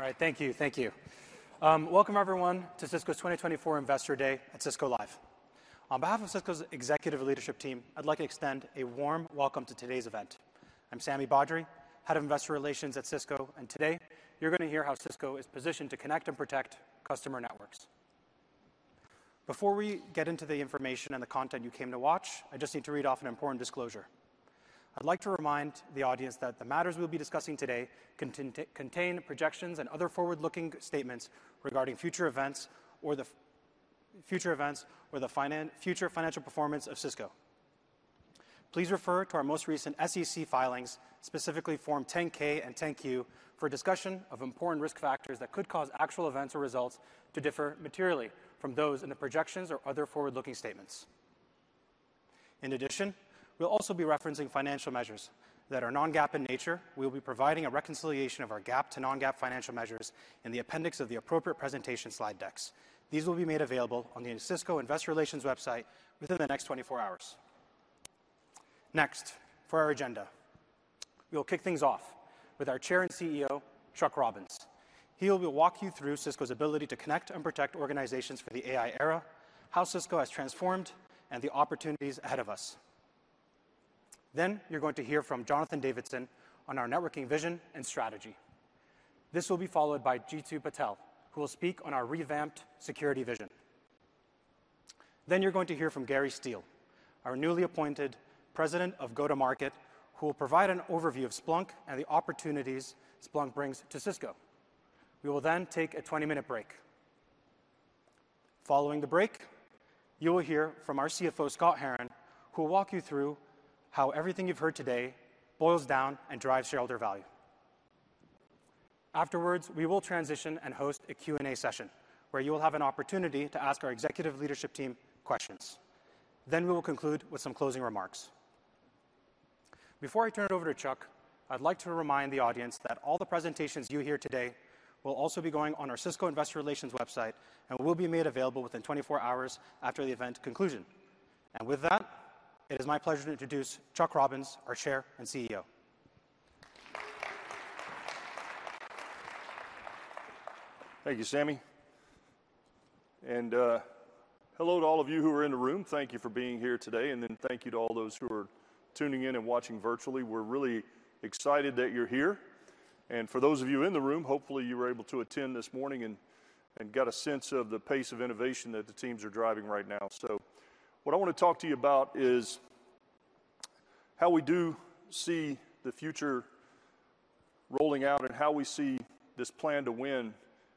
All right, thank you. Thank you. Welcome, everyone, to Cisco's 2024 Investor Day at Cisco Live. On behalf of Cisco's executive leadership team, I'd like to extend a warm welcome to today's event. I'm Sami Badri, Head of Investor Relations at Cisco, and today, you're gonna hear how Cisco is positioned to connect and protect customer networks. Before we get into the information and the content you came to watch, I just need to read off an important disclosure. I'd like to remind the audience that the matters we'll be discussing today contain projections and other forward-looking statements regarding future events or the future financial performance of Cisco. Please refer to our most recent SEC filings, specifically Form 10-K and 10-Q, for a discussion of important risk factors that could cause actual events or results to differ materially from those in the projections or other forward-looking statements. In addition, we'll also be referencing financial measures that are non-GAAP in nature. We'll be providing a reconciliation of our GAAP to non-GAAP financial measures in the appendix of the appropriate presentation slide decks. These will be made available on the Cisco Investor Relations website within the next 24 hours. Next, for our agenda, we'll kick things off with our Chair and CEO, Chuck Robbins. He will walk you through Cisco's ability to connect and protect organizations for the AI era, how Cisco has transformed, and the opportunities ahead of us. Then, you're going to hear from Jonathan Davidson on our networking vision and strategy. This will be followed by Jeetu Patel, who will speak on our revamped security vision. Then, you're going to hear from Gary Steele, our newly appointed President of Go-to-Market, who will provide an overview of Splunk and the opportunities Splunk brings to Cisco. We will then take a 20-minute break. Following the break, you will hear from our CFO, Scott Herren, who will walk you through how everything you've heard today boils down and drives shareholder value. Afterwards, we will transition and host a Q&A session, where you will have an opportunity to ask our executive leadership team questions. Then, we will conclude with some closing remarks. Before I turn it over to Chuck, I'd like to remind the audience that all the presentations you hear today will also be going on our Cisco Investor Relations website and will be made available within 24 hours after the event conclusion. With that, it is my pleasure to introduce Chuck Robbins, our Chair and CEO. Thank you, Sami. And, hello to all of you who are in the room. Thank you for being here today, and then thank you to all those who are tuning in and watching virtually. We're really excited that you're here, and for those of you in the room, hopefully you were able to attend this morning and got a sense of the pace of innovation that the teams are driving right now. So what I wanna talk to you about is how we do see the future rolling out and how we see this plan to win,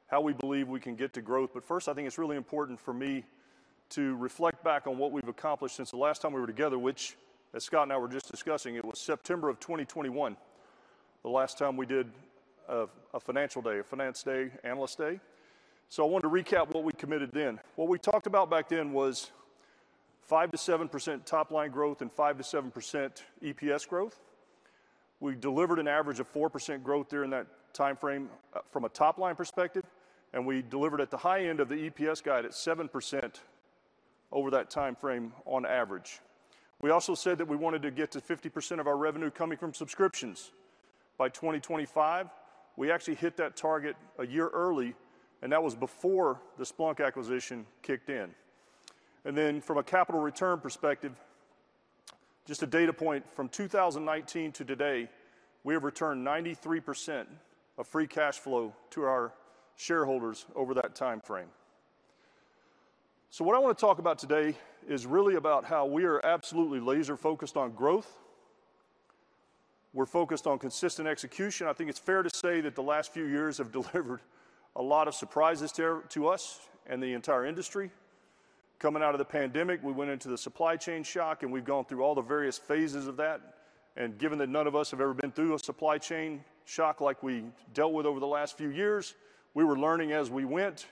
how we believe we can get to growth. But first, I think it's really important for me to reflect back on what we've accomplished since the last time we were together, which, as Scott and I were just discussing, it was September of 2021, the last time we did a Financial Day, a finance day, Analyst Day. So I wanted to recap what we committed then. What we talked about back then was 5%-7% top-line growth and 5%-7% EPS growth. We delivered an average of 4% growth during that timeframe from a top-line perspective, and we delivered at the high end of the EPS guide at 7% over that timeframe on average. We also said that we wanted to get to 50% of our revenue coming from subscriptions by 2025. We actually hit that target a year early, and that was before the Splunk acquisition kicked in. Then from a capital return perspective, just a data point, from 2019 to today, we have returned 93% of free cash flow to our shareholders over that timeframe. So what I wanna talk about today is really about how we are absolutely laser-focused on growth. We're focused on consistent execution. I think it's fair to say that the last few years have delivered a lot of surprises to us and the entire industry. Coming out of the pandemic, we went into the supply chain shock, and we've gone through all the various phases of that, and given that none of us have ever been through a supply chain shock like we dealt with over the last few years, we were learning as we went,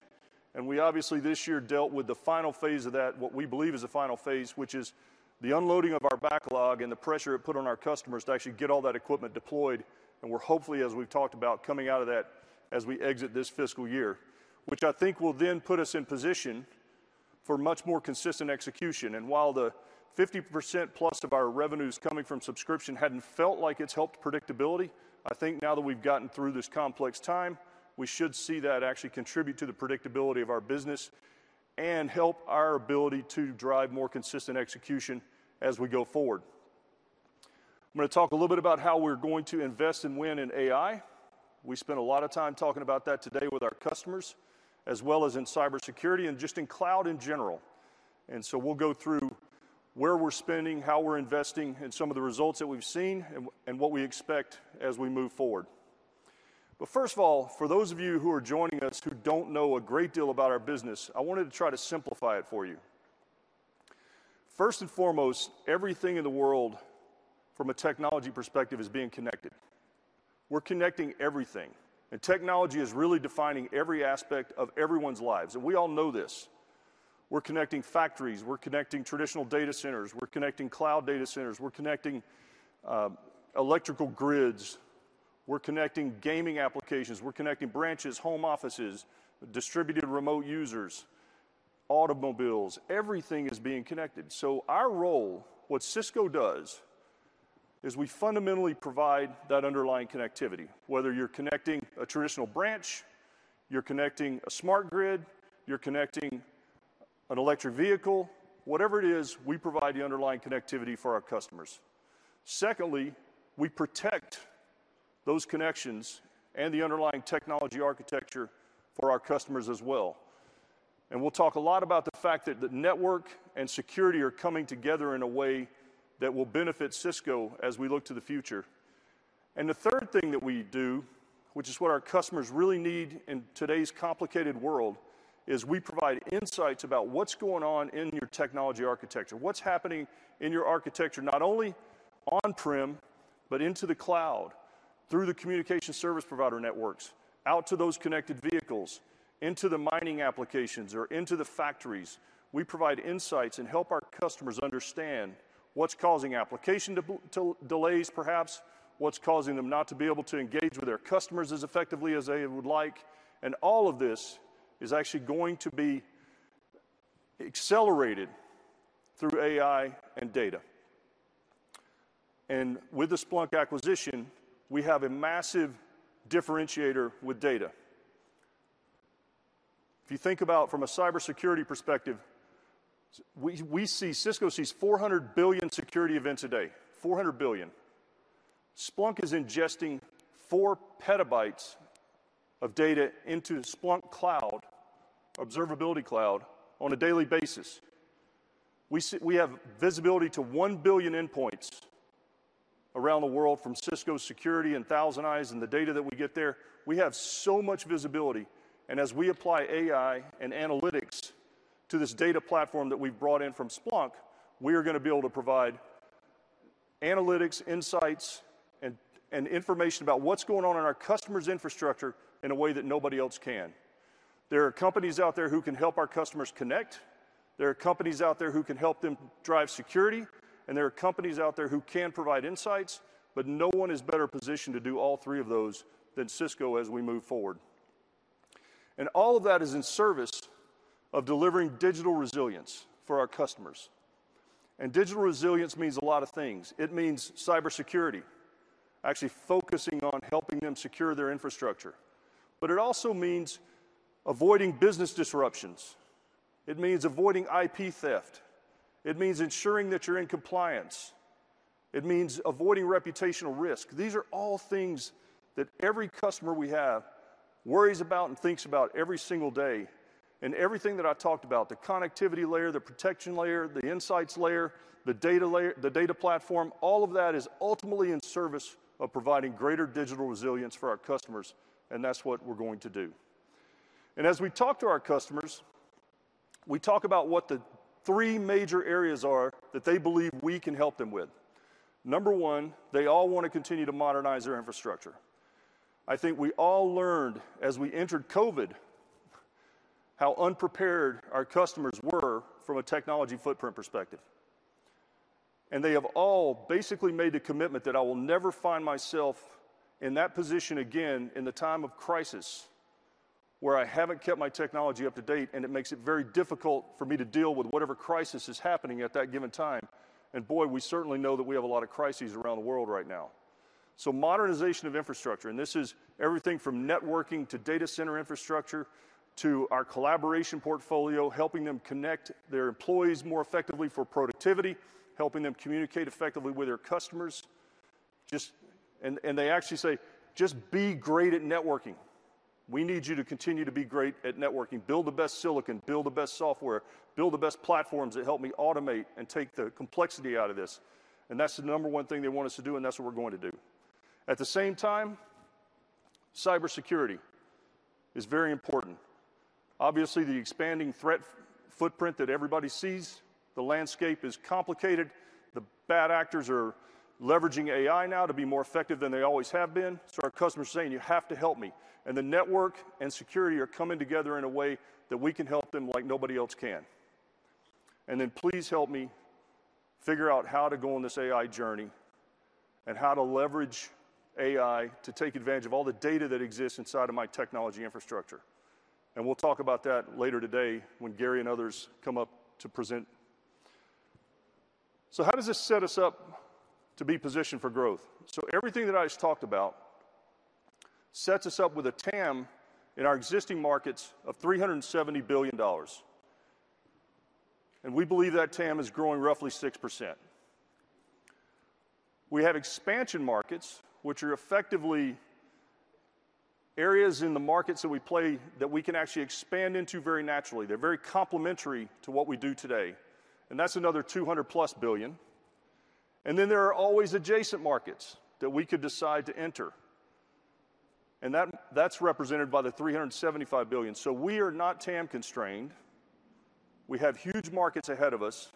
and we obviously, this year, dealt with the final phase of that, what we believe is the final phase, which is the unloading of our backlog and the pressure it put on our customers to actually get all that equipment deployed. We're hopefully, as we've talked about, coming out of that as we exit this fiscal year, which I think will then put us in position for much more consistent execution. And while the 50% plus of our revenues coming from subscription hadn't felt like it's helped predictability, I think now that we've gotten through this complex time, we should see that actually contribute to the predictability of our business and help our ability to drive more consistent execution as we go forward. I'm gonna talk a little bit about how we're going to invest and win in AI. We spent a lot of time talking about that today with our customers, as well as in cybersecurity and just in cloud in general. And so we'll go through where we're spending, how we're investing, and some of the results that we've seen and what we expect as we move forward. But first of all, for those of you who are joining us, who don't know a great deal about our business, I wanted to try to simplify it for you. First and foremost, everything in the world, from a technology perspective, is being connected. We're connecting everything, and technology is really defining every aspect of everyone's lives, and we all know this. We're connecting factories. We're connecting traditional data centers. We're connecting cloud data centers. We're connecting electrical grids. We're connecting gaming applications. We're connecting branches, home offices, distributed remote users, automobiles. Everything is being connected. So our role, what Cisco does, is we fundamentally provide that underlying connectivity. Whether you're connecting a traditional branch, you're connecting a smart grid, you're connecting an electric vehicle, whatever it is, we provide the underlying connectivity for our customers. Secondly, we protect those connections and the underlying technology architecture for our customers as well. And we'll talk a lot about the fact that the network and security are coming together in a way that will benefit Cisco as we look to the future. And the third thing that we do, which is what our customers really need in today's complicated world, is we provide insights about what's going on in your technology architecture, what's happening in your architecture, not only on-prem, but into the cloud, through the communication service provider networks, out to those connected vehicles, into the mining applications, or into the factories. We provide insights and help our customers understand what's causing application delays, perhaps, what's causing them not to be able to engage with their customers as effectively as they would like. All of this is actually going to be accelerated through AI and data. With the Splunk acquisition, we have a massive differentiator with data. If you think about from a cybersecurity perspective, we see. Cisco sees 400 billion security events a day, 400 billion. Splunk is ingesting 4 PB of data into Splunk Cloud, Observability Cloud, on a daily basis. We see. We have visibility to 1 billion endpoints around the world from Cisco Security and ThousandEyes and the data that we get there. We have so much visibility, and as we apply AI and analytics to this data platform that we've brought in from Splunk, we are gonna be able to provide analytics, insights, and information about what's going on in our customers' infrastructure in a way that nobody else can. There are companies out there who can help our customers connect, there are companies out there who can help them drive security, and there are companies out there who can provide insights, but no one is better positioned to do all three of those than Cisco as we move forward. All of that is in service of delivering digital resilience for our customers. Digital resilience means a lot of things. It means cybersecurity, actually focusing on helping them secure their infrastructure. But it also means avoiding business disruptions. It means avoiding IP theft. It means ensuring that you're in compliance. It means avoiding reputational risk. These are all things that every customer we have worries about and thinks about every single day. Everything that I've talked about, the connectivity layer, the protection layer, the insights layer, the data layer, the data platform, all of that is ultimately in service of providing greater digital resilience for our customers, and that's what we're going to do. As we talk to our customers, we talk about what the three major areas are that they believe we can help them with. Number one, they all want to continue to modernize their infrastructure. I think we all learned as we entered COVID, how unprepared our customers were from a technology footprint perspective. They have all basically made a commitment that I will never find myself in that position again in the time of crisis, where I haven't kept my technology up to date, and it makes it very difficult for me to deal with whatever crisis is happening at that given time. And boy, we certainly know that we have a lot of crises around the world right now. So modernization of infrastructure, and this is everything from networking to data center infrastructure, to our collaboration portfolio, helping them connect their employees more effectively for productivity, helping them communicate effectively with their customers. Just... And, and they actually say, "Just be great at networking. We need you to continue to be great at networking. Build the best silicon, build the best software, build the best platforms that help me automate and take the complexity out of this." And that's the number one thing they want us to do, and that's what we're going to do. At the same time, cybersecurity is very important. Obviously, the expanding threat footprint that everybody sees, the landscape is complicated. The bad actors are leveraging AI now to be more effective than they always have been. Our customers are saying, "You have to help me." And the network and security are coming together in a way that we can help them like nobody else can. And then please help me figure out how to go on this AI journey and how to leverage AI to take advantage of all the data that exists inside of my technology infrastructure. And we'll talk about that later today when Gary and others come up to present. So how does this set us up to be positioned for growth? Everything that I just talked about sets us up with a TAM in our existing markets of $370 billion, and we believe that TAM is growing roughly 6%. We have expansion markets, which are effectively areas in the markets that we play that we can actually expand into very naturally. They're very complementary to what we do today, and that's another 200+ billion. And then there are always adjacent markets that we could decide to enter, and that, that's represented by the 375 billion. So we are not TAM constrained. We have huge markets ahead of us,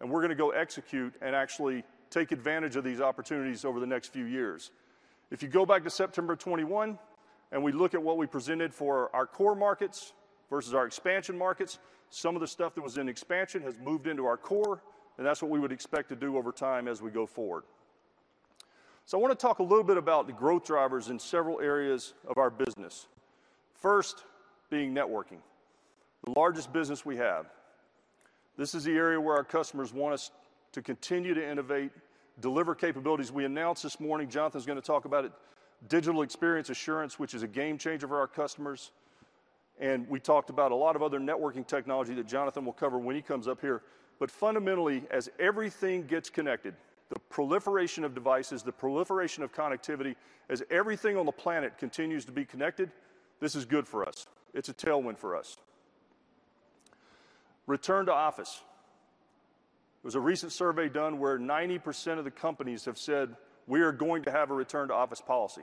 and we're gonna go execute and actually take advantage of these opportunities over the next few years. If you go back to September 2021, and we look at what we presented for our core markets versus our expansion markets, some of the stuff that was in expansion has moved into our core, and that's what we would expect to do over time as we go forward. So I want to talk a little bit about the growth drivers in several areas of our business. First being networking, the largest business we have. This is the area where our customers want us to continue to innovate, deliver capabilities. We announced this morning, Jonathan's gonna talk about it, Digital Experience Assurance, which is a game changer for our customers, and we talked about a lot of other networking technology that Jonathan will cover when he comes up here. But fundamentally, as everything gets connected, the proliferation of devices, the proliferation of connectivity, as everything on the planet continues to be connected, this is good for us. It's a tailwind for us. Return to office. There was a recent survey done where 90% of the companies have said, "We are going to have a return-to-office policy."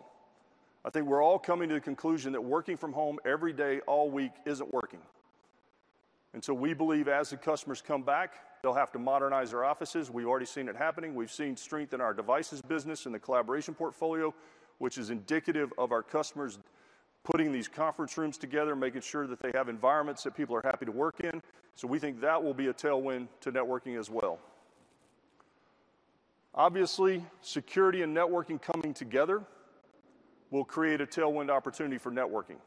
I think we're all coming to the conclusion that working from home every day, all week, isn't working. So we believe as the customers come back, they'll have to modernize their offices. We've already seen it happening. We've seen strength in our devices business and the collaboration portfolio, which is indicative of our customers putting these conference rooms together, making sure that they have environments that people are happy to work in. So we think that will be a tailwind to networking as well. Obviously, security and networking coming together will create a tailwind opportunity for networking.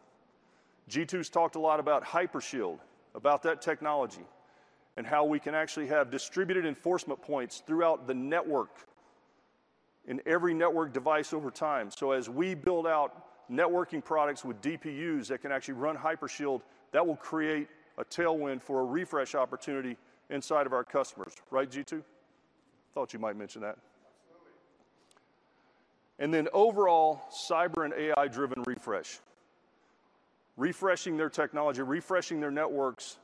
Jeetu's talked a lot about Hypershield, about that technology, and how we can actually have distributed enforcement points throughout the network in every network device over time. So as we build out networking products with DPUs that can actually run Hypershield, that will create a tailwind for a refresh opportunity inside of our customers. Right, Jeetu? Thought you might mention that. Absolutely. Then overall, cyber and AI-driven refresh. Refreshing their technology, refreshing their networks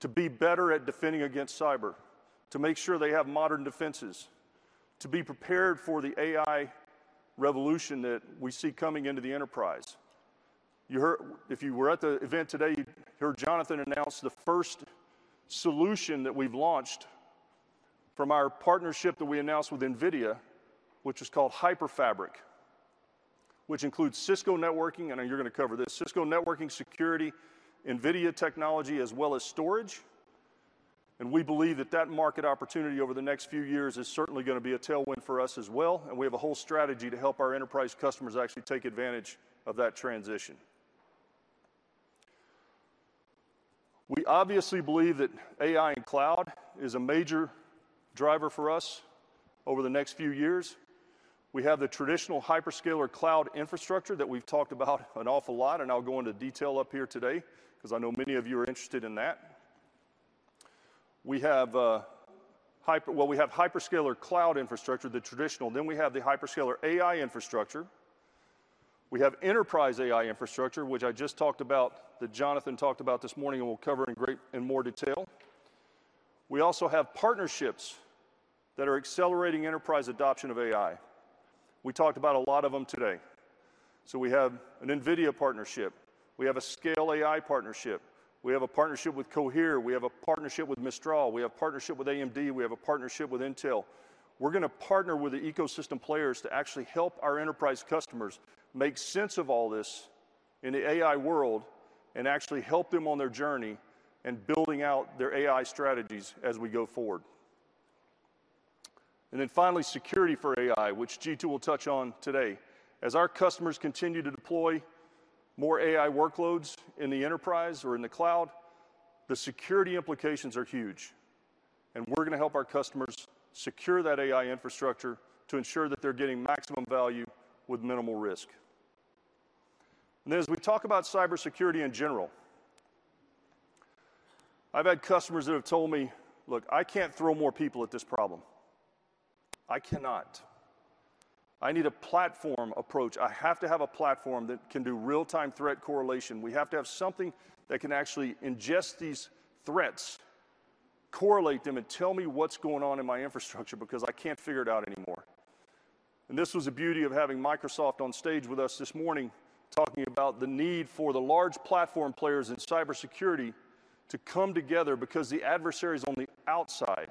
to be better at defending against cyber, to make sure they have modern defenses, to be prepared for the AI revolution that we see coming into the enterprise. You heard. If you were at the event today, you heard Jonathan announce the first solution that we've launched from our partnership that we announced with NVIDIA, which is called HyperFabric, which includes Cisco networking. I know you're gonna cover this, Cisco networking security, NVIDIA technology, as well as storage. And we believe that that market opportunity over the next few years is certainly gonna be a tailwind for us as well, and we have a whole strategy to help our enterprise customers actually take advantage of that transition. We obviously believe that AI and cloud is a major driver for us over the next few years. We have the traditional hyperscaler cloud infrastructure that we've talked about an awful lot, and I'll go into detail up here today because I know many of you are interested in that. Well, we have hyperscaler cloud infrastructure, the traditional, then we have the hyperscaler AI Infrastructure. We have enterprise AI Infrastructure, which I just talked about, that Jonathan talked about this morning and will cover in great, in more detail. We also have partnerships that are accelerating enterprise adoption of AI. We talked about a lot of them today. So we have an NVIDIA partnership. We have a Scale AI partnership. We have a partnership with Cohere. We have a partnership with Mistral. We have partnership with AMD. We have a partnership with Intel. We're gonna partner with the ecosystem players to actually help our enterprise customers make sense of all this in the AI world and actually help them on their journey in building out their AI strategies as we go forward. Then finally, security for AI, which Jeetu will touch on today. As our customers continue to deploy more AI workloads in the enterprise or in the cloud, the security implications are huge, and we're gonna help our customers secure that AI Infrastructure to ensure that they're getting maximum value with minimal risk. As we talk about cybersecurity in general, I've had customers that have told me, "Look, I can't throw more people at this problem. I cannot. I need a platform approach. I have to have a platform that can do real-time threat correlation. We have to have something that can actually ingest these threats, correlate them, and tell me what's going on in my infrastructure because I can't figure it out anymore." And this was the beauty of having Microsoft on stage with us this morning, talking about the need for the large platform players in cybersecurity to come together because the adversary's on the outside.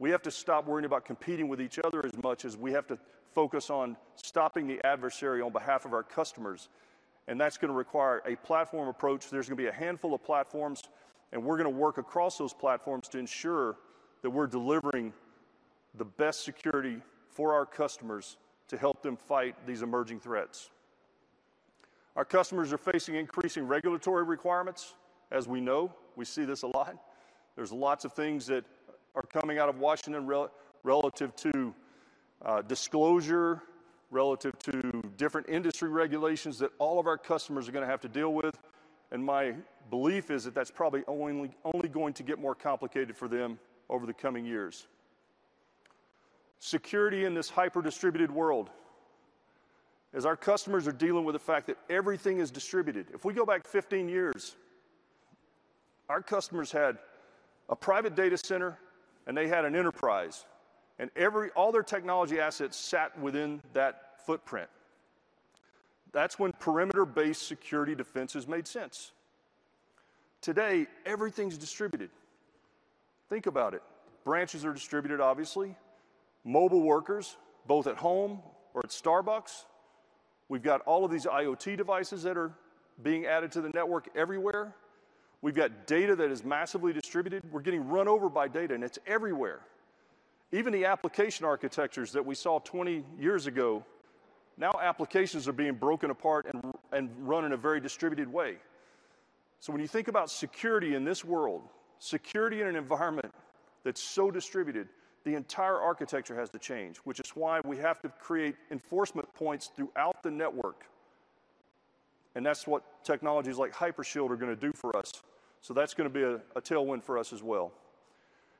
We have to stop worrying about competing with each other as much as we have to focus on stopping the adversary on behalf of our customers, and that's gonna require a platform approach. There's gonna be a handful of platforms, and we're gonna work across those platforms to ensure that we're delivering the best security for our customers to help them fight these emerging threats. Our customers are facing increasing regulatory requirements. As we know, we see this a lot. There's lots of things that are coming out of Washington relative to disclosure, relative to different industry regulations that all of our customers are gonna have to deal with, and my belief is that that's probably only going to get more complicated for them over the coming years. Security in this hyper-distributed world, as our customers are dealing with the fact that everything is distributed. If we go back 15 years, our customers had a private data center, and they had an enterprise, and all their technology assets sat within that footprint. That's when perimeter-based security defenses made sense. Today, everything's distributed. Think about it. Branches are distributed, obviously. Mobile workers, both at home or at Starbucks. We've got all of these IoT devices that are being added to the network everywhere. We've got data that is massively distributed. We're getting run over by data, and it's everywhere. Even the application architectures that we saw 20 years ago, now applications are being broken apart and, and run in a very distributed way. So when you think about security in this world, security in an environment that's so distributed, the entire architecture has to change, which is why we have to create enforcement points throughout the network, and that's what technologies like Hypershield are gonna do for us. So that's gonna be a, a tailwind for us as well.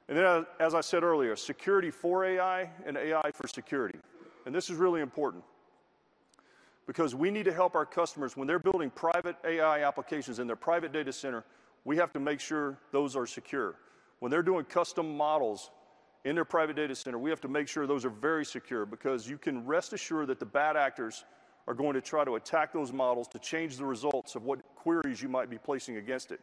And then, as, as I said earlier, security for AI and AI for security, and this is really important because we need to help our customers. When they're building private AI applications in their private data center, we have to make sure those are secure. When they're doing custom models in their private data center, we have to make sure those are very secure because you can rest assured that the bad actors are going to try to attack those models to change the results of what queries you might be placing against it.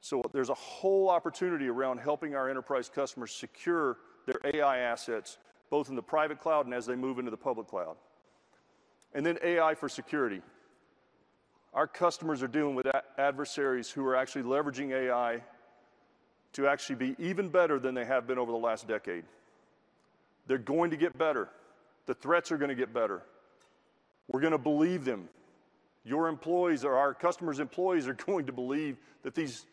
So there's a whole opportunity around helping our enterprise customers secure their AI assets, both in the private cloud and as they move into the public cloud. And then AI for security. Our customers are dealing with adversaries who are actually leveraging AI to actually be even better than they have been over the last decade. They're going to get better. The threats are gonna get better. We're gonna believe them. Your employees or our customers' employees are going to believe that these,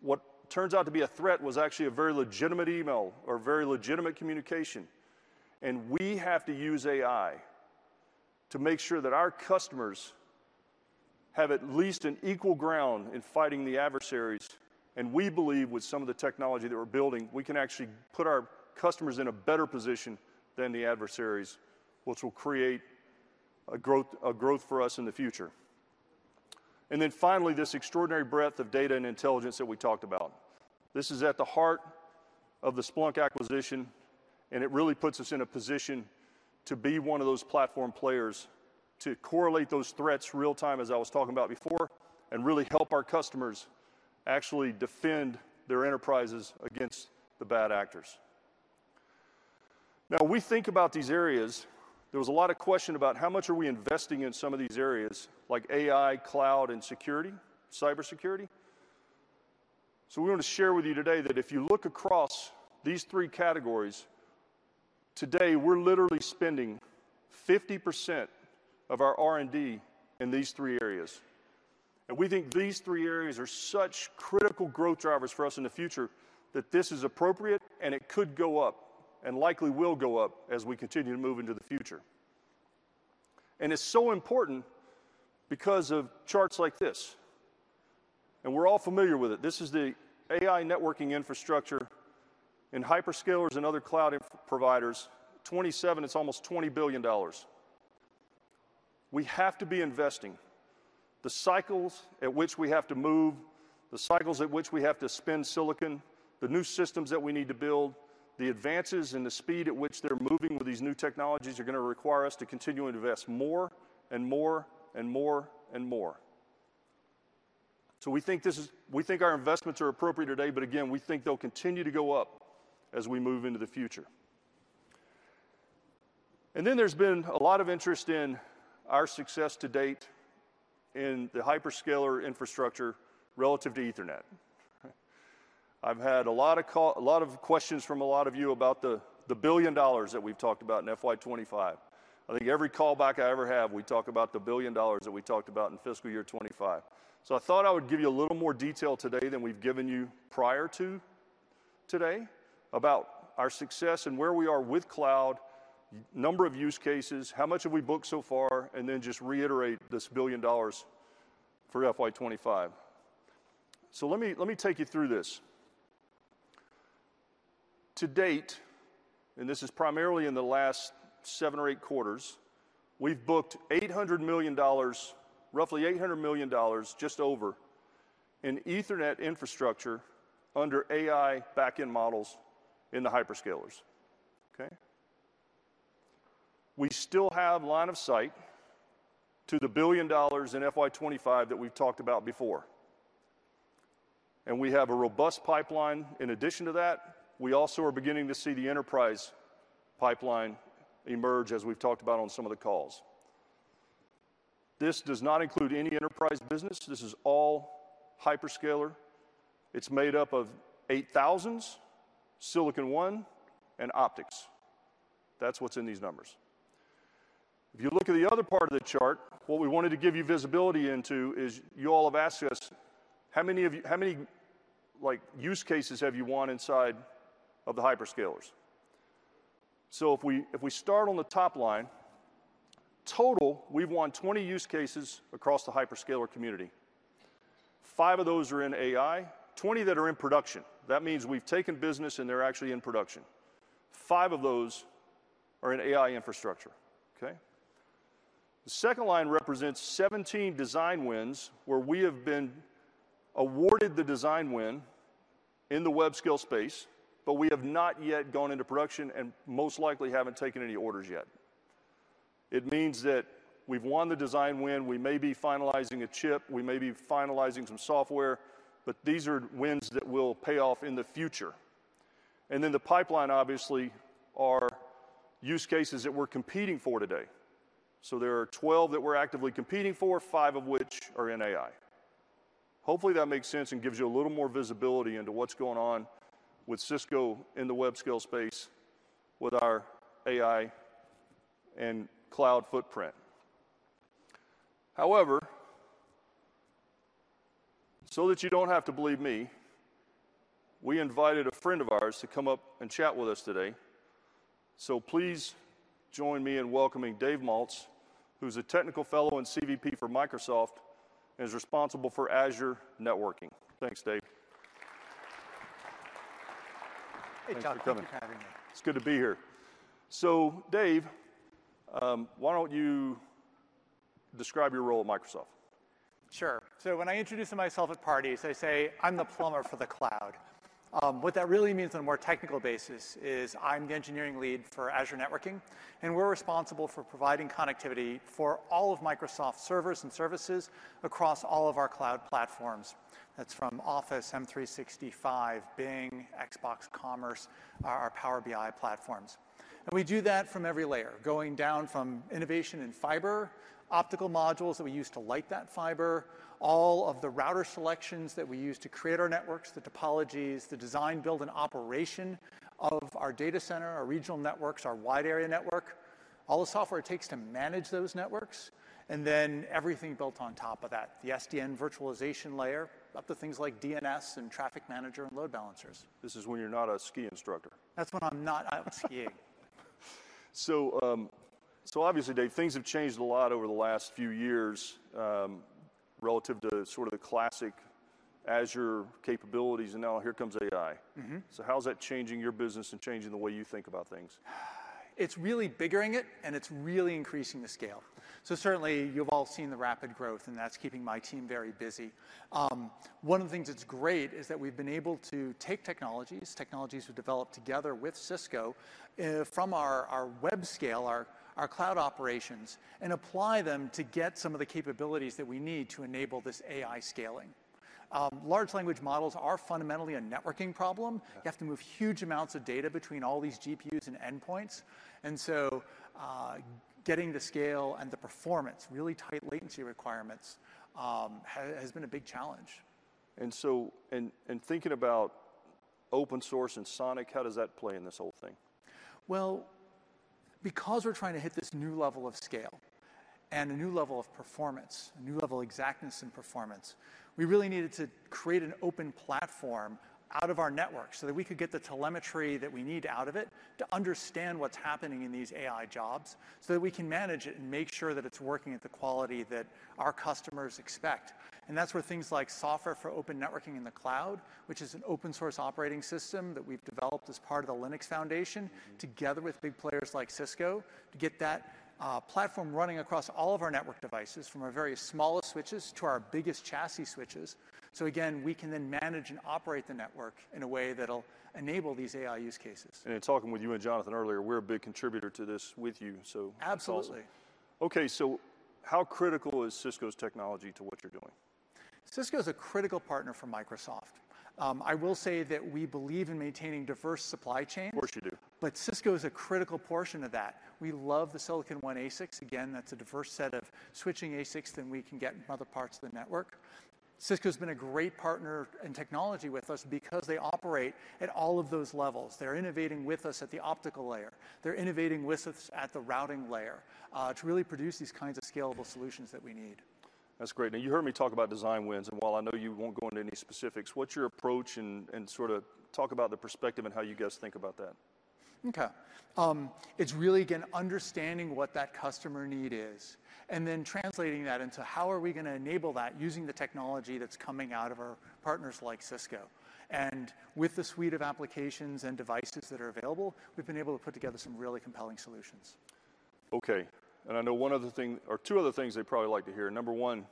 what turns out to be a threat, was actually a very legitimate email or a very legitimate communication, and we have to use AI to make sure that our customers have at least an equal ground in fighting the adversaries. And we believe, with some of the technology that we're building, we can actually put our customers in a better position than the adversaries, which will create a growth, a growth for us in the future. And then finally, this extraordinary breadth of data and intelligence that we talked about. This is at the heart of the Splunk acquisition, and it really puts us in a position to be one of those platform players, to correlate those threats real-time, as I was talking about before, and really help our customers actually defend their enterprises against the bad actors. Now, we think about these areas. There was a lot of question about how much are we investing in some of these areas, like AI, cloud, and security, cybersecurity. So we want to share with you today that if you look across these three categories, today, we're literally spending 50% of our R&D in these three areas, and we think these three areas are such critical growth drivers for us in the future that this is appropriate, and it could go up and likely will go up as we continue to move into the future. It's so important because of charts like this, and we're all familiar with it. This is the AI networking infrastructure in hyperscalers and other cloud infrastructure providers. 2027, it's almost $20 billion. We have to be investing. The cycles at which we have to move, the cycles at which we have to spin silicon, the new systems that we need to build, the advances and the speed at which they're moving with these new technologies are gonna require us to continue to invest more and more and more and more. We think this is—we think our investments are appropriate today, but again, we think they'll continue to go up as we move into the future. There's been a lot of interest in our success to date in the hyperscaler infrastructure relative to Ethernet. I've had a lot of call, a lot of questions from a lot of you about the $1 billion that we've talked about in FY 2025. I think every call back I ever have, we talk about the $1 billion that we talked about in fiscal year 2025. So I thought I would give you a little more detail today than we've given you prior to today about our success and where we are with cloud, number of use cases, how much have we booked so far, and then just reiterate this $1 billion for FY 2025. So let me, let me take you through this. To date, and this is primarily in the last seven or eight quarters, we've booked $800 million, roughly $800 million, just over, in Ethernet infrastructure under AI backend models in the hyperscalers, okay? We still have line of sight to the $1 billion in FY 2025 that we've talked about before, and we have a robust pipeline. In addition to that, we also are beginning to see the enterprise pipeline emerge, as we've talked about on some of the calls. This does not include any enterprise business. This is all hyperscaler. It's made up of 8,000s, Silicon One, and optics. That's what's in these numbers. If you look at the other part of the chart, what we wanted to give you visibility into is, you all have asked us, "How many, like, use cases have you won inside of the hyperscalers?" So if we, if we start on the top line, total, we've won 20 use cases across the hyperscaler community. Five of those are in AI, 20 that are in production. That means we've taken business, and they're actually in production. 5 of those are in AI Infrastructure, okay? The second line represents 17 design wins, where we have been awarded the design win in the web-scale space, but we have not yet gone into production and most likely haven't taken any orders yet. It means that we've won the design win, we may be finalizing a chip, we may be finalizing some software, but these are wins that will pay off in the future.... And then the pipeline, obviously, are use cases that we're competing for today. So there are 12 that we're actively competing for, 5 of which are in AI. Hopefully, that makes sense and gives you a little more visibility into what's going on with Cisco in the web-scale space with our AI and cloud footprint. However, so that you don't have to believe me, we invited a friend of ours to come up and chat with us today. So please join me in welcoming Dave Maltz, who's a technical fellow in CVP for Microsoft, and is responsible for Azure networking. Thanks, Dave. Hey, Jonathan. Thanks for coming. Thank you for having me. It's good to be here. So Dave, why don't you describe your role at Microsoft? Sure. So when I introduce myself at parties, I say, "I'm the plumber for the cloud." What that really means on a more technical basis is I'm the engineering lead for Azure Networking, and we're responsible for providing connectivity for all of Microsoft's servers and services across all of our cloud platforms. That's from Office 365, Bing, Xbox, Commerce, our Power BI platforms. And we do that from every layer, going down from innovation in fiber, optical modules that we use to light that fiber, all of the router selections that we use to create our networks, the topologies, the design, build, and operation of our data center, our regional networks, our wide-area network, all the software it takes to manage those networks, and then everything built on top of that, the SDN virtualization layer, up to things like DNS and traffic manager and load balancers. This is when you're not a ski instructor. That's when I'm not out skiing. So, so obviously, Dave, things have changed a lot over the last few years, relative to sort of the classic Azure capabilities, and now here comes AI. Mm-hmm. So how is that changing your business and changing the way you think about things? It's really biggering it, and it's really increasing the scale. So certainly, you've all seen the rapid growth, and that's keeping my team very busy. One of the things that's great is that we've been able to take technologies we've developed together with Cisco from our web-scale, our cloud operations, and apply them to get some of the capabilities that we need to enable this AI scaling. Large language models are fundamentally a networking problem. Yeah. You have to move huge amounts of data between all these GPUs and endpoints, and so, getting the scale and the performance, really tight latency requirements, has been a big challenge. So, thinking about open-source and SONiC, how does that play in this whole thing? Well, because we're trying to hit this new level of scale and a new level of performance, a new level of exactness in performance, we really needed to create an open platform out of our network so that we could get the telemetry that we need out of it to understand what's happening in these AI jobs, so that we can manage it and make sure that it's working at the quality that our customers expect. And that's where things like Software for Open Networking in the Cloud, which is an open-source operating system that we've developed as part of the Linux Foundation- Mm-hmm... together with big players like Cisco, to get that platform running across all of our network devices, from our very smallest switches to our biggest chassis switches. So again, we can then manage and operate the network in a way that'll enable these AI use cases. In talking with you and Jonathan earlier, we're a big contributor to this with you, so- Absolutely. Okay, so how critical is Cisco's technology to what you're doing? Cisco is a critical partner for Microsoft. I will say that we believe in maintaining diverse supply chains. Of course, you do. But Cisco is a critical portion of that. We love the Silicon One ASICs. Again, that's a diverse set of switching ASICs than we can get in other parts of the network. Cisco's been a great partner in technology with us because they operate at all of those levels. They're innovating with us at the optical layer. They're innovating with us at the routing layer to really produce these kinds of scalable solutions that we need. That's great. Now, you heard me talk about design wins, and while I know you won't go into any specifics, what's your approach and sort of talk about the perspective and how you guys think about that? Okay. It's really, again, understanding what that customer need is, and then translating that into how are we gonna enable that using the technology that's coming out of our partners like Cisco. With the suite of applications and devices that are available, we've been able to put together some really compelling solutions. Okay, and I know one other thing, or two other things they'd probably like to hear. Number one,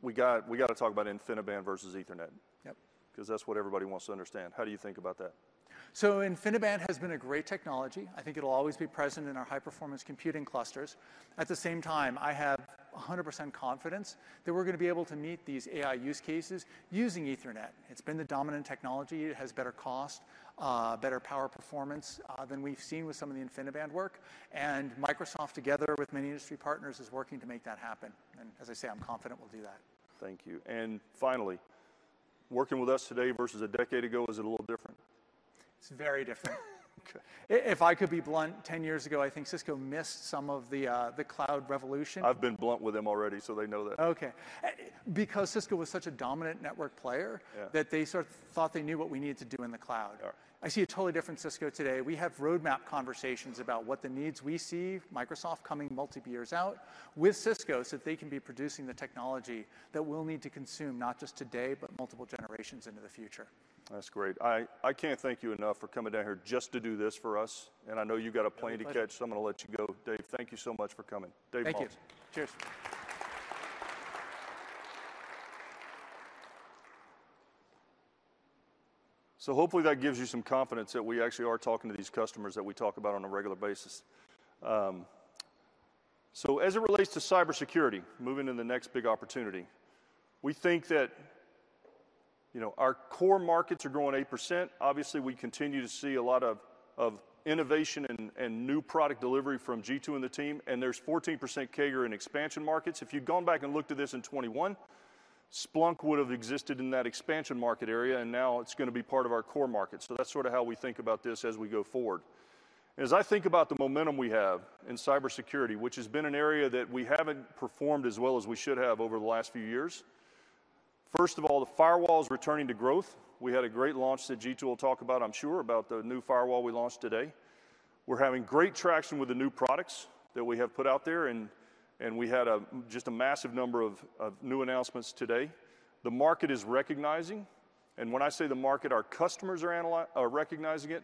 we gotta talk about InfiniBand versus Ethernet. Yep. 'Cause that's what everybody wants to understand. How do you think about that? So InfiniBand has been a great technology. I think it'll always be present in our high-performance computing clusters. At the same time, I have 100% confidence that we're gonna be able to meet these AI use cases using Ethernet. It's been the dominant technology. It has better cost, better power performance, than we've seen with some of the InfiniBand work. And Microsoft, together with many industry partners, is working to make that happen. And as I say, I'm confident we'll do that. Thank you. Finally, working with us today versus a decade ago, is it a little different? It's very different. Okay. If I could be blunt, 10 years ago, I think Cisco missed some of the cloud revolution. I've been blunt with them already, so they know that. Okay. Because Cisco was such a dominant network player- Yeah... that they sort of thought they knew what we needed to do in the cloud. All right. I see a totally different Cisco today. We have roadmap conversations about what the needs we see, Microsoft coming multiple years out, with Cisco, so that they can be producing the technology that we'll need to consume, not just today, but multiple generations into the future. That's great. I can't thank you enough for coming down here just to do this for us, and I know you've got a plane to catch- My pleasure. So I'm gonna let you go. Dave, thank you so much for coming. Dave Maltz. Thank you. Cheers. So hopefully that gives you some confidence that we actually are talking to these customers that we talk about on a regular basis. So as it relates to cybersecurity, moving into the next big opportunity, we think that, you know, our core markets are growing 8%. Obviously, we continue to see a lot of, of innovation and, and new product delivery from G2 and the team, and there's 14% CAGR in expansion markets. If you'd gone back and looked at this in 2021, Splunk would have existed in that expansion market area, and now it's gonna be part of our core market. So that's sort of how we think about this as we go forward. As I think about the momentum we have in cybersecurity, which has been an area that we haven't performed as well as we should have over the last few years, first of all, the firewall is returning to growth. We had a great launch that Jeetu will talk about, I'm sure, about the new firewall we launched today. We're having great traction with the new products that we have put out there, and we had just a massive number of new announcements today. The market is recognizing, and when I say the market, our customers are recognizing it,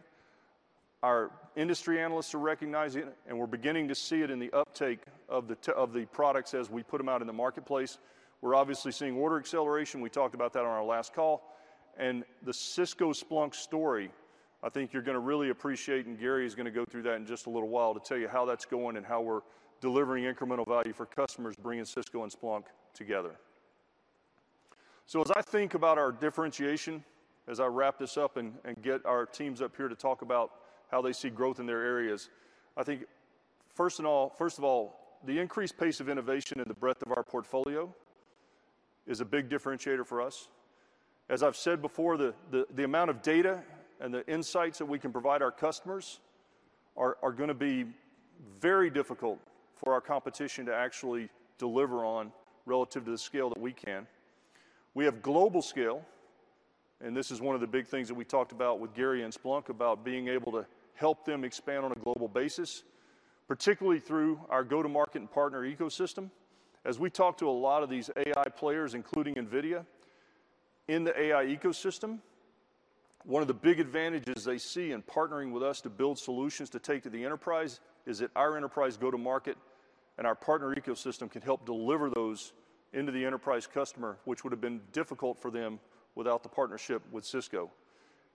our industry analysts are recognizing it, and we're beginning to see it in the uptake of the products as we put them out in the marketplace. We're obviously seeing order acceleration. We talked about that on our last call. The Cisco Splunk story, I think you're gonna really appreciate, and Gary is gonna go through that in just a little while to tell you how that's going and how we're delivering incremental value for customers, bringing Cisco and Splunk together. As I think about our differentiation, as I wrap this up and get our teams up here to talk about how they see growth in their areas, I think, first of all, the increased pace of innovation and the breadth of our portfolio is a big differentiator for us. As I've said before, the amount of data and the insights that we can provide our customers are gonna be very difficult for our competition to actually deliver on relative to the scale that we can. We have global scale, and this is one of the big things that we talked about with Gary and Splunk, about being able to help them expand on a global basis, particularly through our Go-to-Market and partner ecosystem. As we talk to a lot of these AI players, including NVIDIA, in the AI ecosystem, one of the big advantages they see in partnering with us to build solutions to take to the enterprise is that our enterprise Go-to-Market and our partner ecosystem can help deliver those into the enterprise customer, which would have been difficult for them without the partnership with Cisco.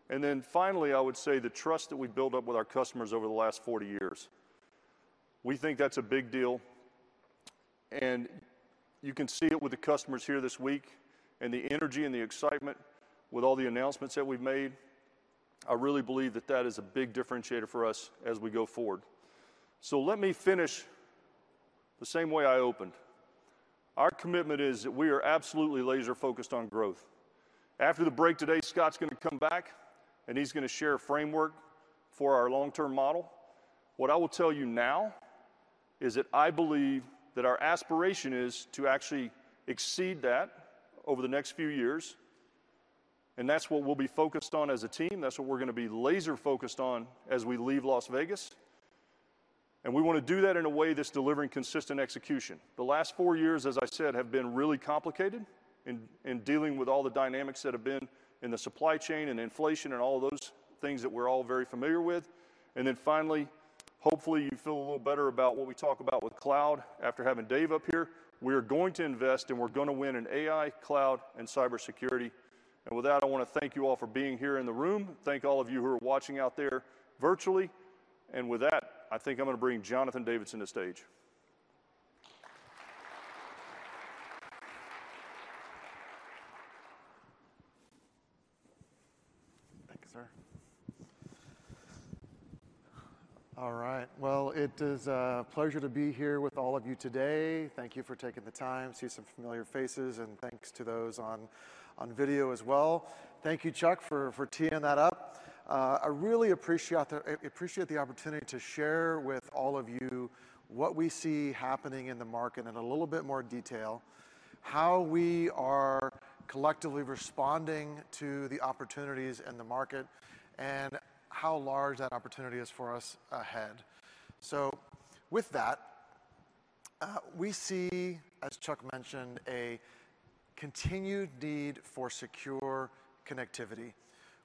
Then finally, I would say the trust that we've built up with our customers over the last 40 years, we think that's a big deal, and you can see it with the customers here this week and the energy and the excitement with all the announcements that we've made. I really believe that that is a big differentiator for us as we go forward. Let me finish the same way I opened. Our commitment is that we are absolutely laser-focused on growth. After the break today, Scott's gonna come back, and he's gonna share a framework for our long-term model. What I will tell you now is that I believe that our aspiration is to actually exceed that over the next few years, and that's what we'll be focused on as a team. That's what we're gonna be laser-focused on as we leave Las Vegas, and we wanna do that in a way that's delivering consistent execution. The last four years, as I said, have been really complicated in dealing with all the dynamics that have been in the supply chain and inflation and all those things that we're all very familiar with. And then finally, hopefully, you feel a little better about what we talk about with cloud after having Dave up here. We are going to invest, and we're gonna win in AI, cloud, and cybersecurity. And with that, I wanna thank you all for being here in the room. Thank all of you who are watching out there virtually. And with that, I think I'm gonna bring Jonathan Davidson to stage. Thank you, sir. All right, well, it is a pleasure to be here with all of you today. Thank you for taking the time. See some familiar faces, and thanks to those on video as well. Thank you, Chuck, for teeing that up. I really appreciate the opportunity to share with all of you what we see happening in the market in a little bit more detail, how we are collectively responding to the opportunities in the market, and how large that opportunity is for us ahead. So with that, we see, as Chuck mentioned, a continued need for secure connectivity.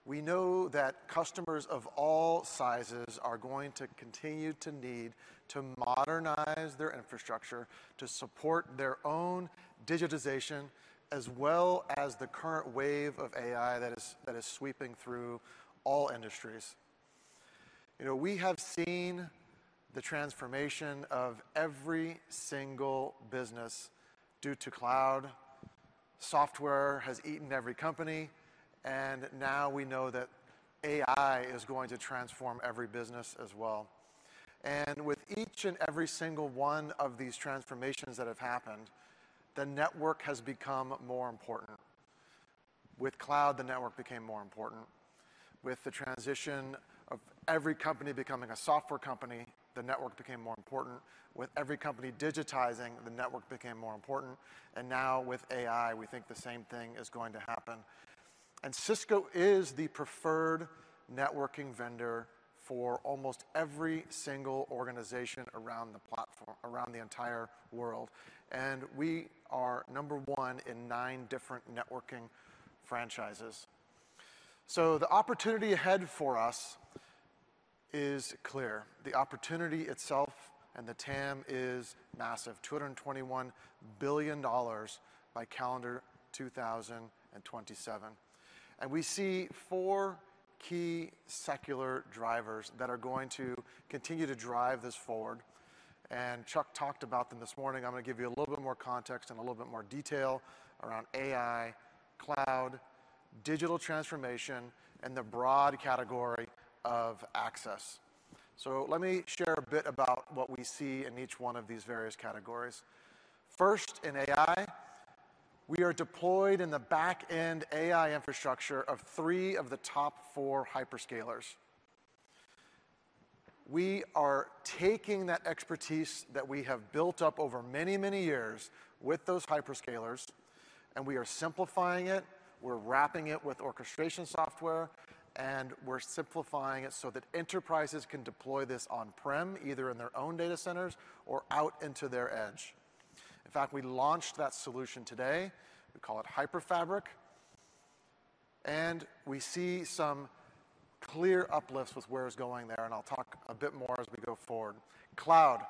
We know that customers of all sizes are going to continue to need to modernize their infrastructure to support their own digitization, as well as the current wave of AI that is sweeping through all industries. You know, we have seen the transformation of every single business due to cloud. Software has eaten every company, and now we know that AI is going to transform every business as well. With each and every single one of these transformations that have happened, the network has become more important. With cloud, the network became more important. With the transition of every company becoming a software company, the network became more important. With every company digitizing, the network became more important. And now with AI, we think the same thing is going to happen. And Cisco is the preferred networking vendor for almost every single organization around the entire world, and we are number one in nine different networking franchises. So the opportunity ahead for us is clear. The opportunity itself and the TAM is massive, $221 billion by calendar 2027. And we see four key secular drivers that are going to continue to drive this forward, and Chuck talked about them this morning. I'm gonna give you a little bit more context and a little bit more detail around AI, cloud, digital transformation, and the broad category of access. So let me share a bit about what we see in each one of these various categories. First, in AI, we are deployed in the backend AI Infrastructure of three of the top four hyperscalers. We are taking that expertise that we have built up over many, many years with those hyperscalers, and we are simplifying it, we're wrapping it with orchestration software, and we're simplifying it so that enterprises can deploy this on-prem, either in their own data centers or out into their edge. In fact, we launched that solution today. We call it HyperFabric, and we see some clear uplifts with where it's going there, and I'll talk a bit more as we go forward. Cloud.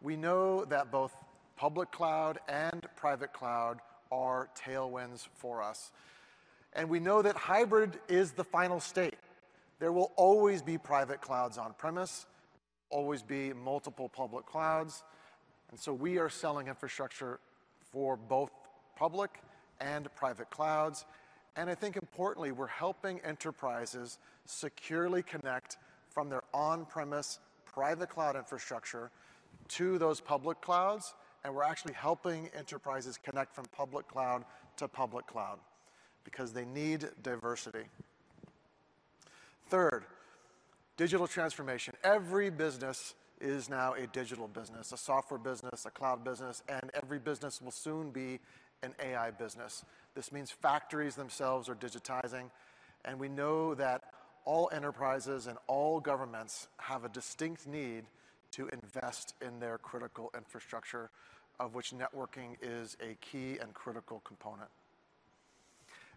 We know that both public cloud and private cloud are tailwinds for us, and we know that hybrid is the final state. There will always be private clouds on-premise, always be multiple public clouds, and so we are selling infrastructure for both public and private clouds. I think importantly, we're helping enterprises securely connect from their on-premise private cloud infrastructure to those public clouds, and we're actually helping enterprises connect from public cloud to public cloud because they need diversity. Third, digital transformation. Every business is now a digital business, a software business, a cloud business, and every business will soon be an AI business. This means factories themselves are digitizing, and we know that all enterprises and all governments have a distinct need to invest in their critical infrastructure, of which networking is a key and critical component.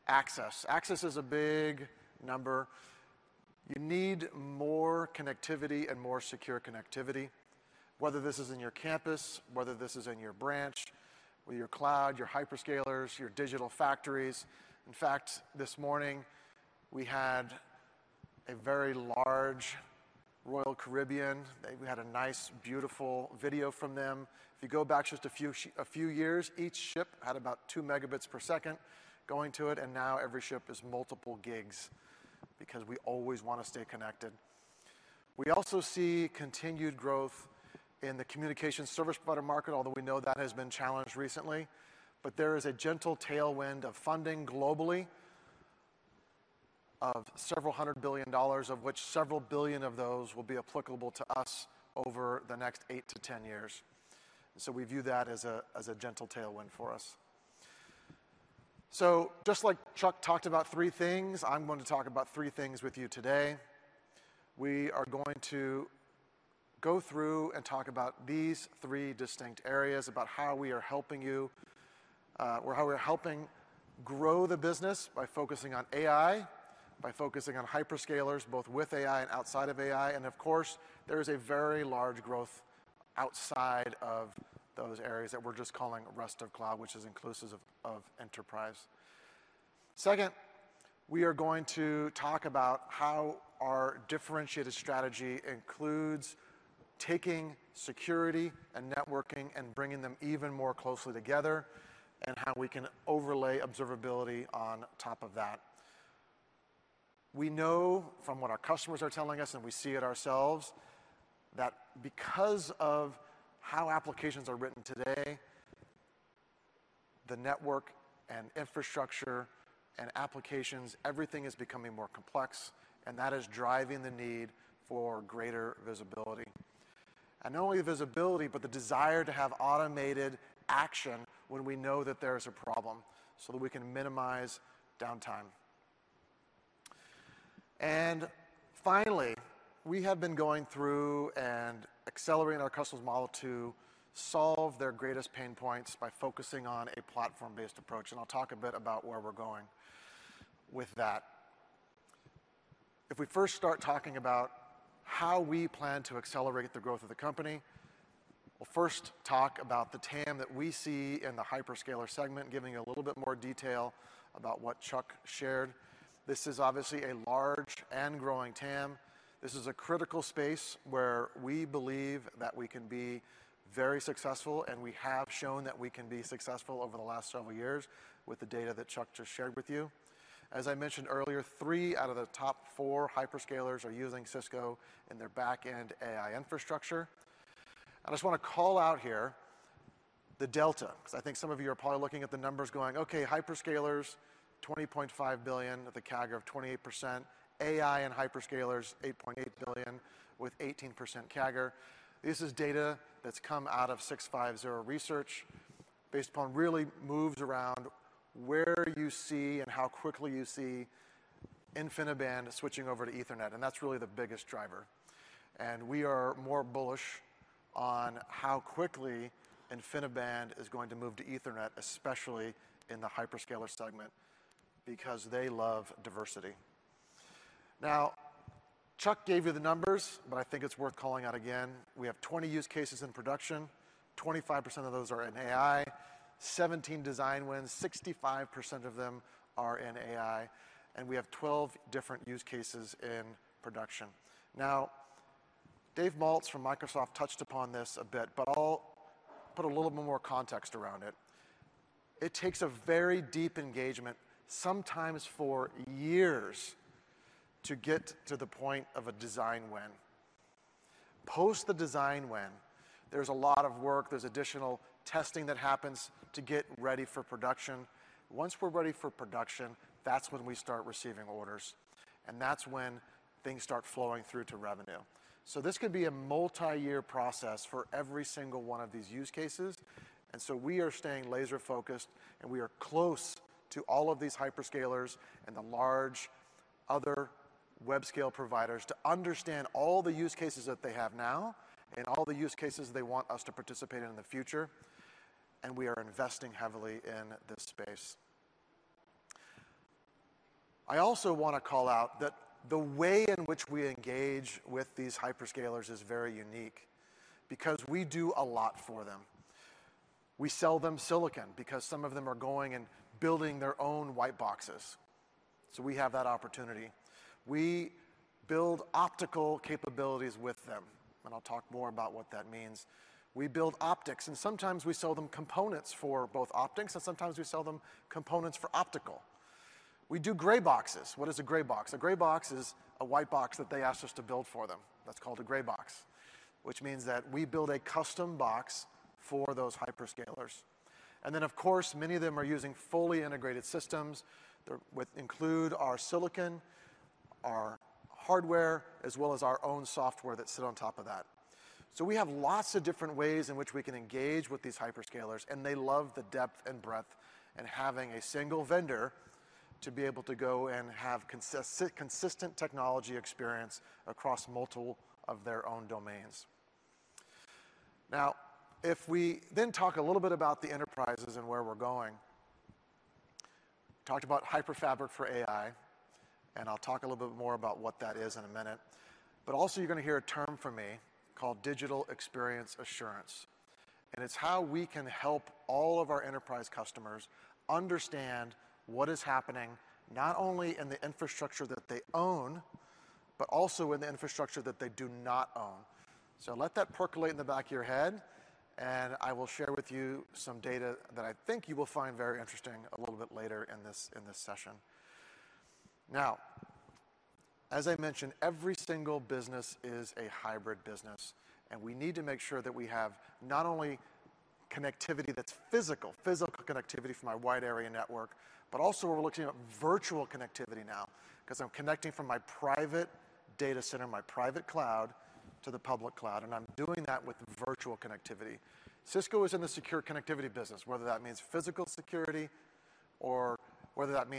Access. Access is a big number. You need more connectivity and more secure connectivity, whether this is in your campus, whether this is in your branch, or your cloud, your hyperscalers, your digital factories. In fact, this morning, we had a very large Royal Caribbean. We had a nice, beautiful video from them. If you go back just a few years, each ship had about 2 Mbps going to it, and now every ship is multiple gigs because we always wanna stay connected. We also see continued growth in the communication service provider market, although we know that has been challenged recently. But there is a gentle tailwind of funding globally of $several hundred billion, of which $several billion of those will be applicable to us over the next 8-10 years. So we view that as a gentle tailwind for us. So just like Chuck talked about three things, I'm going to talk about three things with you today. We are going to go through and talk about these three distinct areas, about how we are helping you, or how we're helping grow the business by focusing on AI, by focusing on hyperscalers, both with AI and outside of AI, and of course, there is a very large growth outside of those areas that we're just calling rest of cloud, which is inclusive of enterprise. Second, we are going to talk about how our differentiated strategy includes taking security and networking and bringing them even more closely together, and how we can overlay observability on top of that. We know from what our customers are telling us, and we see it ourselves, that because of how applications are written today, the network and infrastructure and applications, everything is becoming more complex, and that is driving the need for greater visibility. And not only visibility, but the desire to have automated action when we know that there is a problem, so that we can minimize downtime. And finally, we have been going through and accelerating our customers' model to solve their greatest pain points by focusing on a platform-based approach, and I'll talk a bit about where we're going with that. If we first start talking about how we plan to accelerate the growth of the company, we'll first talk about the TAM that we see in the hyperscaler segment, giving a little bit more detail about what Chuck shared. This is obviously a large and growing TAM. This is a critical space where we believe that we can be very successful, and we have shown that we can be very successful over the last several years with the data that Chuck just shared with you. As I mentioned earlier, 3 out of the top 4 hyperscalers are using Cisco in their backend AI Infrastructure. I just wanna call out here the delta, because I think some of you are probably looking at the numbers going, "Okay, hyperscalers, $20.5 billion with a CAGR of 28%. AI and hyperscalers, $8.8 billion with 18% CAGR." This is data that's come out of 650 Group, based upon really moves around where you see and how quickly you see InfiniBand switching over to Ethernet, and that's really the biggest driver. And we are more bullish on how quickly InfiniBand is going to move to Ethernet, especially in the hyperscaler segment, because they love diversity. Now, Chuck gave you the numbers, but I think it's worth calling out again. We have 20 use cases in production, 25% of those are in AI, 17 design wins, 65% of them are in AI, and we have 12 different use cases in production. Now, Dave Maltz from Microsoft touched upon this a bit, but I'll put a little bit more context around it. It takes a very deep engagement, sometimes for years, to get to the point of a design win. Post the design win, there's a lot of work, there's additional testing that happens to get ready for production. Once we're ready for production, that's when we start receiving orders, and that's when things start flowing through to revenue. So this could be a multi-year process for every single one of these use cases, and we are staying laser-focused, and we are close to all of these hyperscalers and the large other web-scale providers to understand all the use cases that they have now and all the use cases they want us to participate in in the future, and we are investing heavily in this space. I also want to call out that the way in which we engage with these hyperscalers is very unique because we do a lot for them. We sell them silicon because some of them are going and building their own white boxes. So we have that opportunity. We build optical capabilities with them, and I'll talk more about what that means. We build optics, and sometimes we sell them components for both optics, and sometimes we sell them components for optical. We do gray boxes. What is a gray box? A gray box is a white box that they asked us to build for them. That's called a gray box, which means that we build a custom box for those hyperscalers. And then, of course, many of them are using fully integrated systems that include our silicon, our hardware, as well as our own software that sit on top of that. So we have lots of different ways in which we can engage with these hyperscalers, and they love the depth and breadth and having a single vendor to be able to go and have consistent technology experience across multiple of their own domains. Now, if we then talk a little bit about the enterprises and where we're going. Talked about HyperFabric for AI, and I'll talk a little bit more about what that is in a minute. But also, you're gonna hear a term from me called Digital Experience Assurance, and it's how we can help all of our enterprise customers understand what is happening, not only in the infrastructure that they own, but also in the infrastructure that they do not own. So let that percolate in the back of your head, and I will share with you some data that I think you will find very interesting a little bit later in this session. Now, as I mentioned, every single business is a hybrid business, and we need to make sure that we have not only connectivity that's physical, physical connectivity from our wide area network, but also we're looking at virtual connectivity now, 'cause I'm connecting from my private data center, my private cloud, to the public cloud, and I'm doing that with virtual connectivity. Cisco is in the secure connectivity business, whether that means physical security or whether that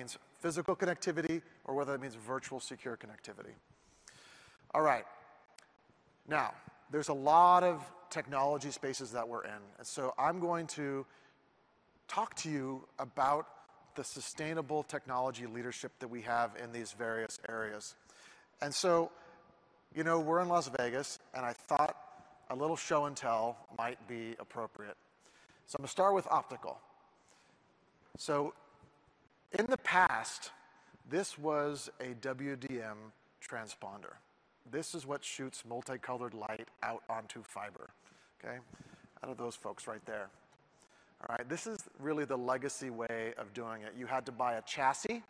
means physical connectivity or whether that means virtual secure connectivity. All right. Now, there's a lot of technology spaces that we're in, and so I'm going to talk to you about the sustainable technology leadership that we have in these various areas. And so, you know, we're in Las Vegas, and I thought a little show-and-tell might be appropriate. So I'm gonna start with optical. So in the past, this was a WDM transponder. This is what shoots multicolored light out onto fiber, okay? Out of those folks right there. All right. This is really the legacy way of doing it. You had to buy a chassis,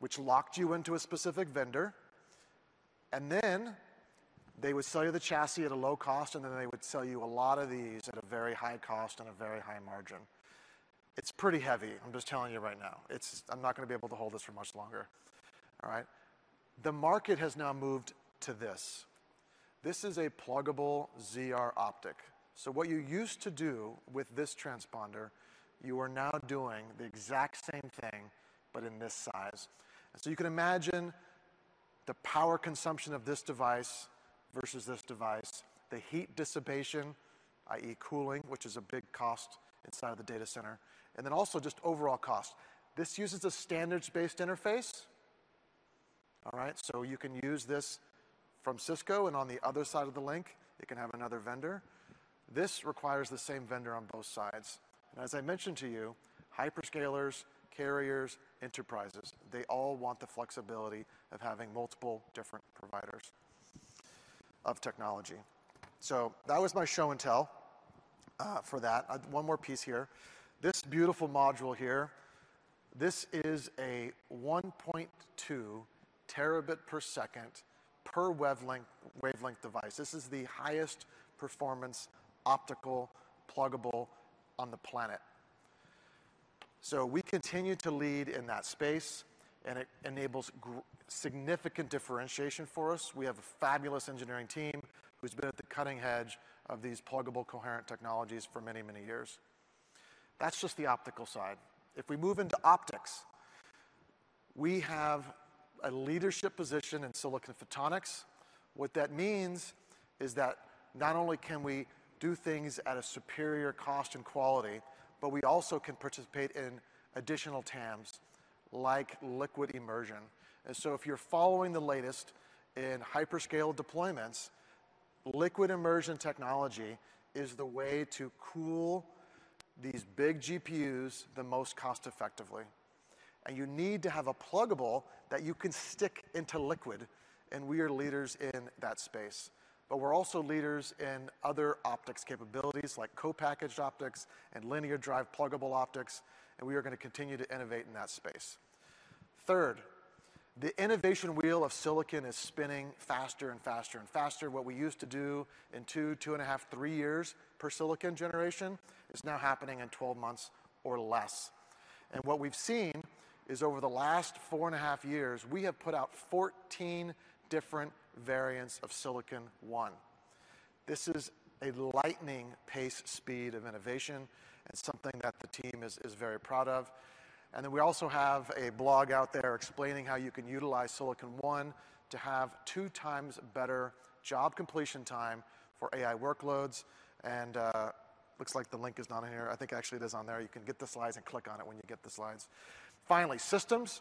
which locked you into a specific vendor, and then they would sell you the chassis at a low cost, and then they would sell you a lot of these at a very high cost and a very high margin. It's pretty heavy, I'm just telling you right now. It's... I'm not gonna be able to hold this for much longer. All right? The market has now moved to this. This is a pluggable ZR optic. So what you used to do with this transponder, you are now doing the exact same thing, but in this size. So you can imagine the power consumption of this device versus this device, the heat dissipation, i.e., cooling, which is a big cost inside of the data center, and then also just overall cost. This uses a standards-based interface. All right? So you can use this from Cisco, and on the other side of the link, it can have another vendor. This requires the same vendor on both sides. And as I mentioned to you, hyperscalers, carriers, enterprises, they all want the flexibility of having multiple different providers of technology. So that was my show and tell for that. One more piece here. This beautiful module here, this is a 1.2 terabit per second per wavelength, wavelength device. This is the highest performance optical pluggable on the planet. So we continue to lead in that space, and it enables significant differentiation for us. We have a fabulous engineering team who's been at the cutting edge of these pluggable, coherent technologies for many, many years. That's just the optical side. If we move into optics, we have a leadership position in silicon photonics. What that means is that not only can we do things at a superior cost and quality, but we also can participate in additional TAMs, like liquid immersion. And so if you're following the latest in hyperscaler deployments, liquid immersion technology is the way to cool these big GPUs the most cost-effectively. And you need to have a pluggable that you can stick into liquid, and we are leaders in that space. But we're also leaders in other optics capabilities, like co-packaged optics and linear drive pluggable optics, and we are gonna continue to innovate in that space. Third, the innovation wheel of silicon is spinning faster and faster and faster. What we used to do in 2, 2.5, 3 years per silicon generation is now happening in 12 months or less. What we've seen is, over the last 4.5 years, we have put out 14 different variants of Silicon One. This is a lightning-paced speed of innovation and something that the team is very proud of. And then we also have a blog out there explaining how you can utilize Silicon One to have 2x better job completion time for AI workloads, and looks like the link is not on here. I think actually it is on there. You can get the slides and click on it when you get the slides. Finally, systems.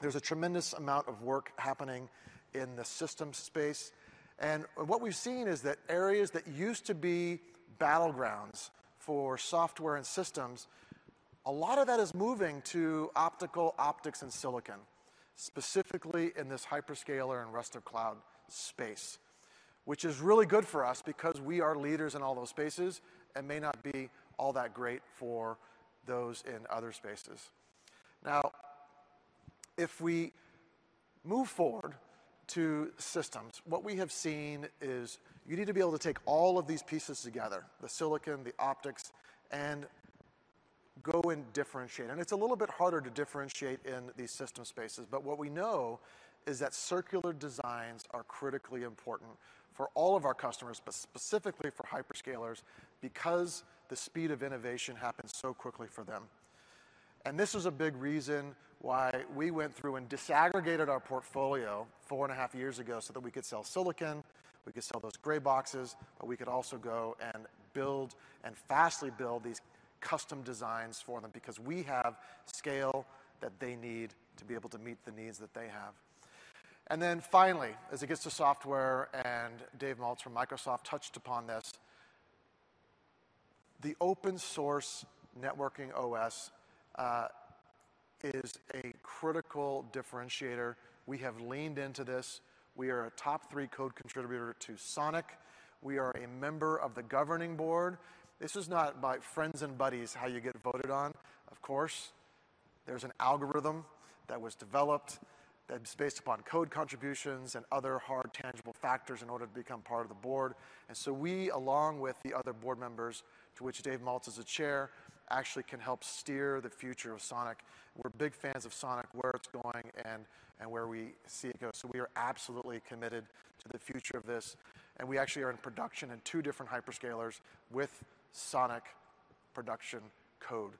There's a tremendous amount of work happening in the systems space, and what we've seen is that areas that used to be battlegrounds for software and systems, a lot of that is moving to optical, optics, and silicon, specifically in this hyperscaler and rest of cloud space, which is really good for us because we are leaders in all those spaces and may not be all that great for those in other spaces. Now, if we move forward to systems, what we have seen is you need to be able to take all of these pieces together, the silicon, the optics, and go and differentiate. It's a little bit harder to differentiate in these system spaces, but what we know is that circular designs are critically important for all of our customers, but specifically for hyperscalers, because the speed of innovation happens so quickly for them. This was a big reason why we went through and disaggregated our portfolio four and a half years ago so that we could sell silicon, we could sell those gray boxes, but we could also go and build and fastly build these custom designs for them because we have scale that they need to be able to meet the needs that they have. And then finally, as it gets to software, and Dave Maltz from Microsoft touched upon this, the open-source networking OS is a critical differentiator. We have leaned into this. We are a top three code contributor to SONiC. We are a member of the governing board. This is not by friends and buddies, how you get voted on, of course. There's an algorithm that was developed that's based upon code contributions and other hard, tangible factors in order to become part of the board. So we, along with the other board members, to which Dave Maltz is the chair, actually can help steer the future of SONiC. We're big fans of SONiC, where it's going and, and where we see it go, so we are absolutely committed to the future of this, and we actually are in production in two different hyperscalers with SONiC production code.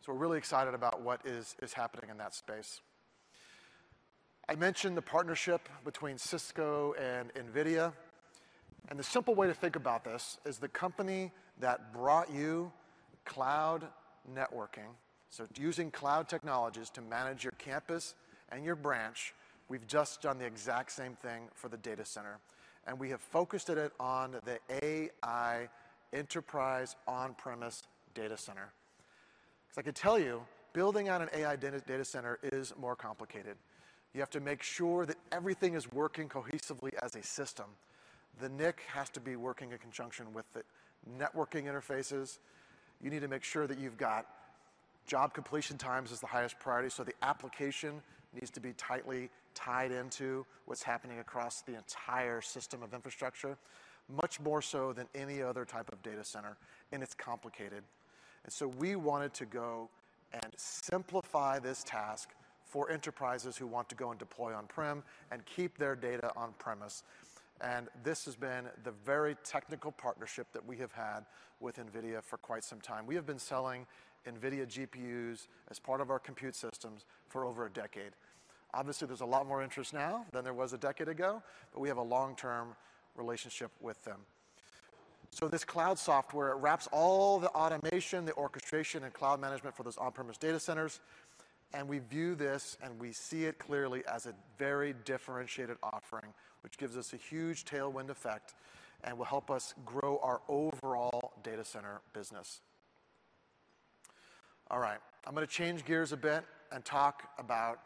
So we're really excited about what is happening in that space. I mentioned the partnership between Cisco and NVIDIA, and the simple way to think about this is the company that brought you cloud networking, so using cloud technologies to manage your campus and your branch, we've just done the exact same thing for the data center, and we have focused it on the AI enterprise on-premise data center. 'Cause I can tell you, building out an AI data center is more complicated. You have to make sure that everything is working cohesively as a system. The NIC has to be working in conjunction with the networking interfaces. You need to make sure that you've got job completion times as the highest priority, so the application needs to be tightly tied into what's happening across the entire system of infrastructure, much more so than any other type of data center, and it's complicated. And so we wanted to go and simplify this task for enterprises who want to go and deploy on-prem and keep their data on-premise. And this has been the very technical partnership that we have had with NVIDIA for quite some time. We have been selling NVIDIA GPUs as part of our compute systems for over a decade. Obviously, there's a lot more interest now than there was a decade ago, but we have a long-term relationship with them. So this cloud software wraps all the automation, the orchestration, and cloud management for those on-premise data centers, and we view this, and we see it clearly as a very differentiated offering, which gives us a huge tailwind effect and will help us grow our overall data center business. All right. I'm gonna change gears a bit and talk about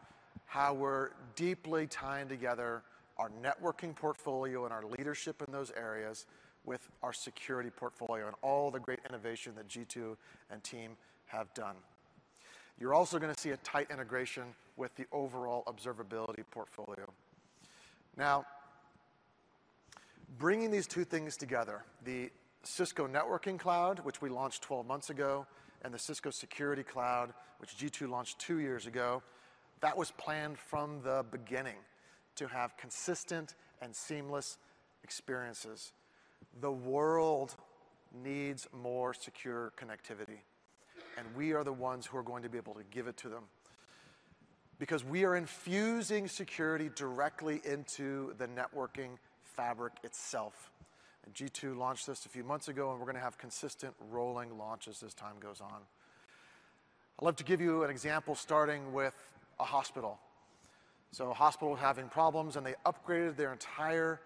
how we're deeply tying together our networking portfolio and our leadership in those areas with our security portfolio and all the great innovation that Jeetu and team have done. You're also gonna see a tight integration with the overall observability portfolio. Now, bringing these two things together, the Cisco Networking Cloud, which we launched 12 months ago, and the Cisco Security Cloud, which Jeetu launched 2 years ago, that was planned from the beginning to have consistent and seamless experiences.... The world needs more secure connectivity, and we are the ones who are going to be able to give it to them because we are infusing security directly into the networking fabric itself. G2 launched this a few months ago, and we're gonna have consistent rolling launches as time goes on. I'd love to give you an example, starting with a hospital. A hospital was having problems, and they upgraded their entire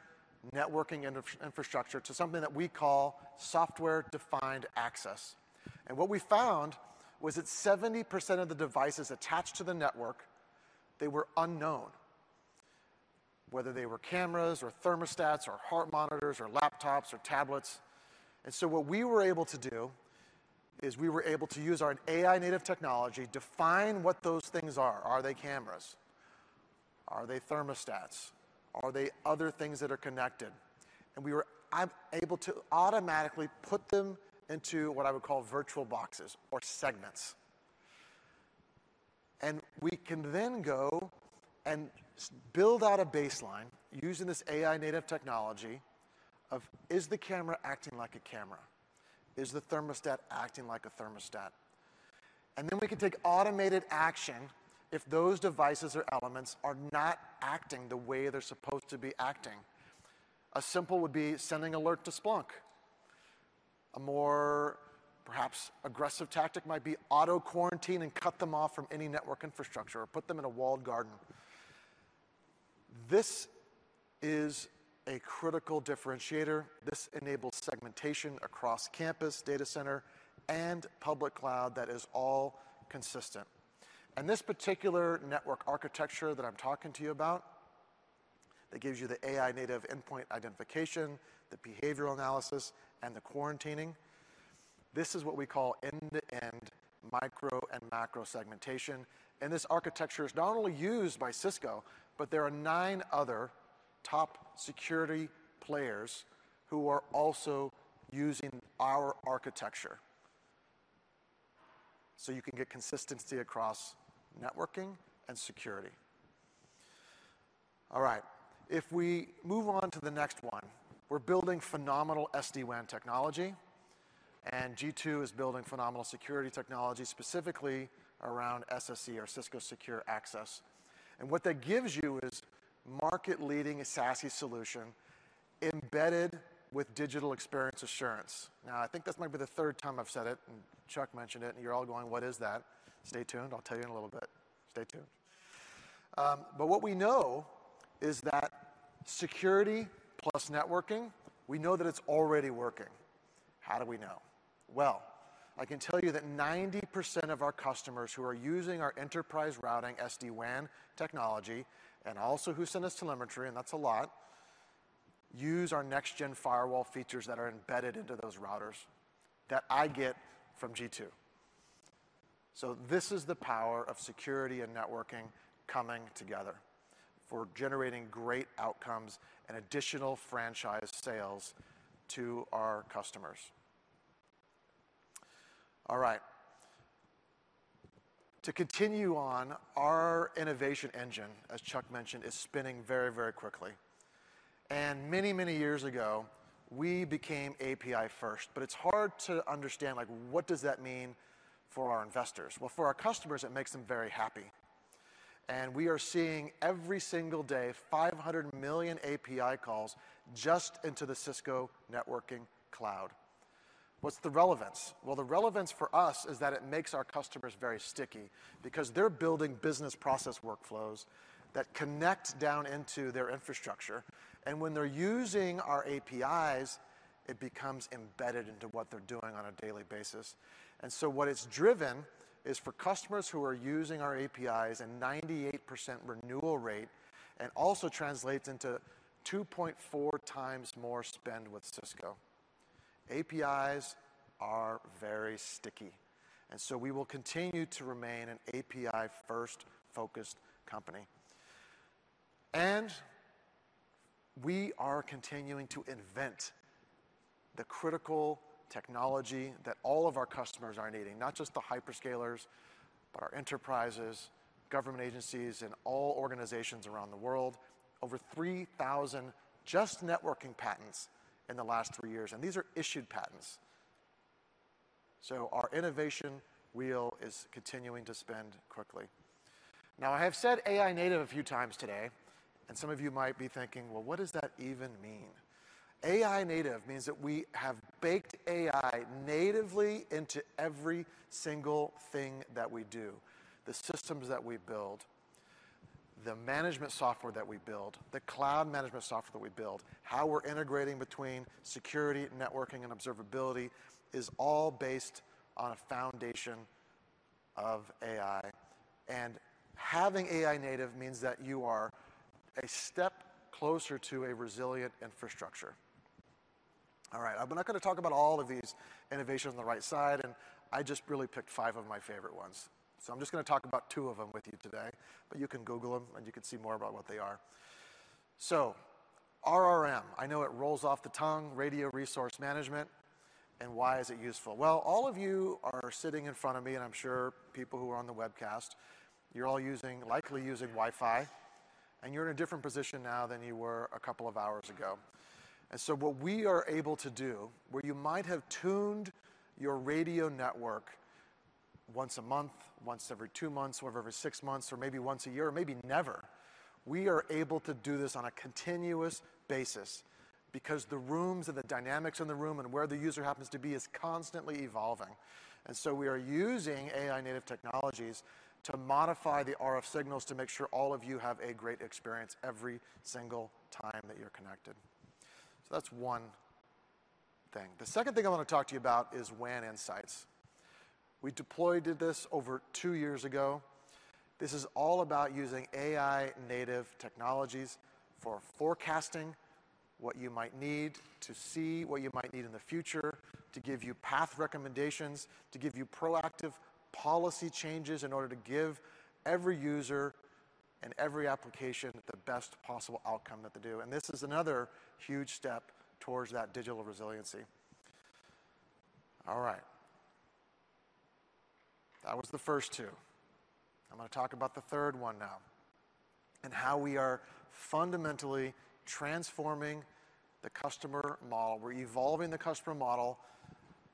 networking infrastructure to something that we call Software-Defined Access. What we found was that 70% of the devices attached to the network, they were unknown, whether they were cameras or thermostats or heart monitors or laptops or tablets. What we were able to do is we were able to use our AI-native technology, define what those things are. Are they cameras? Are they thermostats? Are they other things that are connected? And we were able to automatically put them into what I would call virtual boxes or segments. And we can then go and build out a baseline using this AI-native technology of, is the camera acting like a camera? Is the thermostat acting like a thermostat? And then we can take automated action if those devices or elements are not acting the way they're supposed to be acting. A simple would be sending alert to Splunk. A more, perhaps aggressive tactic might be auto-quarantine and cut them off from any network infrastructure or put them in a walled garden. This is a critical differentiator. This enables segmentation across campus, data center, and public cloud that is all consistent. And this particular network architecture that I'm talking to you about, that gives you the AI-native endpoint identification, the behavioral analysis, and the quarantining, this is what we call end-to-end micro and macro segmentation. And this architecture is not only used by Cisco, but there are nine other top security players who are also using our architecture. So you can get consistency across networking and security. All right, if we move on to the next one, we're building phenomenal SD-WAN technology, and G2 is building phenomenal security technology, specifically around SSE or Cisco Secure Access. And what that gives you is market-leading SASE solution embedded with Digital Experience Assurance. Now, I think this might be the third time I've said it, and Chuck mentioned it, and you're all going, "What is that?" Stay tuned. I'll tell you in a little bit. Stay tuned. But what we know is that security plus networking, we know that it's already working. How do we know? Well, I can tell you that 90% of our customers who are using our enterprise routing SD-WAN technology and also who send us telemetry, and that's a lot, use our next-gen firewall features that are embedded into those routers that I get from G2. So this is the power of security and networking coming together for generating great outcomes and additional franchise sales to our customers. All right. To continue on, our innovation engine, as Chuck mentioned, is spinning very, very quickly, and many, many years ago, we became API first. But it's hard to understand, like, what does that mean for our investors? Well, for our customers, it makes them very happy. We are seeing every single day, 500 million API calls just into the Cisco Networking Cloud. What's the relevance? Well, the relevance for us is that it makes our customers very sticky because they're building business process workflows that connect down into their infrastructure, and when they're using our APIs, it becomes embedded into what they're doing on a daily basis. And so what it's driven is for customers who are using our APIs, a 98% renewal rate, and also translates into 2.4 times more spend with Cisco. APIs are very sticky, and so we will continue to remain an API-first focused company. And we are continuing to invent the critical technology that all of our customers are needing, not just the hyperscalers, but our enterprises, government agencies, and all organizations around the world. Over 3,000 just networking patents in the last 3 years, and these are issued patents. So our innovation wheel is continuing to spin quickly. Now, I have said AI-native a few times today, and some of you might be thinking, "Well, what does that even mean?" AI-native means that we have baked AI-natively into every single thing that we do. The systems that we build, the management software that we build, the cloud management software that we build, how we're integrating between security, networking, and observability is all based on a foundation of AI. And having AI-native means that you are a step closer to a resilient infrastructure. All right, I'm not gonna talk about all of these innovations on the right side, and I just really picked five of my favorite ones. So I'm just gonna talk about 2 of them with you today, but you can Google them, and you can see more about what they are. So RRM, I know it rolls off the tongue, Radio Resource Management... and why is it useful? Well, all of you are sitting in front of me, and I'm sure people who are on the webcast, you're all using, likely using Wi-Fi, and you're in a different position now than you were a couple of hours ago. And so what we are able to do, where you might have tuned your radio network once a month, once every 2 months, or every 6 months, or maybe once a year, maybe never, we are able to do this on a continuous basis because the rooms and the dynamics in the room, and where the user happens to be, is constantly evolving. And so we are using AI-native technologies to modify the RF signals to make sure all of you have a great experience every single time that you're connected. So that's one thing. The second thing I want to talk to you about is WAN Insights. We deployed this over two years ago. This is all about using AI-native technologies for forecasting what you might need, to see what you might need in the future, to give you path recommendations, to give you proactive policy changes in order to give every user and every application the best possible outcome that they do. And this is another huge step towards that digital resiliency. All right. That was the first two. I'm gonna talk about the third one now, and how we are fundamentally transforming the customer model. We're evolving the customer model,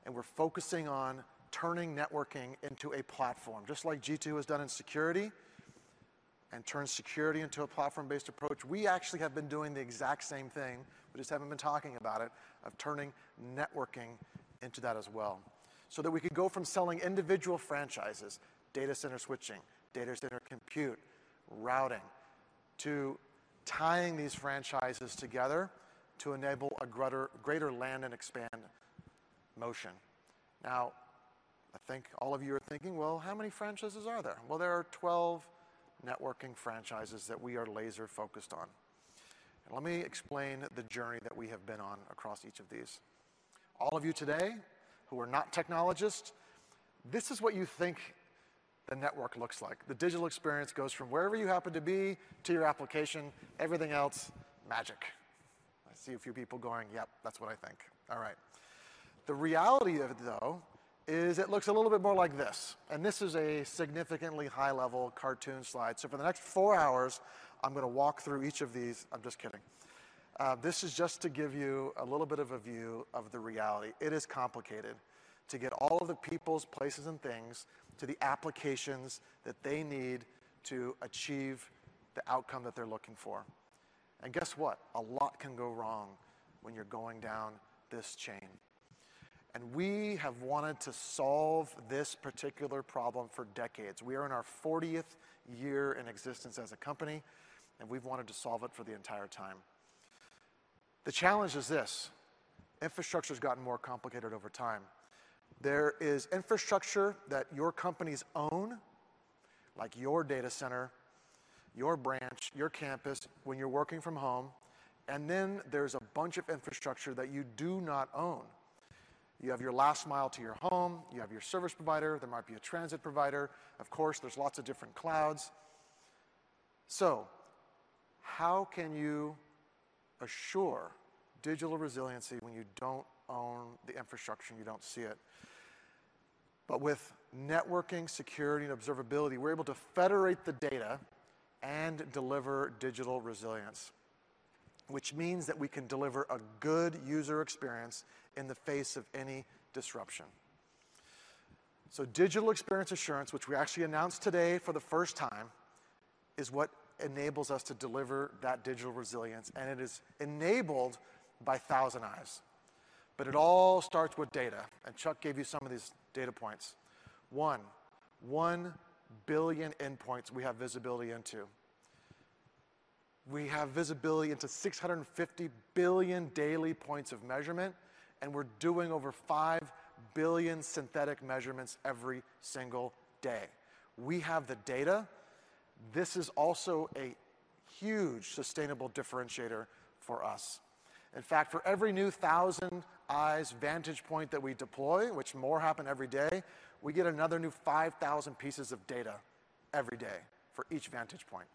and we're focusing on turning networking into a platform. Just like G2 has done in security and turned security into a platform-based approach, we actually have been doing the exact same thing, we just haven't been talking about it, of turning networking into that as well, so that we could go from selling individual franchises, data center switching, data center compute, routing, to tying these franchises together to enable a greater land and expand motion. Now, I think all of you are thinking, "Well, how many franchises are there?" Well, there are 12 networking franchises that we are laser-focused on. Let me explain the journey that we have been on across each of these. All of you today, who are not technologists, this is what you think the network looks like. The digital experience goes from wherever you happen to be to your application, everything else, magic. I see a few people going, "Yep, that's what I think." All right. The reality of it, though, is it looks a little bit more like this, and this is a significantly high-level cartoon slide. So for the next 4 hours, I'm gonna walk through each of these... I'm just kidding. This is just to give you a little bit of a view of the reality. It is complicated to get all of the peoples, places, and things to the applications that they need to achieve the outcome that they're looking for. And guess what? A lot can go wrong when you're going down this chain. And we have wanted to solve this particular problem for decades. We are in our 40th year in existence as a company, and we've wanted to solve it for the entire time. The challenge is this: infrastructure's gotten more complicated over time. There is infrastructure that your companies own, like your data center, your branch, your campus, when you're working from home, and then there's a bunch of infrastructure that you do not own. You have your last mile to your home, you have your service provider, there might be a transit provider, of course, there's lots of different clouds. So how can you assure digital resiliency when you don't own the infrastructure and you don't see it? But with networking, security, and observability, we're able to federate the data and deliver digital resilience, which means that we can deliver a good user experience in the face of any disruption. So Digital Experience Assurance, which we actually announced today for the first time, is what enables us to deliver that digital resilience, and it is enabled by ThousandEyes. But it all starts with data, and Chuck gave you some of these data points. One, 1 billion endpoints we have visibility into. We have visibility into 650 billion daily points of measurement, and we're doing over 5 billion synthetic measurements every single day. We have the data. This is also a huge sustainable differentiator for us. In fact, for every new ThousandEyes vantage point that we deploy, which more happen every day, we get another new 5,000 pieces of data every day for each vantage point.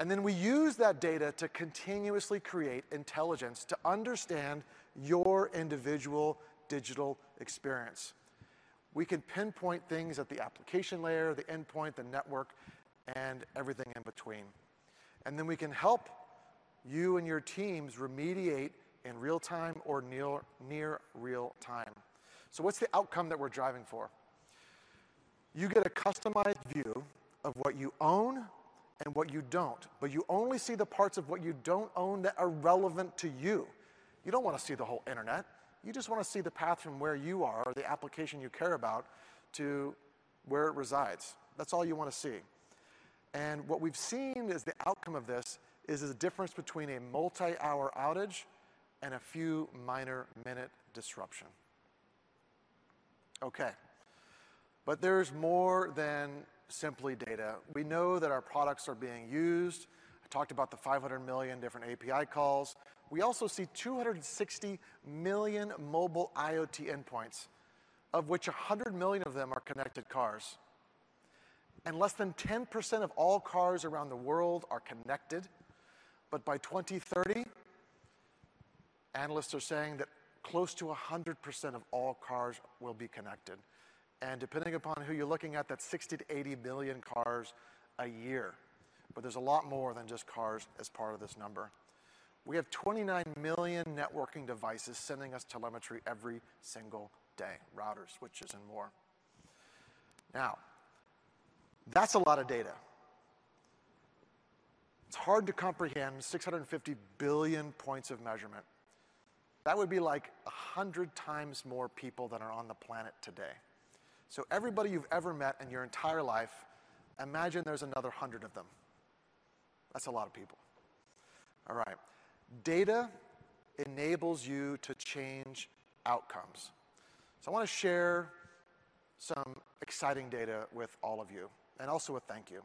And then we use that data to continuously create intelligence to understand your individual digital experience. We can pinpoint things at the application layer, the endpoint, the network, and everything in between. And then we can help you and your teams remediate in real time or near real time. So what's the outcome that we're driving for? You get a customized view of what you own and what you don't, but you only see the parts of what you don't own that are relevant to you. You don't wanna see the whole Internet. You just wanna see the path from where you are, or the application you care about, to where it resides. That's all you wanna see. What we've seen is the outcome of this is the difference between a multi-hour outage and a few minor minute disruption. Okay, but there's more than simply data. We know that our products are being used. I talked about the 500 million different API calls. We also see 260 million mobile IoT endpoints, of which 100 million of them are connected cars.... Less than 10% of all cars around the world are connected, but by 2030, analysts are saying that close to 100% of all cars will be connected. Depending upon who you're looking at, that's 60-80 billion cars a year. But there's a lot more than just cars as part of this number. We have 29 million networking devices sending us telemetry every single day, routers, switches, and more. Now, that's a lot of data. It's hard to comprehend 650 billion points of measurement. That would be like 100 times more people than are on the planet today. So everybody you've ever met in your entire life, imagine there's another 100 of them. That's a lot of people. All right. Data enables you to change outcomes. So I wanna share some exciting data with all of you, and also a thank you.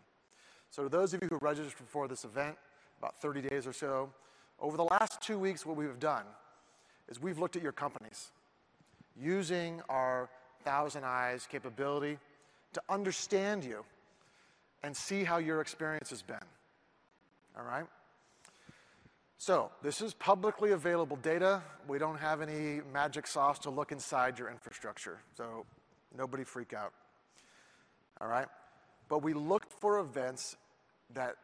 So to those of you who registered for this event, about 30 days or so, over the last 2 weeks, what we have done is we've looked at your companies using our ThousandEyes capability to understand you and see how your experience has been. All right? So this is publicly available data. We don't have any magic sauce to look inside your infrastructure, so nobody freak out. All right? But we looked for events that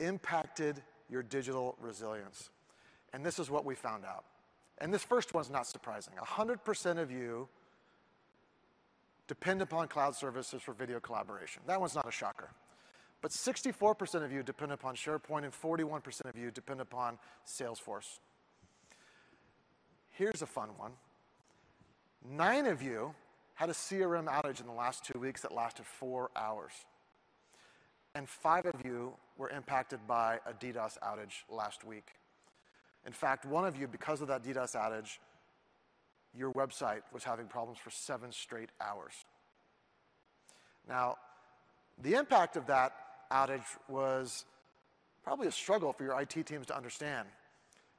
impacted your digital resilience, and this is what we found out. And this first one's not surprising. 100% of you depend upon cloud services for video collaboration. That one's not a shocker, but 64% of you depend upon SharePoint, and 41% of you depend upon Salesforce. Here's a fun one. Nine of you had a CRM outage in the last two weeks that lasted four hours, and five of you were impacted by a DDoS outage last week. In fact, one of you, because of that DDoS outage, your website was having problems for seven straight hours. Now, the impact of that outage was probably a struggle for your IT teams to understand,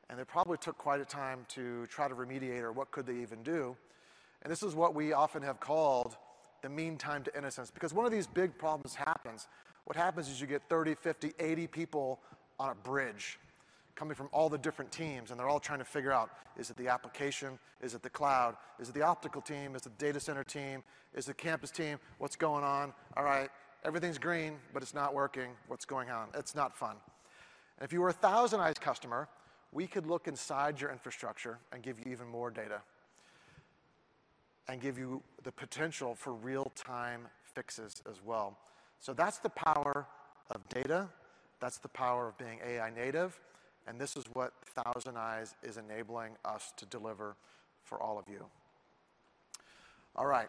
and it probably took quite a time to try to remediate or what could they even do. This is what we often have called the mean time to innocence, because one of these big problems happens, what happens is you get 30, 50, 80 people on a bridge coming from all the different teams, and they're all trying to figure out, is it the application? Is it the cloud? Is it the optical team? Is the data center team? Is the campus team? What's going on? All right, everything's green, but it's not working. What's going on? It's not fun. If you were a ThousandEyes customer, we could look inside your infrastructure and give you even more data and give you the potential for real-time fixes as well. That's the power of data, that's the power of being AI native, and this is what ThousandEyes is enabling us to deliver for all of you. All right.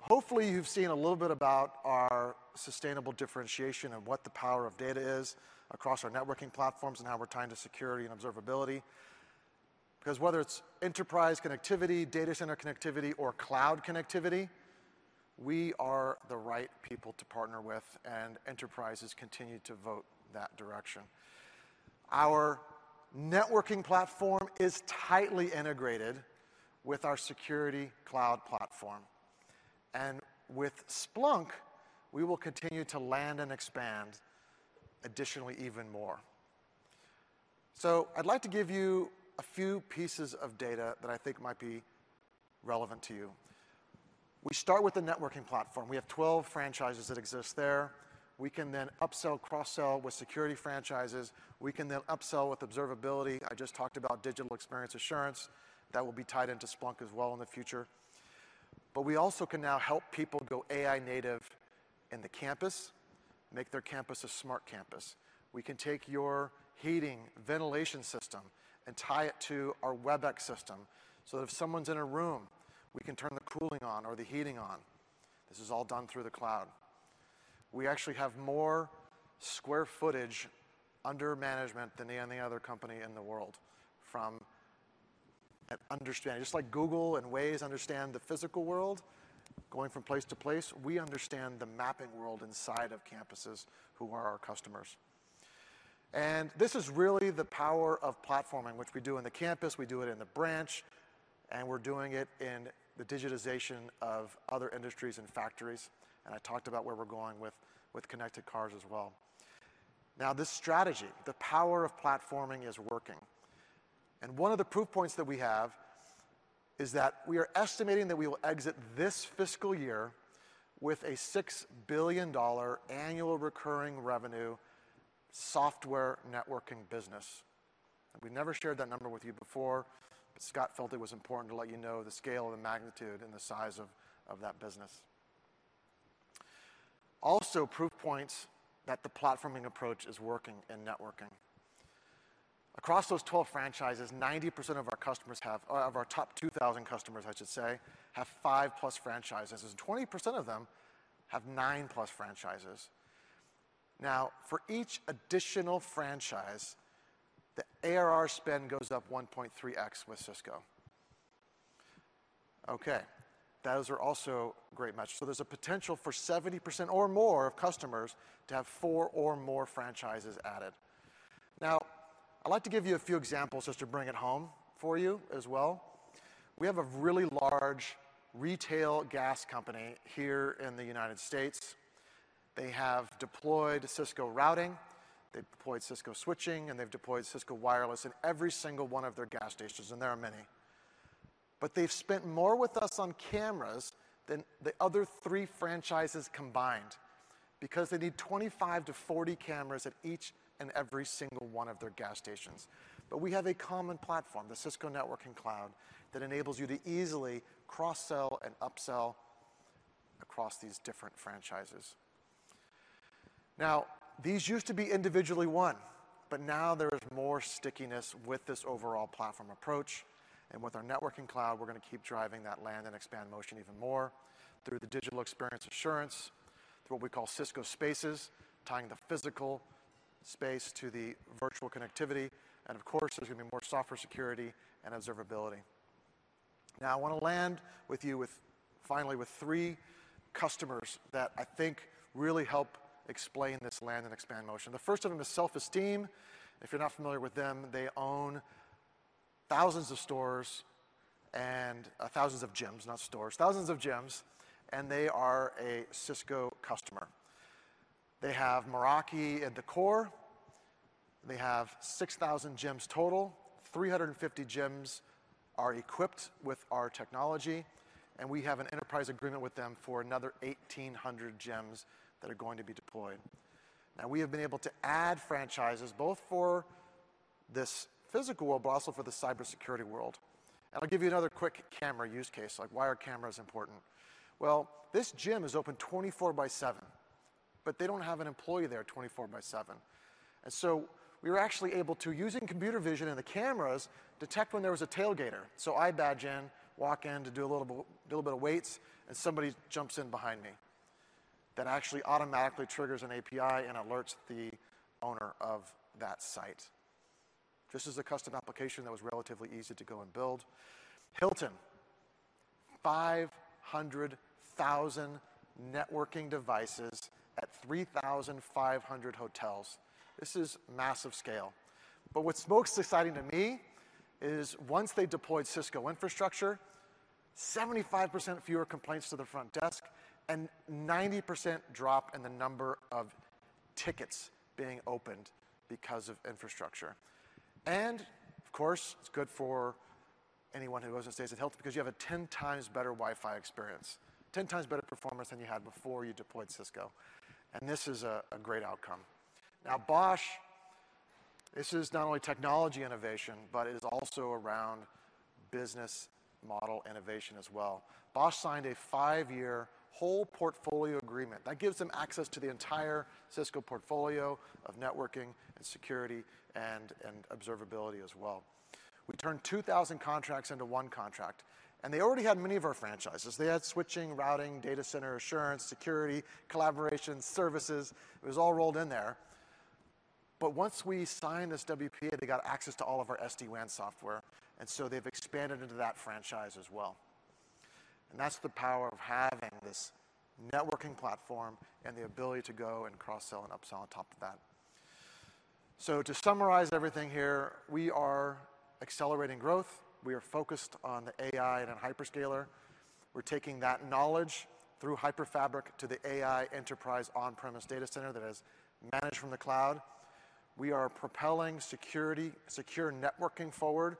Hopefully you've seen a little bit about our sustainable differentiation and what the power of data is across our networking platforms and how we're tying to security and observability. Because whether it's enterprise connectivity, data center connectivity, or cloud connectivity, we are the right people to partner with, and enterprises continue to vote that direction. Our networking platform is tightly integrated with our security cloud platform, and with Splunk, we will continue to land and expand additionally even more. So I'd like to give you a few pieces of data that I think might be relevant to you. We start with the networking platform. We have 12 franchises that exist there. We can then upsell, cross-sell with security franchises. We can then upsell with observability. I just talked about digital experience assurance. That will be tied into Splunk as well in the future. But we also can now help people go AI native in the campus, make their campus a smart campus. We can take your heating, ventilation system and tie it to our Webex system, so that if someone's in a room, we can turn the cooling on or the heating on. This is all done through the cloud. We actually have more square footage under management than any other company in the world. From an understanding, just like Google and Waze understand the physical world, going from place to place, we understand the mapping world inside of campuses who are our customers. And this is really the power of platforming, which we do in the campus, we do it in the branch, and we're doing it in the digitization of other industries and factories, and I talked about where we're going with, with connected cars as well. Now, this strategy, the power of platforming, is working. And one of the proof points that we have is that we are estimating that we will exit this fiscal year with a $6 billion annual recurring revenue software networking business. We never shared that number with you before, but Scott felt it was important to let you know the scale, and the magnitude, and the size of, of that business. Also, proof points that the platforming approach is working in networking. Across those 12 franchises, 90% of our customers have-- of our top 2,000 customers, I should say, have 5+ franchises, and 20% of them have 9+ franchises. Now, for each additional franchise, the ARR spend goes up 1.3x with Cisco. Okay, those are also great match. So there's a potential for 70% or more of customers to have 4 or more franchises added. Now, I'd like to give you a few examples just to bring it home for you as well. We have a really large retail gas company here in the United States. They have deployed Cisco routing, they've deployed Cisco switching, and they've deployed Cisco wireless in every single one of their gas stations, and there are many. But they've spent more with us on cameras than the other three franchises combined because they need 25-40 cameras at each and every single one of their gas stations. But we have a common platform, the Cisco Networking Cloud, that enables you to easily cross-sell and upsell across these different franchises. Now, these used to be individually one, but now there is more stickiness with this overall platform approach, and with our networking cloud, we're gonna keep driving that land-and-expand motion even more through the Digital Experience Assurance, through what we call Cisco Spaces, tying the physical space to the virtual connectivity, and of course, there's gonna be more software security and observability. Now, I wanna land with you with finally with three customers that I think really help explain this land-and-expand motion. The first of them is Self Esteem. If you're not familiar with them, they own thousands of stores and, thousands of gyms, not stores, thousands of gyms, and they are a Cisco customer. They have Meraki at the core. They have 6,000 gyms total. 350 gyms are equipped with our technology, and we have an enterprise agreement with them for another 1,800 gyms that are going to be deployed. Now, we have been able to add franchises, both for this physical world, but also for the cybersecurity world. And I'll give you another quick camera use case, like why are cameras important? Well, this gym is open 24/7, but they don't have an employee there 24/7. We were actually able to, using computer vision and the cameras, detect when there was a tailgater. So I badge in, walk in to do a little bit of weights, and somebody jumps in behind me. That actually automatically triggers an API and alerts the owner of that site. This is a custom application that was relatively easy to go and build. Hilton: 500,000 networking devices at 3,500 hotels. This is massive scale. But what's most exciting to me is, once they deployed Cisco infrastructure, 75% fewer complaints to the front desk and 90% drop in the number of tickets being opened because of infrastructure. Of course, it's good for anyone who goes and stays at Hilton because you have a 10 times better Wi-Fi experience, 10 times better performance than you had before you deployed Cisco, and this is a, a great outcome. Now, Bosch, this is not only technology innovation, but it is also around business model innovation as well. Bosch signed a 5-year whole portfolio agreement. That gives them access to the entire Cisco portfolio of networking and security and, and observability as well. We turned 2,000 contracts into one contract, and they already had many of our franchises. They had switching, routing, data center, assurance, security, collaboration, services. It was all rolled in there. But once we signed this WPA, they got access to all of our SD-WAN software, and so they've expanded into that franchise as well. That's the power of having this networking platform and the ability to go and cross-sell and upsell on top of that. So to summarize everything here, we are accelerating growth. We are focused on the AI and on hyperscaler. We're taking that knowledge through HyperFabric to the AI enterprise on-premise data center that is managed from the cloud. We are propelling security, secure networking forward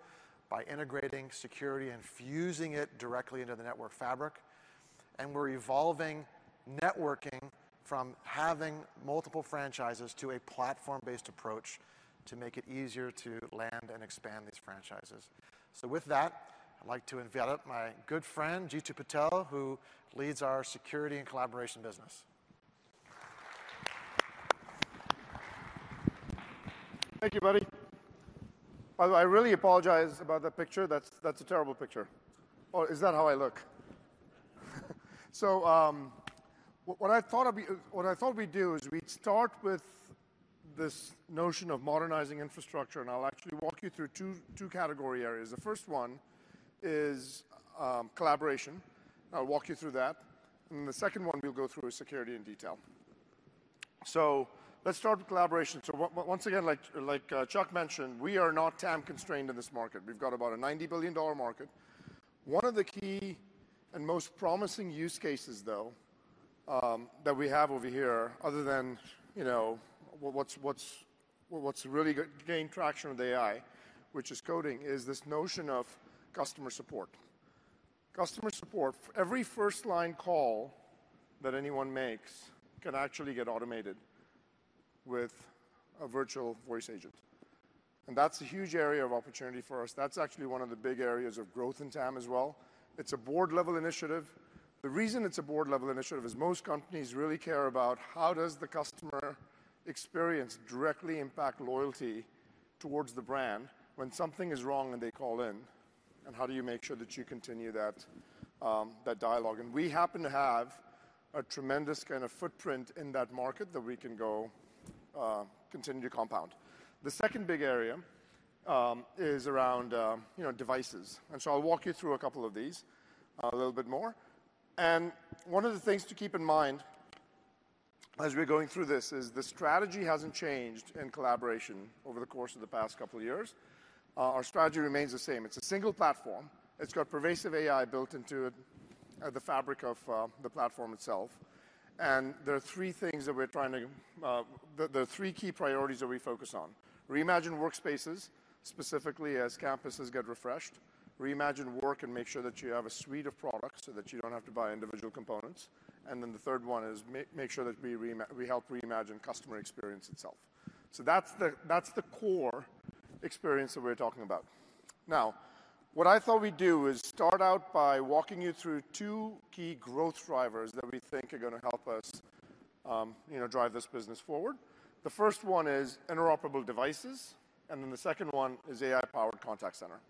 by integrating security and fusing it directly into the network fabric. We're evolving networking from having multiple franchises to a platform-based approach to make it easier to land and expand these franchises. So with that, I'd like to invite up my good friend, Jeetu Patel, who leads our security and collaboration business. Thank you, buddy. By the way, I really apologize about that picture. That's, that's a terrible picture. Or is that how I look? So what I thought we'd do is we'd start with this notion of modernizing infrastructure, and I'll actually walk you through two category areas. The first one is collaboration. I'll walk you through that. And the second one we'll go through is security and detail. So let's start with collaboration. So once again, like Chuck mentioned, we are not TAM constrained in this market. We've got about a $90 billion market. One of the key and most promising use cases, though, that we have over here, other than, you know, what's really gaining traction with AI, which is coding, is this notion of customer support. Customer support, every first-line call that anyone makes can actually get automated with a virtual voice agent, and that's a huge area of opportunity for us. That's actually one of the big areas of growth in TAM as well. It's a board-level initiative. The reason it's a board-level initiative is most companies really care about: how does the customer experience directly impact loyalty towards the brand when something is wrong and they call in? And how do you make sure that you continue that, that dialogue? And we happen to have a tremendous kind of footprint in that market that we can go, continue to compound. The second big area is around, you know, devices, and so I'll walk you through a couple of these a little bit more. And one of the things to keep in mind... As we're going through this, is the strategy hasn't changed in collaboration over the course of the past couple of years. Our strategy remains the same. It's a single platform. It's got pervasive AI built into it, the fabric of, the platform itself. And there are three things that we're trying to, the three key priorities that we focus on: reimagine workspaces, specifically as campuses get refreshed, reimagine work, and make sure that you have a suite of products so that you don't have to buy individual components, and then the third one is make sure that we help reimagine customer experience itself. So that's the, that's the core experience that we're talking about. Now, what I thought we'd do is start out by walking you through two key growth drivers that we think are gonna help us, you know, drive this business forward. The first one is interoperable devices, and then the second one is AI-powered contact center.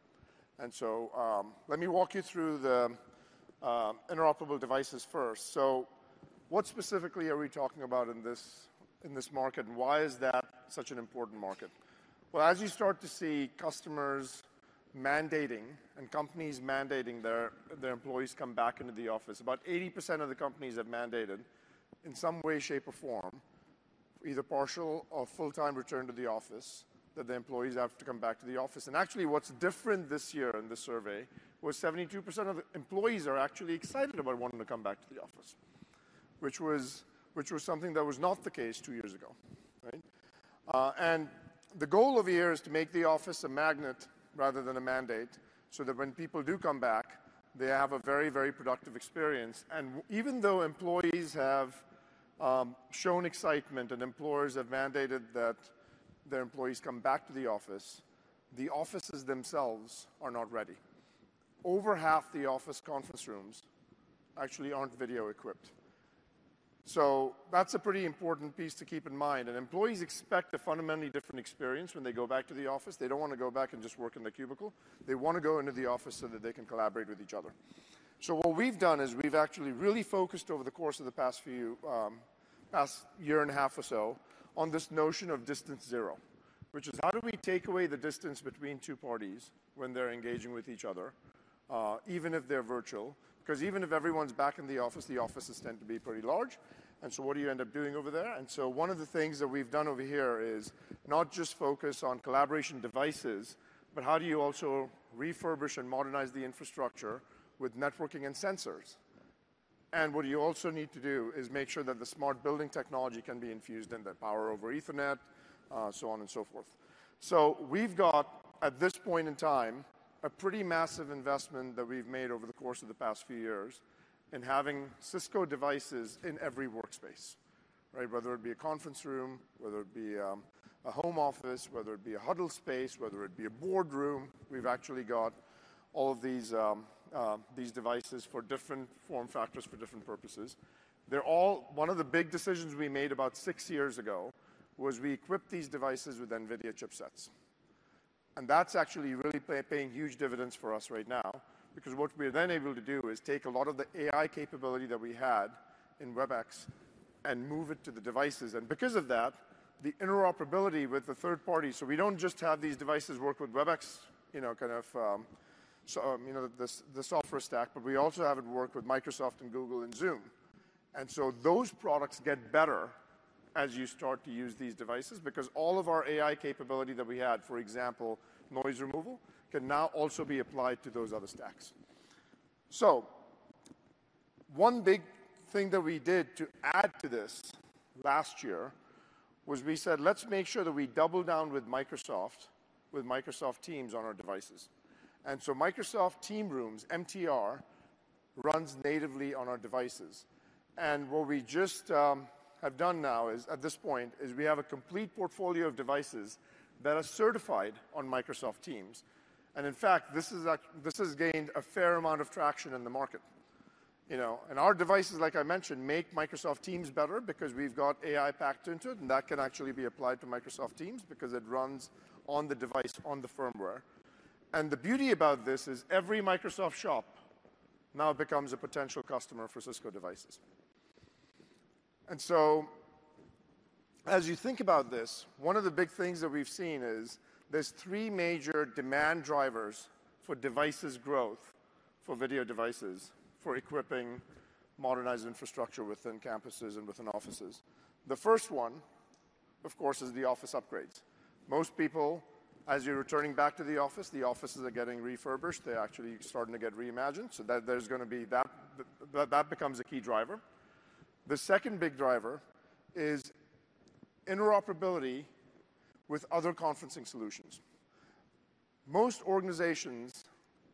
Let me walk you through the interoperable devices first. So what specifically are we talking about in this market, and why is that such an important market? Well, as you start to see customers mandating and companies mandating their employees come back into the office, about 80% of the companies have mandated, in some way, shape, or form, either partial or full-time return to the office, that the employees have to come back to the office. Actually, what's different this year in this survey was 72% of employees are actually excited about wanting to come back to the office, which was, which was something that was not the case two years ago, right? The goal of the year is to make the office a magnet rather than a mandate, so that when people do come back, they have a very, very productive experience. Even though employees have shown excitement and employers have mandated that their employees come back to the office, the offices themselves are not ready. Over half the office conference rooms actually aren't video-equipped. So that's a pretty important piece to keep in mind, and employees expect a fundamentally different experience when they go back to the office. They don't wanna go back and just work in the cubicle. They wanna go into the office so that they can collaborate with each other. So what we've done is we've actually really focused over the course of the past year and a half or so, on this notion of distance zero, which is, how do we take away the distance between two parties when they're engaging with each other, even if they're virtual? 'Cause even if everyone's back in the office, the offices tend to be pretty large, and so what do you end up doing over there? And so one of the things that we've done over here is not just focus on collaboration devices, but how do you also refurbish and modernize the infrastructure with networking and sensors? What you also need to do is make sure that the smart building technology can be infused in the power over Ethernet, so on and so forth. We've got, at this point in time, a pretty massive investment that we've made over the course of the past few years in having Cisco devices in every workspace, right? Whether it be a conference room, whether it be a home office, whether it be a huddle space, whether it be a boardroom, we've actually got all of these, these devices for different form factors for different purposes. One of the big decisions we made about six years ago was we equipped these devices with NVIDIA chipsets, and that's actually really paying huge dividends for us right now, because what we're then able to do is take a lot of the AI capability that we had in Webex and move it to the devices. And because of that, the interoperability with the third party, so we don't just have these devices work with Webex, you know, kind of, so, you know, the software stack, but we also have it work with Microsoft and Google and Zoom. And so those products get better as you start to use these devices, because all of our AI capability that we had, for example, noise removal, can now also be applied to those other stacks. So one big thing that we did to add to this last year was we said, "Let's make sure that we double down with Microsoft, with Microsoft Teams on our devices." And so Microsoft Teams Rooms, MTR, runs natively on our devices. And what we just have done now is, at this point, we have a complete portfolio of devices that are certified on Microsoft Teams, and in fact, this has gained a fair amount of traction in the market, you know. And our devices, like I mentioned, make Microsoft Teams better because we've got AI packed into it, and that can actually be applied to Microsoft Teams because it runs on the device, on the firmware. And the beauty about this is every Microsoft shop now becomes a potential customer for Cisco devices. And so as you think about this, one of the big things that we've seen is there's three major demand drivers for devices growth, for video devices, for equipping modernized infrastructure within campuses and within offices. The first one, of course, is the office upgrades. Most people, as you're returning back to the office, the offices are getting refurbished. They're actually starting to get reimagined, so that that becomes a key driver. The second big driver is interoperability with other conferencing solutions. Most organizations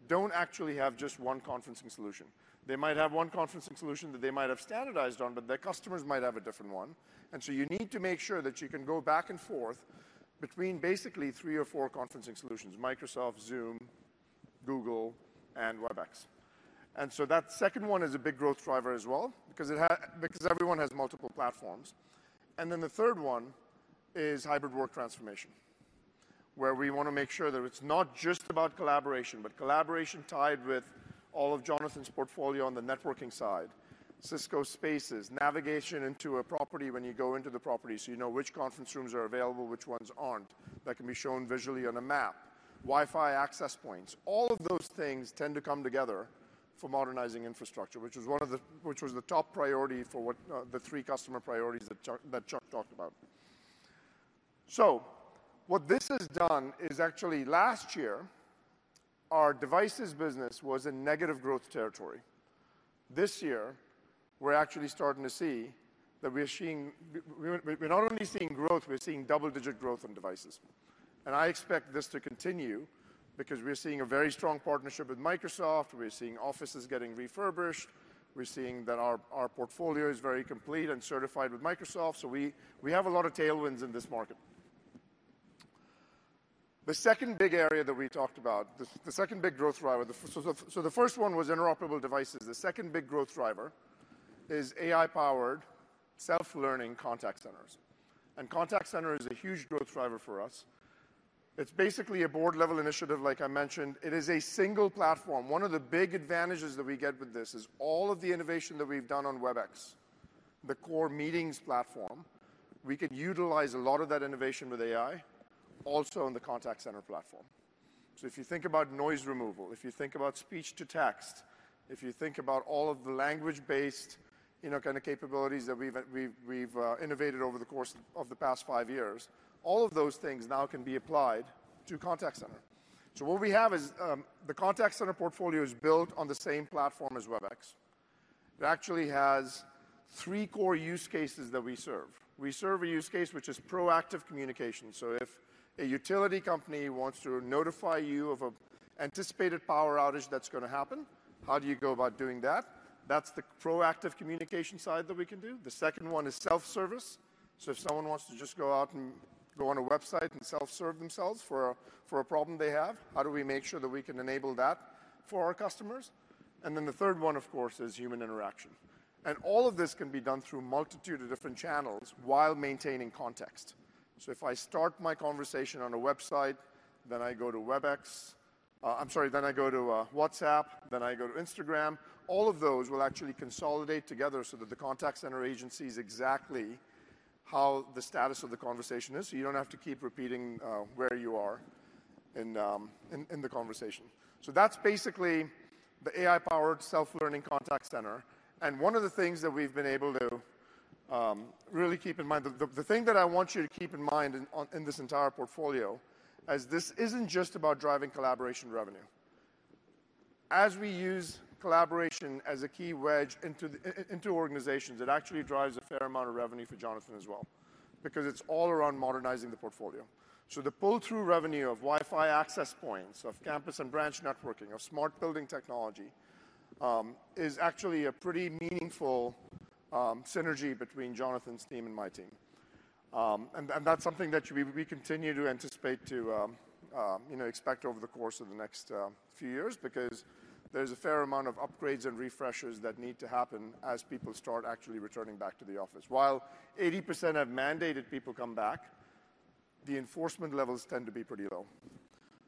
don't actually have just one conferencing solution. They might have one conferencing solution that they might have standardized on, but their customers might have a different one, and so you need to make sure that you can go back and forth between basically three or four conferencing solutions: Microsoft, Zoom, Google, and Webex. And so that second one is a big growth driver as well, because everyone has multiple platforms. And then the third one is hybrid work transformation, where we wanna make sure that it's not just about collaboration, but collaboration tied with all of Jonathan's portfolio on the networking side. Cisco Spaces, navigation into a property when you go into the property, so you know which conference rooms are available, which ones aren't. That can be shown visually on a map. Wi-Fi access points. All of those things tend to come together for modernizing infrastructure, which was the top priority for what, the three customer priorities that Chuck talked about. So what this has done is actually last year, our devices business was in negative growth territory. This year, we're actually starting to see that we're not only seeing growth, we're seeing double-digit growth on devices. And I expect this to continue because we're seeing a very strong partnership with Microsoft, we're seeing offices getting refurbished, we're seeing that our portfolio is very complete and certified with Microsoft. So we have a lot of tailwinds in this market. The second big area that we talked about, the second big growth driver... So the first one was interoperable devices. The second big growth driver is AI-powered, self-learning contact centers. And contact center is a huge growth driver for us. It's basically a board-level initiative, like I mentioned. It is a single platform. One of the big advantages that we get with this is all of the innovation that we've done on Webex, the core meetings platform. We can utilize a lot of that innovation with AI also on the contact center platform. So if you think about noise removal, if you think about speech to text, if you think about all of the language-based, you know, kind of capabilities that we've innovated over the course of the past five years, all of those things now can be applied to contact center. So what we have is the contact center portfolio is built on the same platform as Webex. It actually has three core use cases that we serve. We serve a use case, which is proactive communication. So if a utility company wants to notify you of an anticipated power outage that's gonna happen, how do you go about doing that? That's the proactive communication side that we can do. The second one is self-service. So if someone wants to just go out and go on a website and self-serve themselves for a problem they have, how do we make sure that we can enable that for our customers? And then the third one, of course, is human interaction. And all of this can be done through a multitude of different channels while maintaining context. So if I start my conversation on a website, then I go to Webex, I'm sorry, then I go to WhatsApp, then I go to Instagram, all of those will actually consolidate together so that the contact center agency sees exactly how the status of the conversation is. So you don't have to keep repeating where you are in the conversation. So that's basically the AI-powered self-learning contact center. And one of the things that we've been able to really keep in mind... The thing that I want you to keep in mind in this entire portfolio is this isn't just about driving collaboration revenue. As we use collaboration as a key wedge into organizations, it actually drives a fair amount of revenue for Jonathan as well, because it's all around modernizing the portfolio. So the pull-through revenue of Wi-Fi access points, of campus and branch networking, of smart building technology is actually a pretty meaningful synergy between Jonathan's team and my team. That's something that we continue to anticipate to, you know, expect over the course of the next few years, because there's a fair amount of upgrades and refreshers that need to happen as people start actually returning back to the office. While 80% have mandated people come back, the enforcement levels tend to be pretty low.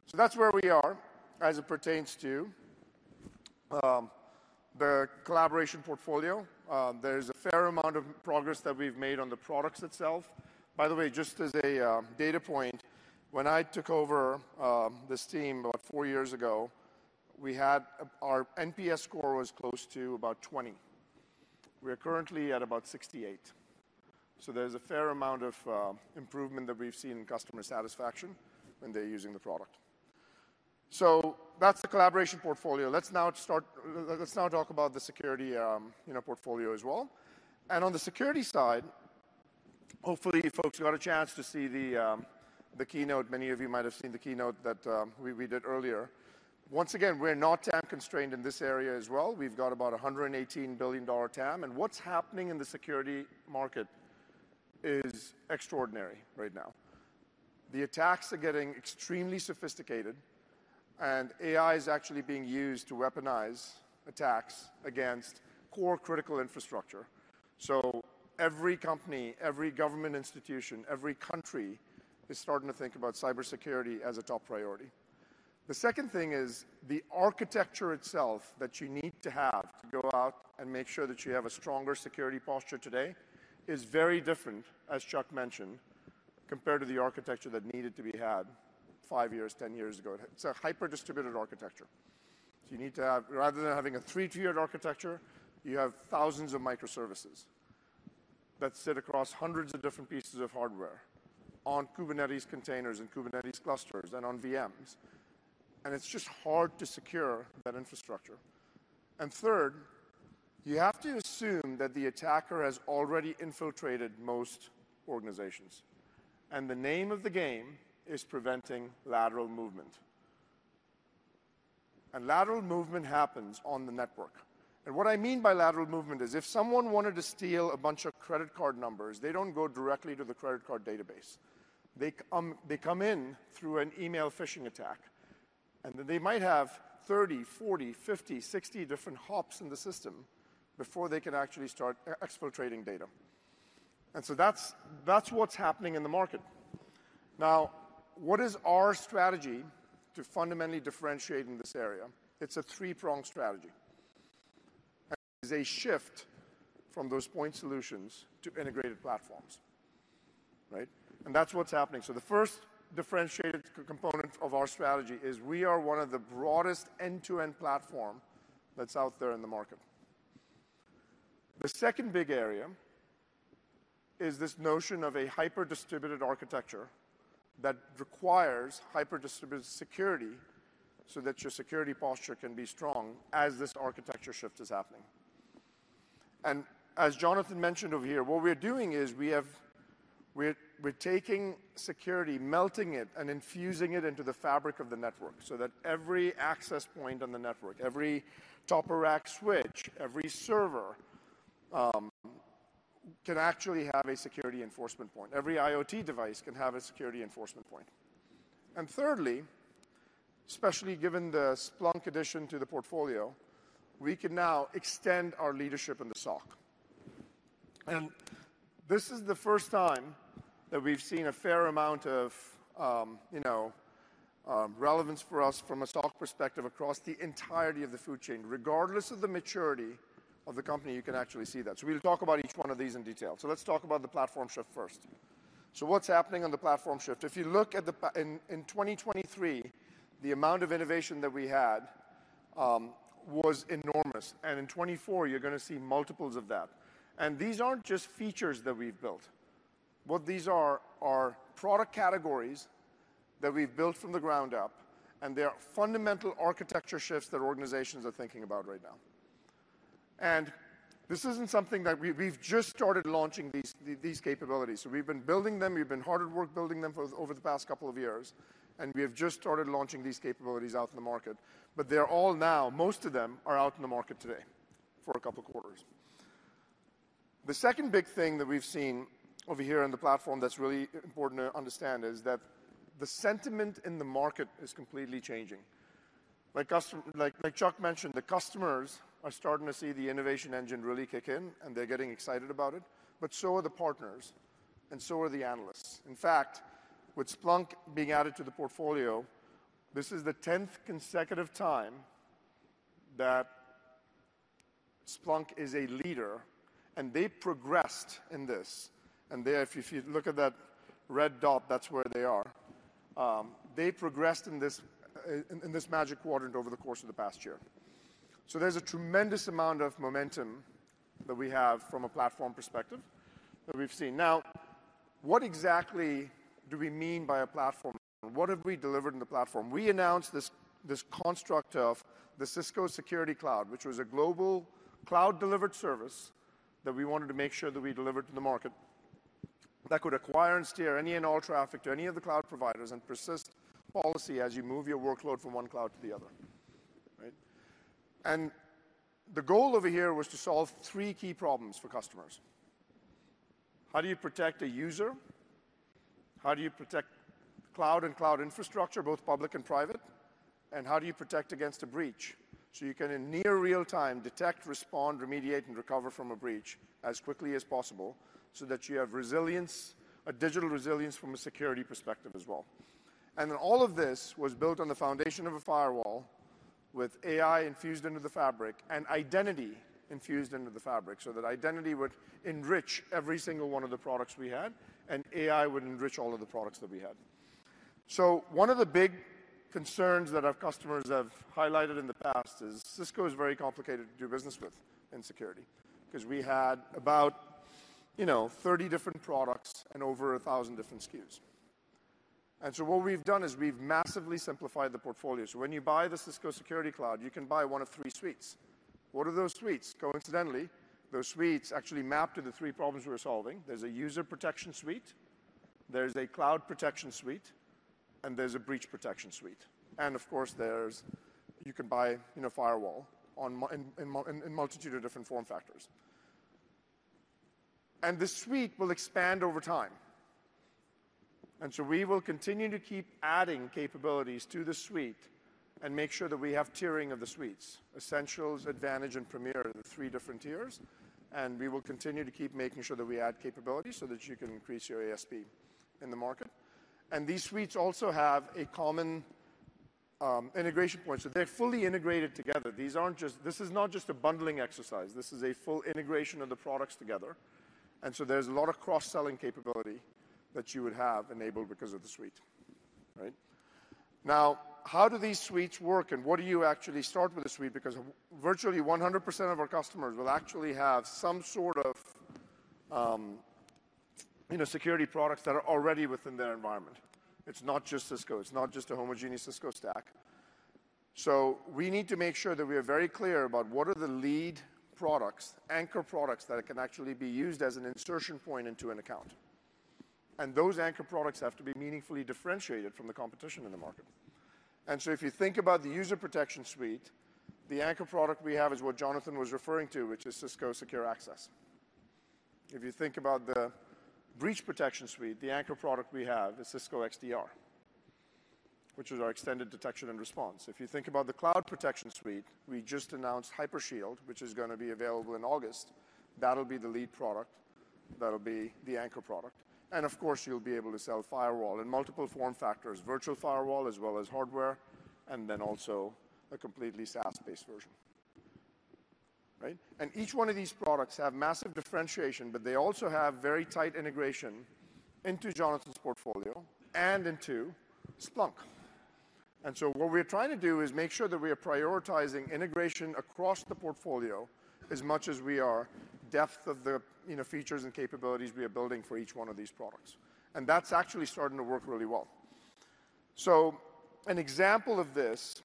So that's where we are as it pertains to the collaboration portfolio. There's a fair amount of progress that we've made on the products itself. By the way, just as a data point, when I took over this team about four years ago, we had our NPS score was close to about 20. We are currently at about 68. So there's a fair amount of improvement that we've seen in customer satisfaction when they're using the product. So that's the collaboration portfolio. Let's now talk about the security, you know, portfolio as well. And on the security side, hopefully, folks, you got a chance to see the keynote. Many of you might have seen the keynote that we did earlier. Once again, we're not TAM constrained in this area as well. We've got about a $118 billion TAM, and what's happening in the security market is extraordinary right now. The attacks are getting extremely sophisticated, and AI is actually being used to weaponize attacks against core critical infrastructure. So every company, every government institution, every country is starting to think about cybersecurity as a top priority. The second thing is the architecture itself that you need to have to go out and make sure that you have a stronger security posture today is very different, as Chuck mentioned, compared to the architecture that needed to be had 5 years, 10 years ago. It's a hyper-distributed architecture. So you need to have rather than having a three-tiered architecture, you have thousands of microservices that sit across hundreds of different pieces of hardware on Kubernetes containers and Kubernetes clusters and on VMs, and it's just hard to secure that infrastructure. And third, you have to assume that the attacker has already infiltrated most organizations, and the name of the game is preventing lateral movement. And lateral movement happens on the network. What I mean by lateral movement is if someone wanted to steal a bunch of credit card numbers, they don't go directly to the credit card database. They come, they come in through an email phishing attack, and then they might have 30, 40, 50, 60 different hops in the system before they can actually start exfiltrating data. And so that's, that's what's happening in the market. Now, what is our strategy to fundamentally differentiate in this area? It's a three-pronged strategy... is a shift from those point solutions to integrated platforms, right? And that's what's happening. So the first differentiated component of our strategy is we are one of the broadest end-to-end platform that's out there in the market. The second big area is this notion of a hyper-distributed architecture that requires hyper-distributed security, so that your security posture can be strong as this architecture shift is happening. As Jonathan mentioned over here, what we're doing is we're taking security, melting it, and infusing it into the fabric of the network, so that every access point on the network, every top-of-rack switch, every server can actually have a security enforcement point. Every IoT device can have a security enforcement point. And thirdly, especially given the Splunk addition to the portfolio, we can now extend our leadership in the SOC. And this is the first time that we've seen a fair amount of, you know, relevance for us from a SOC perspective across the entirety of the food chain. Regardless of the maturity of the company, you can actually see that. We'll talk about each one of these in detail. Let's talk about the platform shift first. What's happening on the platform shift? If you look at the—in 2023, the amount of innovation that we had was enormous, and in 2024, you're gonna see multiples of that. And these aren't just features that we've built. What these are, are product categories that we've built from the ground up, and they are fundamental architecture shifts that organizations are thinking about right now. And this isn't something that... We've, we've just started launching these, these capabilities. So we've been building them, we've been hard at work building them over the past couple of years, and we have just started launching these capabilities out in the market. But they are all now, most of them, are out in the market today for a couple quarters. The second big thing that we've seen over here on the platform that's really important to understand is that the sentiment in the market is completely changing. Like—like, like Chuck mentioned, the customers are starting to see the innovation engine really kick in, and they're getting excited about it, but so are the partners, and so are the analysts. In fact, with Splunk being added to the portfolio, this is the tenth consecutive time that Splunk is a leader, and they progressed in this. And there, if you look at that red dot, that's where they are. They progressed in this in this Magic Quadrant over the course of the past year. So there's a tremendous amount of momentum that we have from a platform perspective that we've seen. Now, what exactly do we mean by a platform? What have we delivered in the platform? We announced this, this construct of the Cisco Security Cloud, which was a global cloud-delivered service that we wanted to make sure that we delivered to the market, that could acquire and steer any and all traffic to any of the cloud providers and persist policy as you move your workload from one cloud to the other, right? And the goal over here was to solve three key problems for customers: How do you protect a user? How do you protect cloud and cloud infrastructure, both public and private? And how do you protect against a breach, so you can, in near real time, detect, respond, remediate, and recover from a breach as quickly as possible, so that you have resilience, a digital resilience from a security perspective as well? And then all of this was built on the foundation of a firewall with AI infused into the fabric and identity infused into the fabric, so that identity would enrich every single one of the products we had, and AI would enrich all of the products that we had. So one of the big concerns that our customers have highlighted in the past is Cisco is very complicated to do business with in security, 'cause we had about, you know, 30 different products and over 1,000 different SKUs. And so what we've done is we've massively simplified the portfolio. So when you buy the Cisco Security Cloud, you can buy one of 3 suites. What are those suites? Coincidentally, those suites actually map to the 3 problems we're solving. There's a user protection suite, there's a cloud protection suite, and there's a breach protection suite, and of course, there's... You can buy, you know, firewall in a multitude of different form factors. The suite will expand over time. So we will continue to keep adding capabilities to the suite and make sure that we have tiering of the suites. Essentials, Advantage, and Premier are the three different tiers, and we will continue to keep making sure that we add capabilities so that you can increase your ASP in the market. These suites also have a common integration point, so they're fully integrated together. These aren't just a bundling exercise. This is not just a bundling exercise. This is a full integration of the products together, and so there's a lot of cross-selling capability that you would have enabled because of the suite, right? Now, how do these suites work, and what do you actually start with the suite? Because virtually 100% of our customers will actually have some sort of, you know, security products that are already within their environment. It's not just Cisco. It's not just a homogeneous Cisco stack. So we need to make sure that we are very clear about what are the lead products, anchor products, that can actually be used as an insertion point into an account. And those anchor products have to be meaningfully differentiated from the competition in the market. And so if you think about the user protection suite, the anchor product we have is what Jonathan was referring to, which is Cisco Secure Access. If you think about the breach protection suite, the anchor product we have is Cisco XDR, which is our extended detection and response. If you think about the cloud protection suite, we just announced Hypershield, which is gonna be available in August. That'll be the lead product. That'll be the anchor product. And of course, you'll be able to sell firewall in multiple form factors, virtual firewall as well as hardware, and then also a completely SaaS-based version, right? And each one of these products have massive differentiation, but they also have very tight integration into Jonathan's portfolio and into Splunk. And so what we're trying to do is make sure that we are prioritizing integration across the portfolio as much as we are depth of the, you know, features and capabilities we are building for each one of these products. And that's actually starting to work really well. So an example of this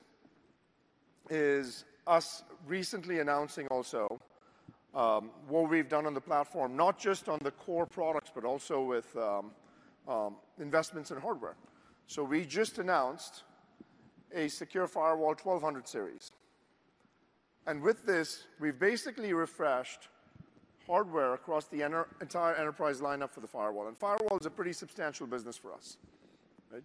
is us recently announcing also what we've done on the platform, not just on the core products, but also with investments in hardware. So we just announced a Secure Firewall 1200 series, and with this, we've basically refreshed hardware across the entire enterprise lineup for the firewall, and firewall is a pretty substantial business for us, right?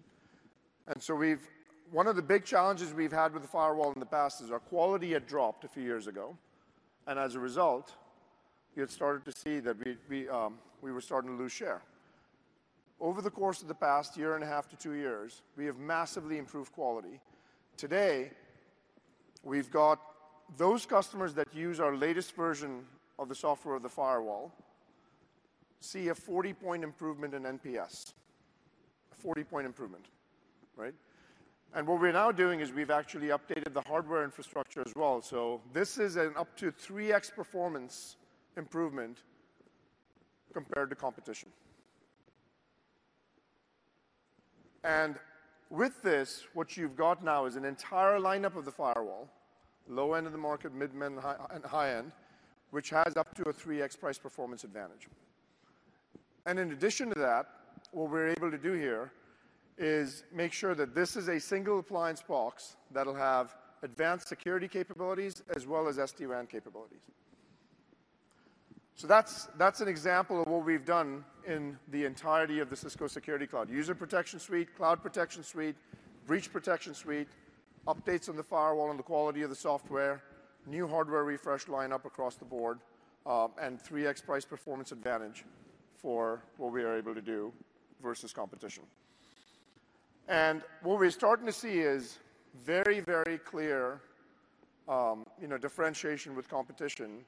One of the big challenges we've had with the firewall in the past is our quality had dropped a few years ago, and as a result, we were starting to lose share. Over the course of the past year and a half to two years, we have massively improved quality. Today, we've got those customers that use our latest version of the software of the firewall see a 40-point improvement in NPS. A 40-point improvement, right? And what we're now doing is we've actually updated the hardware infrastructure as well. So this is an up to 3x performance improvement compared to competition. With this, what you've got now is an entire lineup of the firewall, low end of the market, mid and high, and high end, which has up to a 3x price performance advantage. In addition to that, what we're able to do here is make sure that this is a single appliance box that'll have advanced security capabilities as well as SD-WAN capabilities. That's, that's an example of what we've done in the entirety of the Cisco Security Cloud: User Protection Suite, Cloud Protection Suite, Breach Protection Suite, updates on the firewall and the quality of the software, new hardware refresh lineup across the board, and 3x price performance advantage for what we are able to do versus competition. And what we're starting to see is very, very clear, you know, differentiation with competition,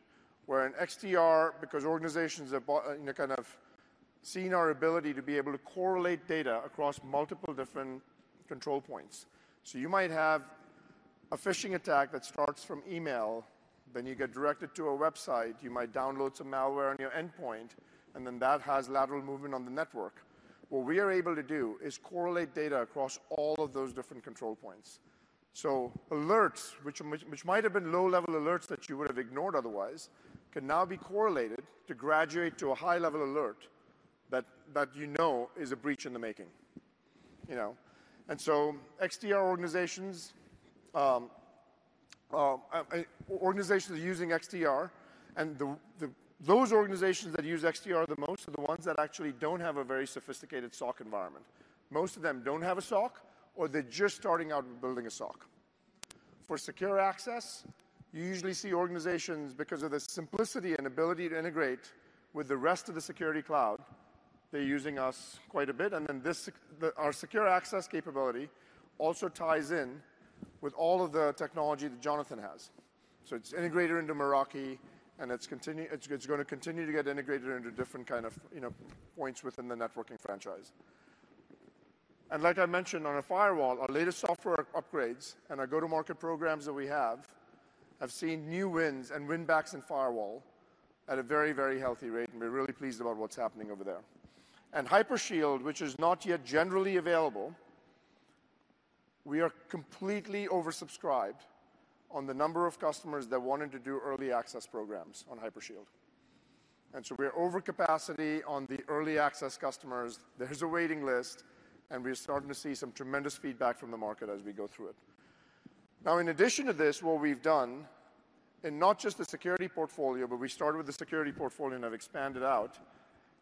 where in XDR, because organizations have kind of seen our ability to be able to correlate data across multiple different control points. So you might have a phishing attack that starts from email, then you get directed to a website, you might download some malware on your endpoint, and then that has lateral movement on the network. What we are able to do is correlate data across all of those different control points. So alerts, which might have been low-level alerts that you would have ignored otherwise, can now be correlated to graduate to a high-level alert that you know is a breach in the making, you know? And so XDR organizations using XDR and the, the... Those organizations that use XDR the most are the ones that actually don't have a very sophisticated SOC environment. Most of them don't have a SOC, or they're just starting out building a SOC. For Secure Access, you usually see organizations, because of the simplicity and ability to integrate with the rest of the Security Cloud, they're using us quite a bit. And then our Secure Access capability also ties in with all of the technology that Jonathan has. So it's integrated into Meraki, and it's gonna continue to get integrated into different kind of, you know, points within the networking franchise. And like I mentioned, on our firewall, our latest software upgrades and our Go-to-Market programs that we have, have seen new wins and win backs in firewall at a very, very healthy rate, and we're really pleased about what's happening over there. Hypershield, which is not yet generally available, we are completely oversubscribed on the number of customers that wanted to do early access programs on Hypershield. So we're over capacity on the early access customers. There's a waiting list, and we're starting to see some tremendous feedback from the market as we go through it. Now, in addition to this, what we've done, in not just the security portfolio, but we started with the security portfolio and have expanded out,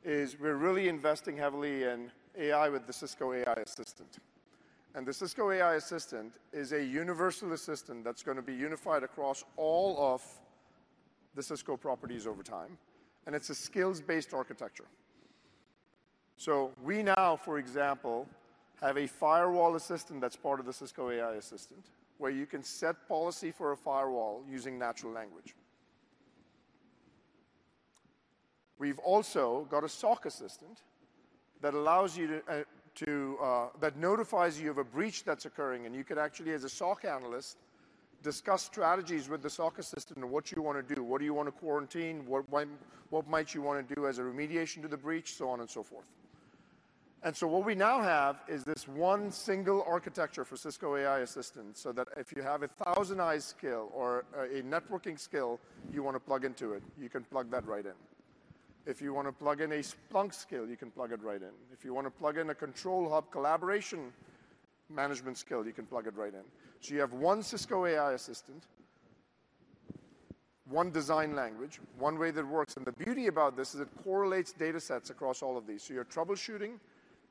is we're really investing heavily in AI with the Cisco AI Assistant. The Cisco AI Assistant is a universal assistant that's gonna be unified across all of the Cisco properties over time, and it's a skills-based architecture. So we now, for example, have a firewall assistant that's part of the Cisco AI Assistant, where you can set policy for a firewall using natural language. We've also got a SOC assistant that allows you to. That notifies you of a breach that's occurring, and you can actually, as a SOC analyst, discuss strategies with the SOC assistant on what you want to do, what do you want to quarantine, what, when, what might you want to do as a remediation to the breach, so on and so forth. And so what we now have is this one single architecture for Cisco AI Assistant, so that if you have a ThousandEyes skill or a networking skill, you want to plug into it, you can plug that right in. If you want to plug in a Splunk skill, you can plug it right in. If you want to plug in a Control Hub collaboration management skill, you can plug it right in. So you have one Cisco AI Assistant, one design language, one way that works, and the beauty about this is it correlates datasets across all of these. So your troubleshooting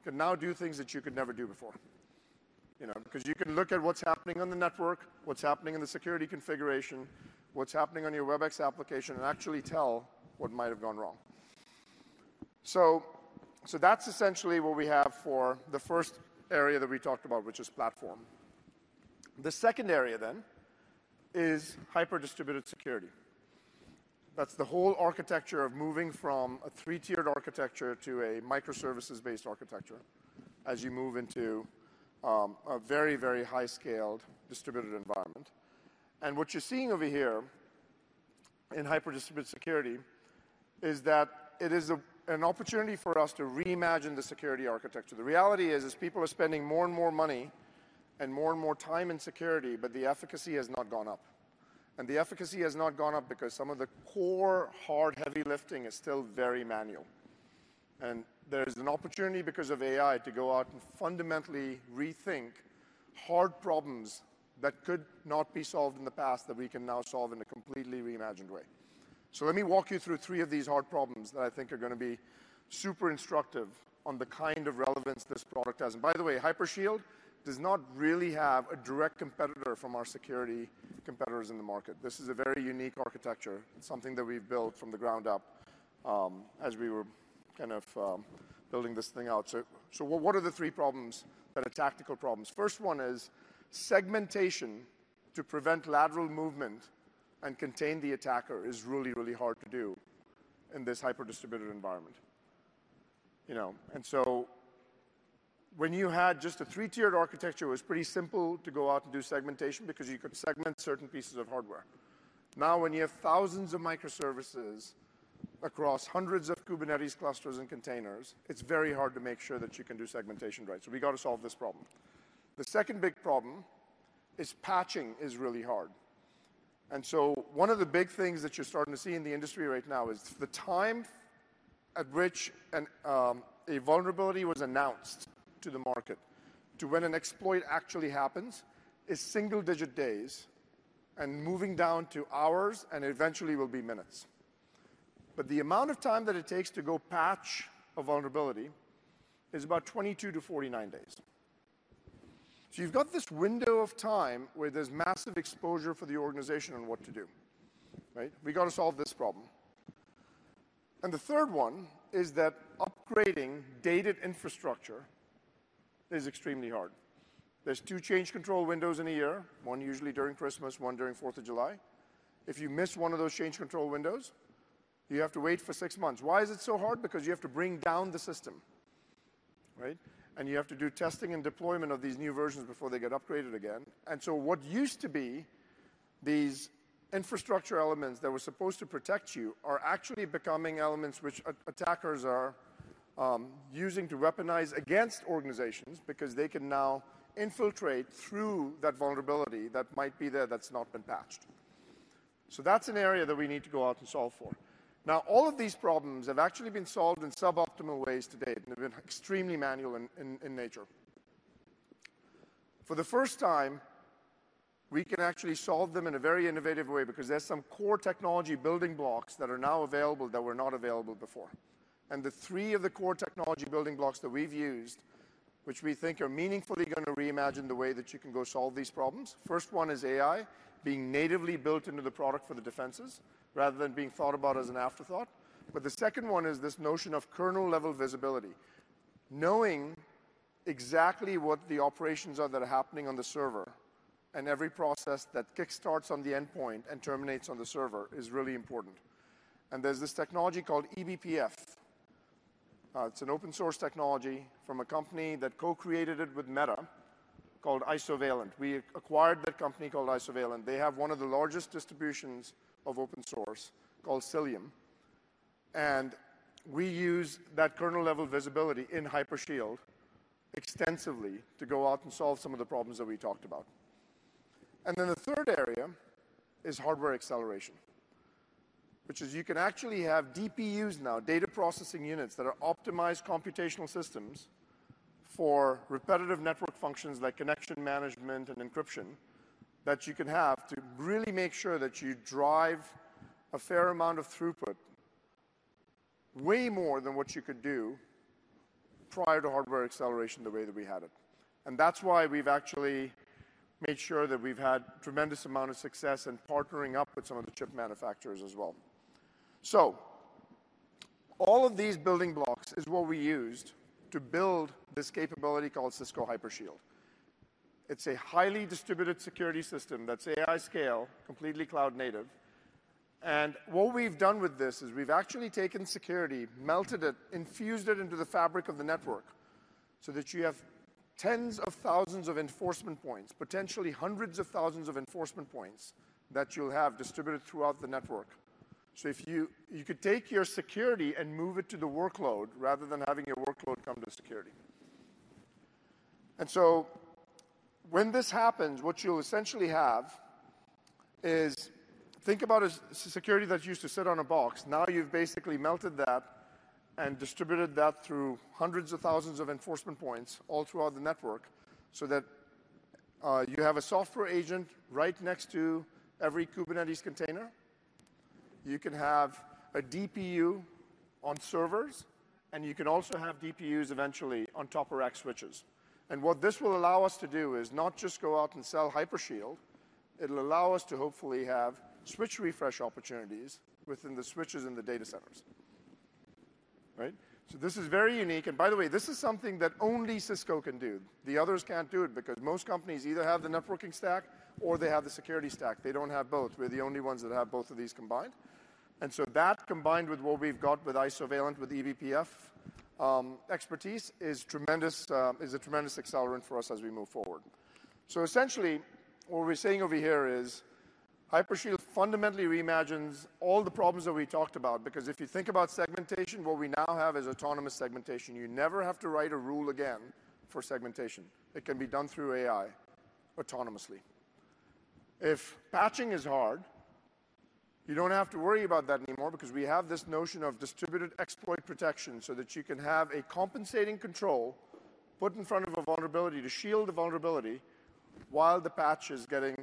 can now do things that you could never do before... you know, because you can look at what's happening on the network, what's happening in the security configuration, what's happening on your WebEx application, and actually tell what might have gone wrong. So, so that's essentially what we have for the first area that we talked about, which is platform. The second area then is hyper-distributed security. That's the whole architecture of moving from a three-tiered architecture to a microservices-based architecture as you move into, a very, very high-scaled distributed environment. And what you're seeing over here in hyper-distributed security is that it is an opportunity for us to reimagine the security architecture. The reality is people are spending more and more money and more and more time in security, but the efficacy has not gone up. The efficacy has not gone up because some of the core, hard, heavy lifting is still very manual. There is an opportunity, because of AI, to go out and fundamentally rethink hard problems that could not be solved in the past that we can now solve in a completely reimagined way. So let me walk you through three of these hard problems that I think are gonna be super instructive on the kind of relevance this product has. By the way, Hypershield does not really have a direct competitor from our security competitors in the market. This is a very unique architecture, something that we've built from the ground up, as we were kind of building this thing out. So, what are the three problems that are tactical problems? First one is segmentation to prevent lateral movement and contain the attacker, is really, really hard to do in this hyper-distributed environment. You know, and so when you had just a three-tiered architecture, it was pretty simple to go out and do segmentation because you could segment certain pieces of hardware. Now, when you have thousands of microservices across hundreds of Kubernetes clusters and containers, it's very hard to make sure that you can do segmentation right. So we got to solve this problem. The second big problem is patching, is really hard. So one of the big things that you're starting to see in the industry right now is the time at which a vulnerability was announced to the market, to when an exploit actually happens, is single-digit days and moving down to hours and eventually will be minutes. But the amount of time that it takes to go patch a vulnerability is about 22-49 days. So you've got this window of time where there's massive exposure for the organization on what to do, right? We got to solve this problem. The third one is that upgrading dated infrastructure is extremely hard. There's 2 change control windows in a year, 1 usually during Christmas, 1 during Fourth of July. If you miss one of those change control windows, you have to wait for 6 months. Why is it so hard? Because you have to bring down the system, right? And you have to do testing and deployment of these new versions before they get upgraded again. And so what used to be these infrastructure elements that were supposed to protect you are actually becoming elements which attackers are using to weaponize against organizations because they can now infiltrate through that vulnerability that might be there that's not been patched. So that's an area that we need to go out and solve for. Now, all of these problems have actually been solved in suboptimal ways to date, and they've been extremely manual in nature. For the first time, we can actually solve them in a very innovative way because there's some core technology building blocks that are now available that were not available before. The three of the core technology building blocks that we've used, which we think are meaningfully gonna reimagine the way that you can go solve these problems. First one is AI, being natively built into the product for the defenses rather than being thought about as an afterthought. But the second one is this notion of kernel-level visibility. Knowing exactly what the operations are that are happening on the server, and every process that kickstarts on the endpoint and terminates on the server is really important. And there's this technology called eBPF. It's an open-source technology from a company that co-created it with Meta called Isovalent. We acquired that company called Isovalent. They have one of the largest distributions of open source called Cilium, and we use that kernel-level visibility in Hypershield extensively to go out and solve some of the problems that we talked about. And then the third area is hardware acceleration, which is you can actually have DPUs now, data processing units, that are optimized computational systems for repetitive network functions like connection management and encryption, that you can have to really make sure that you drive a fair amount of throughput, way more than what you could do prior to hardware acceleration, the way that we had it. That's why we've actually made sure that we've had tremendous amount of success in partnering up with some of the chip manufacturers as well. All of these building blocks is what we used to build this capability called Cisco Hypershield. It's a highly distributed security system that's AI-scale, completely cloud-native. And what we've done with this is we've actually taken security, melted it, infused it into the fabric of the network so that you have tens of thousands of enforcement points, potentially hundreds of thousands of enforcement points, that you'll have distributed throughout the network. So if you could take your security and move it to the workload, rather than having your workload come to the security. And so when this happens, what you'll essentially have is... Think about a security that used to sit on a box. Now, you've basically melted that and distributed that through hundreds of thousands of enforcement points all throughout the network, so that you have a software agent right next to every Kubernetes container... you can have a DPU on servers, and you can also have DPUs eventually on top-of-rack switches. What this will allow us to do is not just go out and sell Hypershield, it'll allow us to hopefully have switch refresh opportunities within the switches in the data centers, right? So this is very unique, and by the way, this is something that only Cisco can do. The others can't do it because most companies either have the networking stack or they have the security stack. They don't have both. We're the only ones that have both of these combined. And so that, combined with what we've got with Isovalent, with eBPF expertise, is tremendous, is a tremendous accelerant for us as we move forward. So essentially, what we're saying over here is Hypershield fundamentally reimagines all the problems that we talked about, because if you think about segmentation, what we now have is autonomous segmentation. You never have to write a rule again for segmentation. It can be done through AI autonomously. If patching is hard, you don't have to worry about that anymore because we have this notion of distributed exploit protection, so that you can have a compensating control put in front of a vulnerability to shield the vulnerability while the patch is getting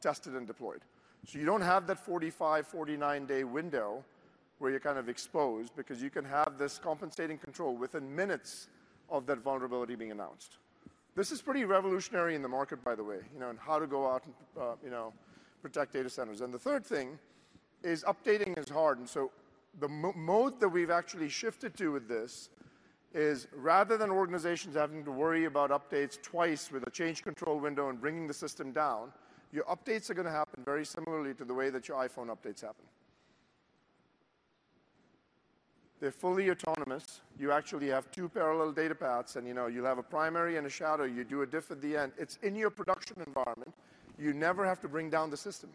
tested and deployed. So you don't have that 45-49-day window where you're kind of exposed because you can have this compensating control within minutes of that vulnerability being announced. This is pretty revolutionary in the market, by the way, you know, in how to go out and protect data centers. And the third thing is updating is hard, and so the mode that we've actually shifted to with this is, rather than organizations having to worry about updates twice with a change control window and bringing the system down, your updates are gonna happen very similarly to the way that your iPhone updates happen. They're fully autonomous. You actually have two parallel data paths, and, you know, you'll have a primary and a shadow. You do a diff at the end. It's in your production environment. You never have to bring down the system.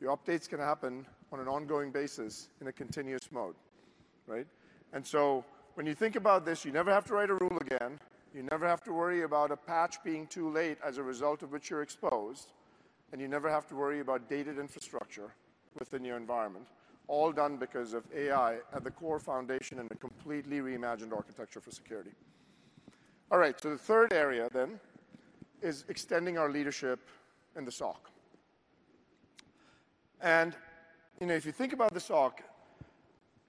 Your updates can happen on an ongoing basis in a continuous mode, right? When you think about this, you never have to write a rule again, you never have to worry about a patch being too late, as a result of which you're exposed, and you never have to worry about dated infrastructure within your environment, all done because of AI at the core foundation and a completely reimagined architecture for security. All right, the third area then is extending our leadership in the SOC. You know, if you think about the SOC,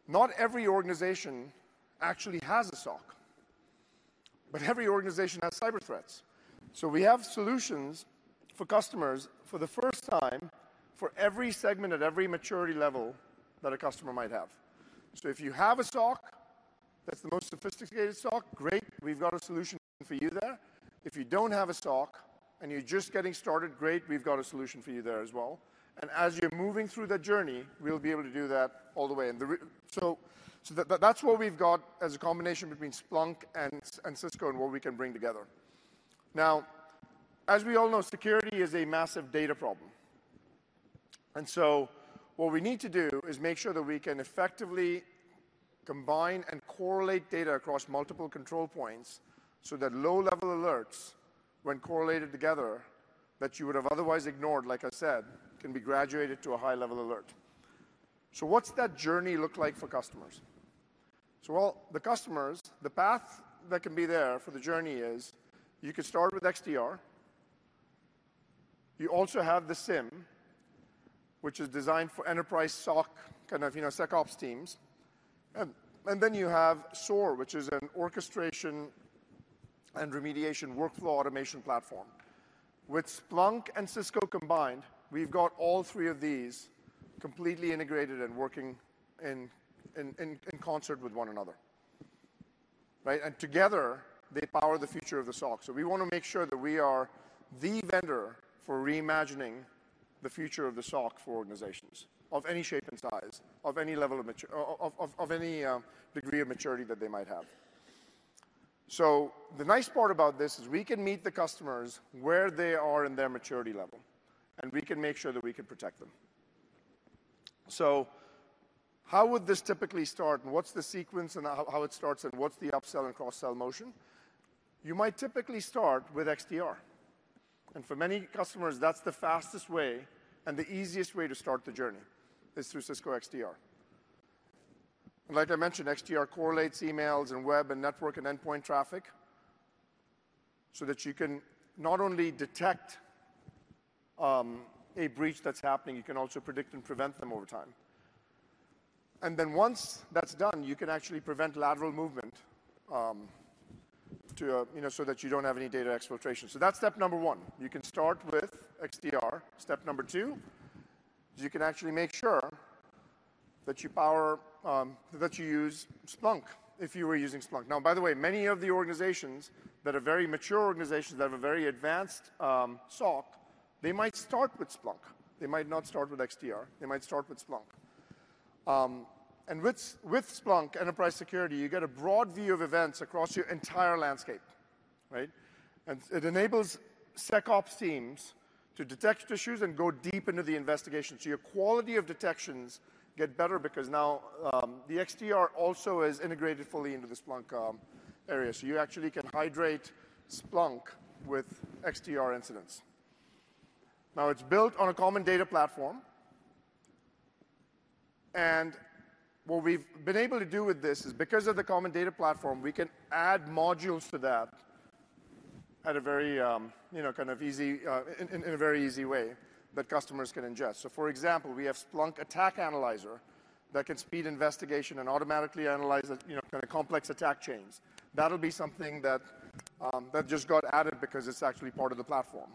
not every organization actually has a SOC, but every organization has cyber threats. We have solutions for customers for the first time, for every segment at every maturity level that a customer might have. If you have a SOC that's the most sophisticated SOC, great, we've got a solution for you there. If you don't have a SOC and you're just getting started, great, we've got a solution for you there as well. As you're moving through that journey, we'll be able to do that all the way. So, that's what we've got as a combination between Splunk and Cisco and what we can bring together. Now, as we all know, security is a massive data problem. So what we need to do is make sure that we can effectively combine and correlate data across multiple control points, so that low-level alerts, when correlated together, that you would have otherwise ignored, like I said, can be graduated to a high-level alert. So what's that journey look like for customers? Well, the customers, the path that can be there for the journey is you could start with XDR. You also have the SIEM, which is designed for enterprise SOC, kind of, you know, SecOps teams. And then you have SOAR, which is an orchestration and remediation workflow automation platform. With Splunk and Cisco combined, we've got all three of these completely integrated and working in concert with one another, right? And together, they power the future of the SOC. So we wanna make sure that we are the vendor for reimagining the future of the SOC for organizations of any shape and size, of any level of maturity, of any degree of maturity that they might have. So the nice part about this is we can meet the customers where they are in their maturity level, and we can make sure that we can protect them. So how would this typically start, and what's the sequence and how, how it starts, and what's the upsell and cross-sell motion? You might typically start with XDR, and for many customers, that's the fastest way and the easiest way to start the journey, is through Cisco XDR. Like I mentioned, XDR correlates emails and web and network and endpoint traffic, so that you can not only detect a breach that's happening, you can also predict and prevent them over time. And then once that's done, you can actually prevent lateral movement to so that you don't have any data exfiltration. So that's step number one. You can start with XDR. Step number two, you can actually make sure that you power that you use Splunk, if you were using Splunk. Now, by the way, many of the organizations that are very mature organizations that have a very advanced SOC, they might start with Splunk. They might not start with XDR. They might start with Splunk. And with Splunk Enterprise Security, you get a broad view of events across your entire landscape, right? And it enables SecOps teams to detect issues and go deep into the investigation. So your quality of detections get better because now the XDR also is integrated fully into the Splunk area. So you actually can hydrate Splunk with XDR incidents. Now, it's built on a common data platform, and what we've been able to do with this is, because of the common data platform, we can add modules to that at a very you know kind of easy a very easy way that customers can ingest. So, for example, we have Splunk Attack Analyzer that can speed investigation and automatically analyze, you know, kinda complex attack chains. That'll be something that, that just got added because it's actually part of the platform.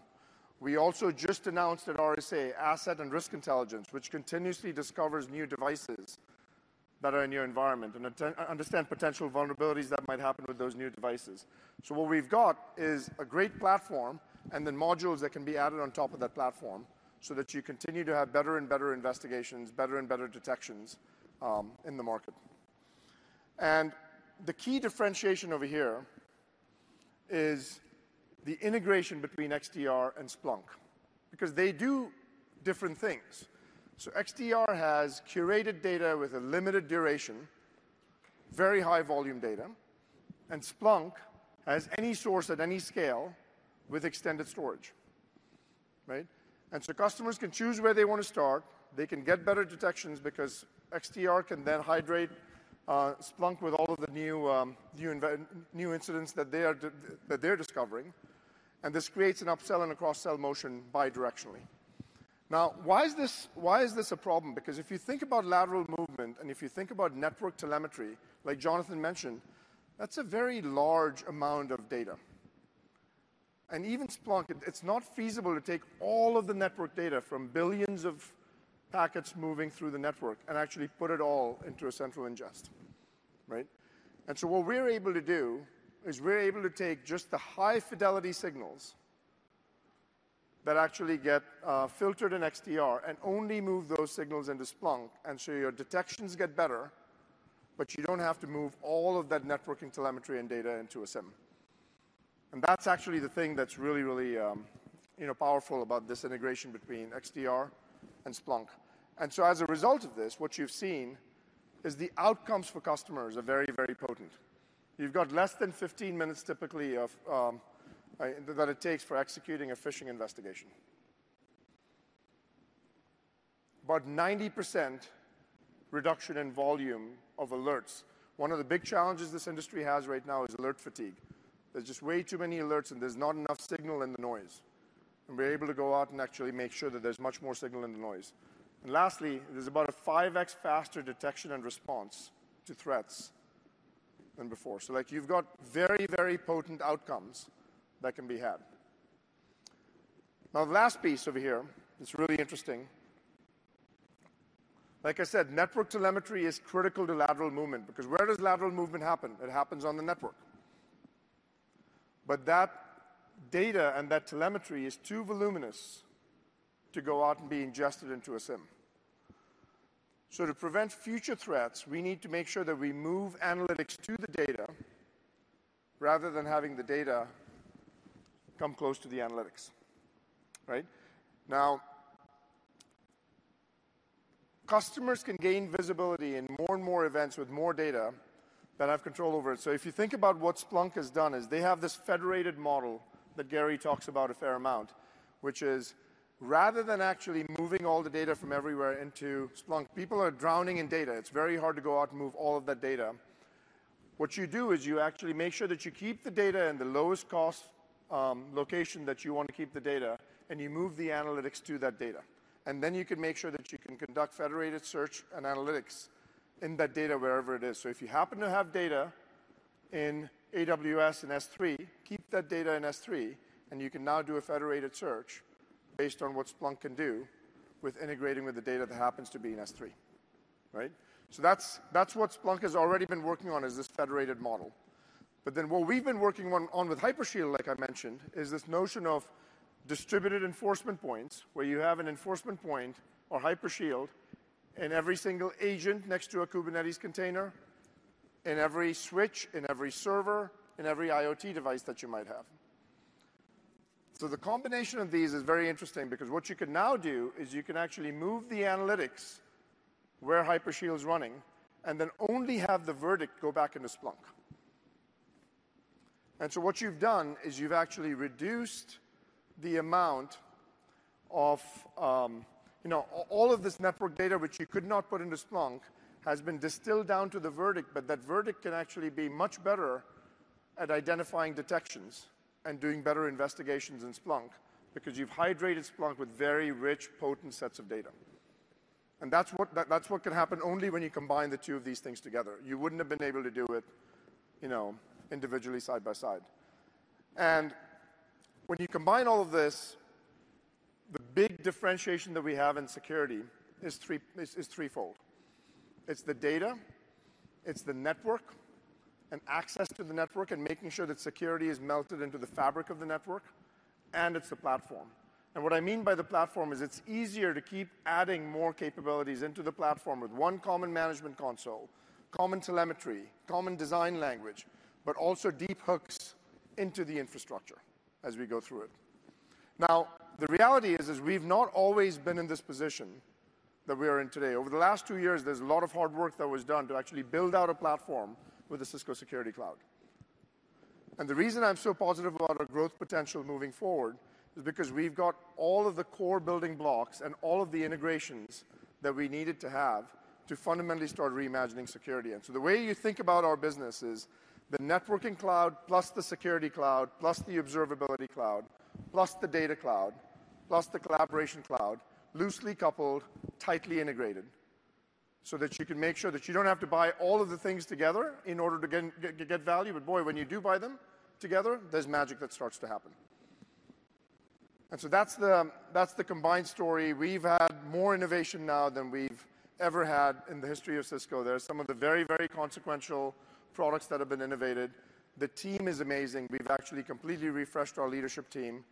We also just announced at RSA, Asset and Risk Intelligence, which continuously discovers new devices that are in your environment, and then understand potential vulnerabilities that might happen with those new devices. So what we've got is a great platform and then modules that can be added on top of that platform, so that you continue to have better and better investigations, better and better detections, in the market. And the key differentiation over here is the integration between XDR and Splunk, because they do different things. So XDR has curated data with a limited duration, very high volume data, and Splunk has any source at any scale with extended storage. Right? And so customers can choose where they wanna start. They can get better detections because XDR can then hydrate Splunk with all of the new incidents that they're discovering, and this creates an upsell and a cross-sell motion bidirectionally. Now, why is this, why is this a problem? Because if you think about lateral movement, and if you think about network telemetry, like Jonathan mentioned, that's a very large amount of data. And even Splunk, it's not feasible to take all of the network data from billions of packets moving through the network and actually put it all into a central ingest, right? And so what we're able to do is we're able to take just the high-fidelity signals that actually get filtered in XDR and only move those signals into Splunk, and so your detections get better, but you don't have to move all of that networking telemetry and data into a SIEM. And that's actually the thing that's really, really, you know, powerful about this integration between XDR and Splunk. And so as a result of this, what you've seen is the outcomes for customers are very, very potent. You've got less than 15 minutes typically of that it takes for executing a phishing investigation. About 90% reduction in volume of alerts. One of the big challenges this industry has right now is alert fatigue. There's just way too many alerts, and there's not enough signal in the noise, and we're able to go out and actually make sure that there's much more signal in the noise. And lastly, there's about a 5x faster detection and response to threats than before. So, like, you've got very, very potent outcomes that can be had. Now, the last piece over here is really interesting. Like I said, network telemetry is critical to lateral movement, because where does lateral movement happen? It happens on the network. But that data and that telemetry is too voluminous to go out and be ingested into a SIEM. So to prevent future threats, we need to make sure that we move analytics to the data rather than having the data come close to the analytics, right? Now, customers can gain visibility in more and more events with more data that have control over it. So if you think about what Splunk has done, is they have this federated model that Gary talks about a fair amount, which is, rather than actually moving all the data from everywhere into Splunk, people are drowning in data. It's very hard to go out and move all of that data. What you do is you actually make sure that you keep the data in the lowest cost location that you want to keep the data, and you move the analytics to that data. And then you can make sure that you can conduct federated search and analytics in that data wherever it is. So if you happen to have data in AWS and S3, keep that data in S3, and you can now do a federated search based on what Splunk can do with integrating with the data that happens to be in S3, right? So that's, that's what Splunk has already been working on, is this federated model. But then what we've been working on with Hypershield, like I mentioned, is this notion of distributed enforcement points, where you have an enforcement point or Hypershield in every single agent next to a Kubernetes container, in every switch, in every server, in every IoT device that you might have. So the combination of these is very interesting because what you can now do is you can actually move the analytics where Hypershield is running and then only have the verdict go back into Splunk. What you've done is you've actually reduced the amount of, you know, all of this network data, which you could not put into Splunk, has been distilled down to the verdict, but that verdict can actually be much better at identifying detections and doing better investigations in Splunk because you've hydrated Splunk with very rich, potent sets of data. That's what, that's what can happen only when you combine the two of these things together. You wouldn't have been able to do it, you know, individually, side by side. When you combine all of this, the big differentiation that we have in security is three, is, is threefold: It's the data, it's the network and access to the network, and making sure that security is melted into the fabric of the network, and it's the platform. And what I mean by the platform is it's easier to keep adding more capabilities into the platform with one common management console, common telemetry, common design language, but also deep hooks into the infrastructure as we go through it. Now, the reality is, is we've not always been in this position that we are in today. Over the last two years, there's a lot of hard work that was done to actually build out a platform with the Cisco Security Cloud. And the reason I'm so positive about our growth potential moving forward is because we've got all of the core building blocks and all of the integrations that we needed to have to fundamentally start reimagining security. And so the way you think about our business is the networking cloud, plus the security cloud, plus the observability cloud, plus the data cloud-... plus the collaboration cloud, loosely coupled, tightly integrated, so that you can make sure that you don't have to buy all of the things together in order to get, get, get value. But boy, when you do buy them together, there's magic that starts to happen. And so that's the, that's the combined story. We've had more innovation now than we've ever had in the history of Cisco. There are some of the very, very consequential products that have been innovated. The team is amazing. We've actually completely refreshed our leadership team.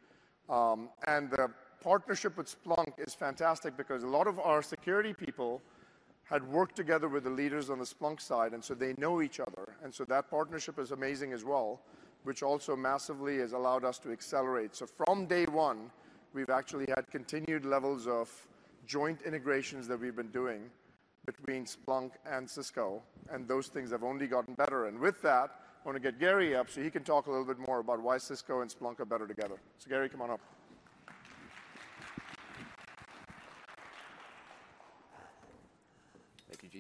And the partnership with Splunk is fantastic because a lot of our security people had worked together with the leaders on the Splunk side, and so they know each other, and so that partnership is amazing as well, which also massively has allowed us to accelerate. So from day one, we've actually had continued levels of joint integrations that we've been doing between Splunk and Cisco, and those things have only gotten better. With that, I wanna get Gary up so he can talk a little bit more about why Cisco and Splunk are better together. Gary, come on up.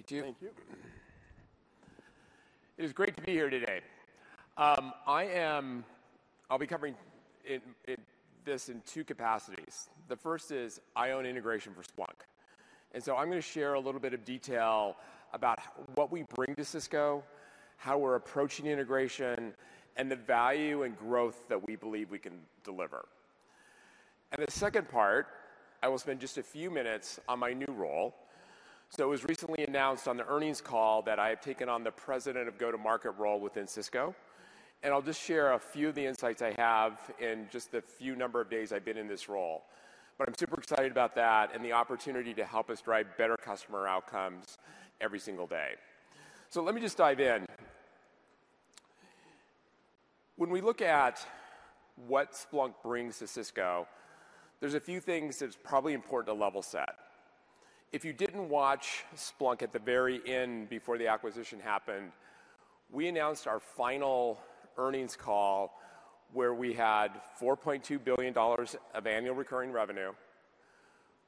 Thank you, Jeetu. Thank you. It is great to be here today. I'll be covering this in two capacities. The first is, I own integration for Splunk, and so I'm gonna share a little bit of detail about what we bring to Cisco, how we're approaching integration, and the value and growth that we believe we can deliver. And the second part, I will spend just a few minutes on my new role. So it was recently announced on the earnings call that I have taken on the President of Go-to-Market role within Cisco, and I'll just share a few of the insights I have in just the few number of days I've been in this role. But I'm super excited about that and the opportunity to help us drive better customer outcomes every single day. So let me just dive in. When we look at what Splunk brings to Cisco, there's a few things that's probably important to level set. If you didn't watch Splunk at the very end before the acquisition happened, we announced our final earnings call, where we had $4.2 billion of annual recurring revenue.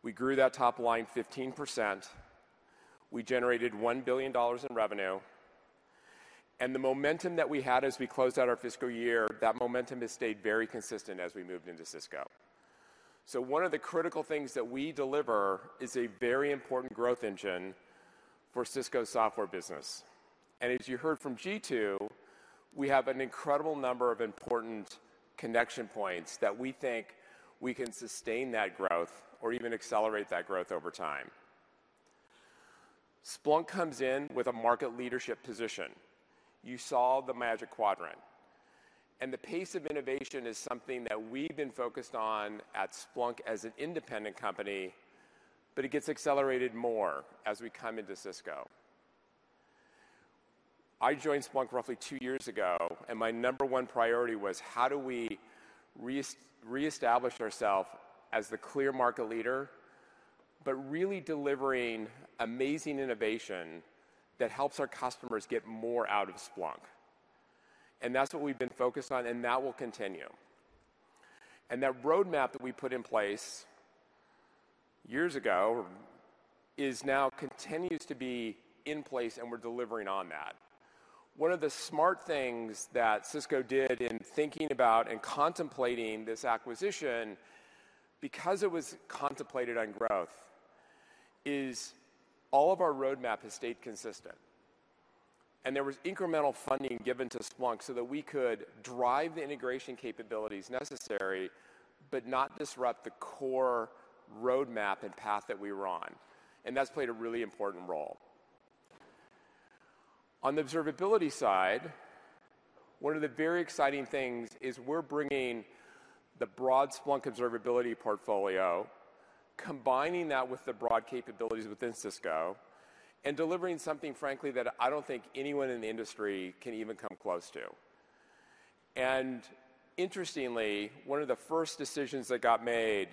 We grew that top line 15%. We generated $1 billion in revenue, and the momentum that we had as we closed out our fiscal year, that momentum has stayed very consistent as we moved into Cisco. So one of the critical things that we deliver is a very important growth engine for Cisco's software business. And as you heard from Jeetu, we have an incredible number of important connection points that we think we can sustain that growth or even accelerate that growth over time. Splunk comes in with a market leadership position. You saw the Magic Quadrant, and the pace of innovation is something that we've been focused on at Splunk as an independent company, but it gets accelerated more as we come into Cisco. I joined Splunk roughly two years ago, and my number one priority was: how do we reestablish ourselves as the clear market leader, but really delivering amazing innovation that helps our customers get more out of Splunk? And that's what we've been focused on, and that will continue. And that roadmap that we put in place years ago is now continues to be in place, and we're delivering on that. One of the smart things that Cisco did in thinking about and contemplating this acquisition, because it was contemplated on growth, is all of our roadmap has stayed consistent. And there was incremental funding given to Splunk so that we could drive the integration capabilities necessary, but not disrupt the core roadmap and path that we were on, and that's played a really important role. On the observability side, one of the very exciting things is we're bringing the broad Splunk observability portfolio, combining that with the broad capabilities within Cisco, and delivering something, frankly, that I don't think anyone in the industry can even come close to. And interestingly, one of the first decisions that got made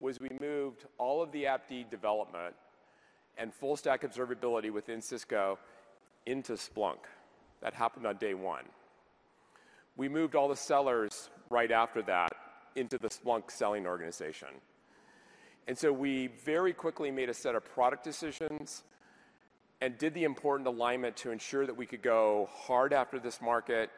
was we moved all of the AppD development and full stack observability within Cisco into Splunk. That happened on day one. We moved all the sellers right after that into the Splunk selling organization. So we very quickly made a set of product decisions and did the important alignment to ensure that we could go hard after this market,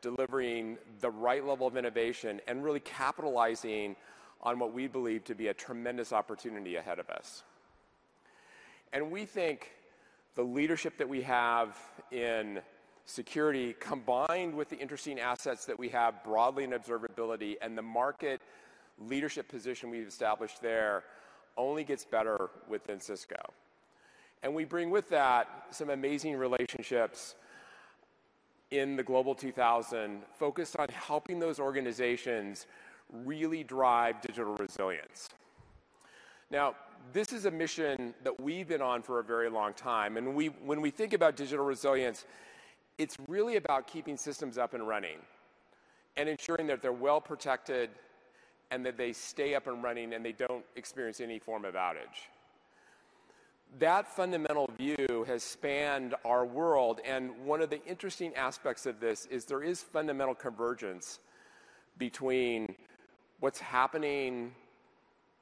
delivering the right level of innovation and really capitalizing on what we believe to be a tremendous opportunity ahead of us. We think the leadership that we have in security, combined with the interesting assets that we have broadly in observability and the market leadership position we've established there, only gets better within Cisco. We bring with that some amazing relationships in the Global 2000, focused on helping those organizations really drive digital resilience. Now, this is a mission that we've been on for a very long time, and we, when we think about digital resilience, it's really about keeping systems up and running, and ensuring that they're well protected, and that they stay up and running, and they don't experience any form of outage. That fundamental view has spanned our world, and one of the interesting aspects of this is there is fundamental convergence between what's happening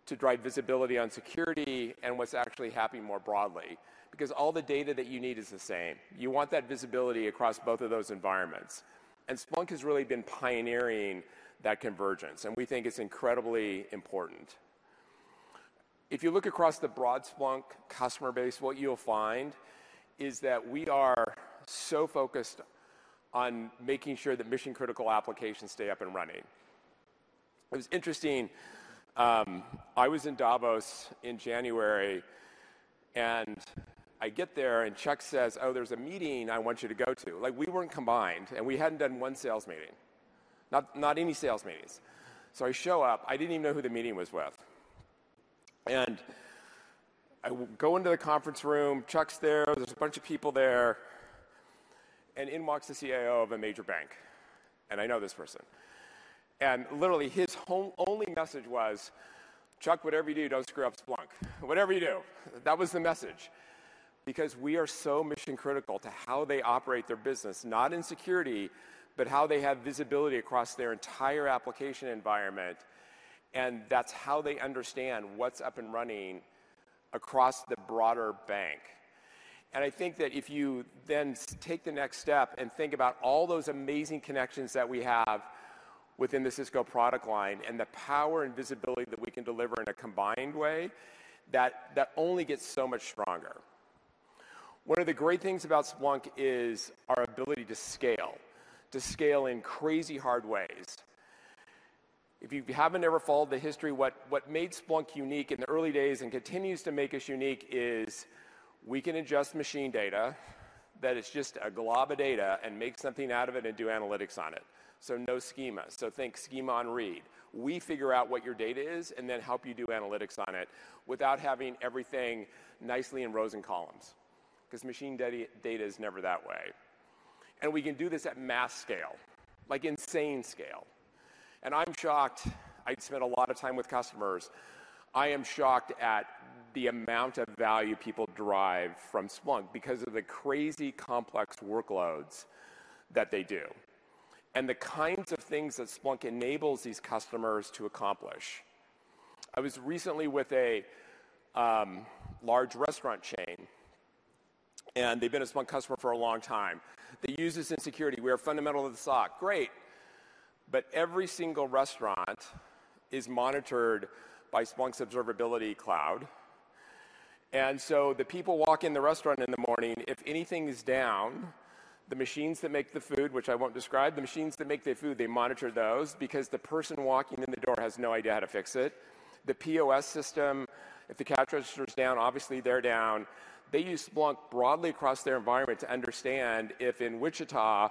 to drive visibility on security and what's actually happening more broadly, because all the data that you need is the same. You want that visibility across both of those environments, and Splunk has really been pioneering that convergence, and we think it's incredibly important. If you look across the broad Splunk customer base, what you'll find is that we are so focused on making sure that mission-critical applications stay up and running. It was interesting, I was in Davos in January, and I get there, and Chuck says, "Oh, there's a meeting I want you to go to." Like, we weren't combined, and we hadn't done one sales meeting, not, not any sales meetings. So I show up, I didn't even know who the meeting was with. And I go into the conference room, Chuck's there, there's a bunch of people there, and in walks the CIO of a major bank, and I know this person. And literally, his whole only message was, "Chuck, whatever you do, don't screw up Splunk. Whatever you do!" That was the message. Because we are so mission-critical to how they operate their business, not in security, but how they have visibility across their entire application environment, and that's how they understand what's up and running across the broader bank. And I think that if you then take the next step and think about all those amazing connections that we have within the Cisco product line and the power and visibility that we can deliver in a combined way, that, that only gets so much stronger. One of the great things about Splunk is our ability to scale, to scale in crazy hard ways. If you haven't ever followed the history, what, what made Splunk unique in the early days and continues to make us unique is we can adjust machine data, that it's just a glob of data, and make something out of it and do analytics on it. So no schema. So think schema on read. We figure out what your data is and then help you do analytics on it without having everything nicely in rows and columns, 'cause machine data, data is never that way. We can do this at mass scale, like insane scale. I'm shocked... I spent a lot of time with customers. I am shocked at the amount of value people derive from Splunk because of the crazy complex workloads that they do and the kinds of things that Splunk enables these customers to accomplish. I was recently with a large restaurant chain, and they've been a Splunk customer for a long time. They use us in security. We are fundamental to the SOC. Great, but every single restaurant is monitored by Splunk's Observability Cloud. So the people walk in the restaurant in the morning, if anything is down, the machines that make the food, which I won't describe, the machines that make the food, they monitor those because the person walking in the door has no idea how to fix it. The POS system, if the cash register's down, obviously they're down. They use Splunk broadly across their environment to understand if in Wichita,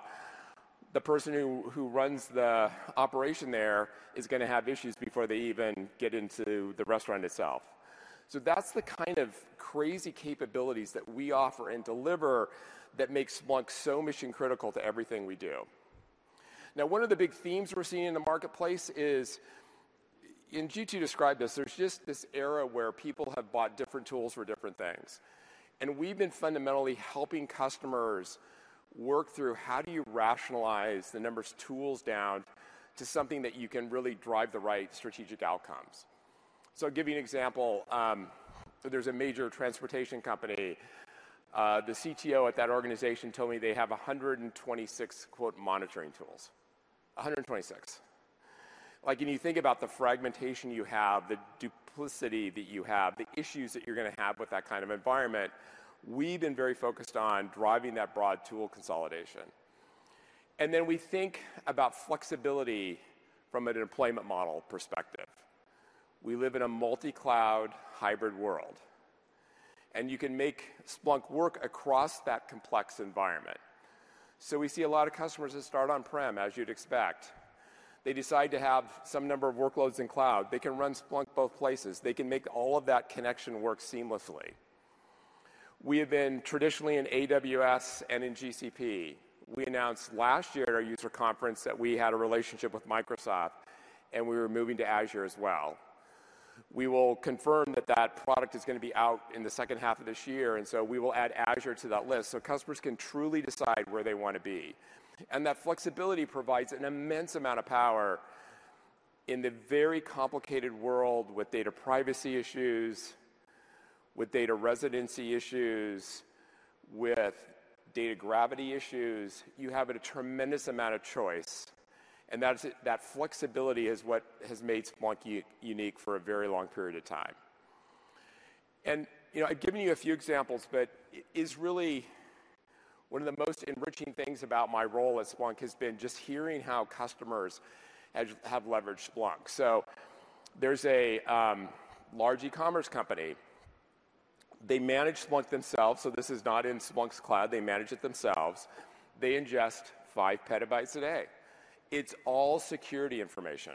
the person who, who runs the operation there is gonna have issues before they even get into the restaurant itself. So that's the kind of crazy capabilities that we offer and deliver that makes Splunk so mission-critical to everything we do. Now, one of the big themes we're seeing in the marketplace is, and Jeetu described this, there's just this era where people have bought different tools for different things. We've been fundamentally helping customers work through, how do you rationalize the numerous tools down to something that you can really drive the right strategic outcomes? So I'll give you an example. So there's a major transportation company. The CTO at that organization told me they have 126 "monitoring tools." 126. Like, when you think about the fragmentation you have, the duplication that you have, the issues that you're gonna have with that kind of environment, we've been very focused on driving that broad tool consolidation. Then we think about flexibility from a deployment model perspective. We live in a multi-cloud, hybrid world, and you can make Splunk work across that complex environment. We see a lot of customers that start on-prem, as you'd expect. They decide to have some number of workloads in cloud. They can run Splunk both places. They can make all of that connection work seamlessly. We have been traditionally in AWS and in GCP. We announced last year at our user conference that we had a relationship with Microsoft, and we were moving to Azure as well. We will confirm that that product is gonna be out in the second half of this year, and so we will add Azure to that list, so customers can truly decide where they wanna be. And that flexibility provides an immense amount of power in the very complicated world with data privacy issues, with data residency issues, with data gravity issues. You have a tremendous amount of choice, and that's, that flexibility is what has made Splunk unique for a very long period of time. And, you know, I've given you a few examples, but is really one of the most enriching things about my role at Splunk has been just hearing how customers have leveraged Splunk. So there's a large e-commerce company. They manage Splunk themselves, so this is not in Splunk's cloud. They manage it themselves. They ingest 5 petabytes a day. It's all security information.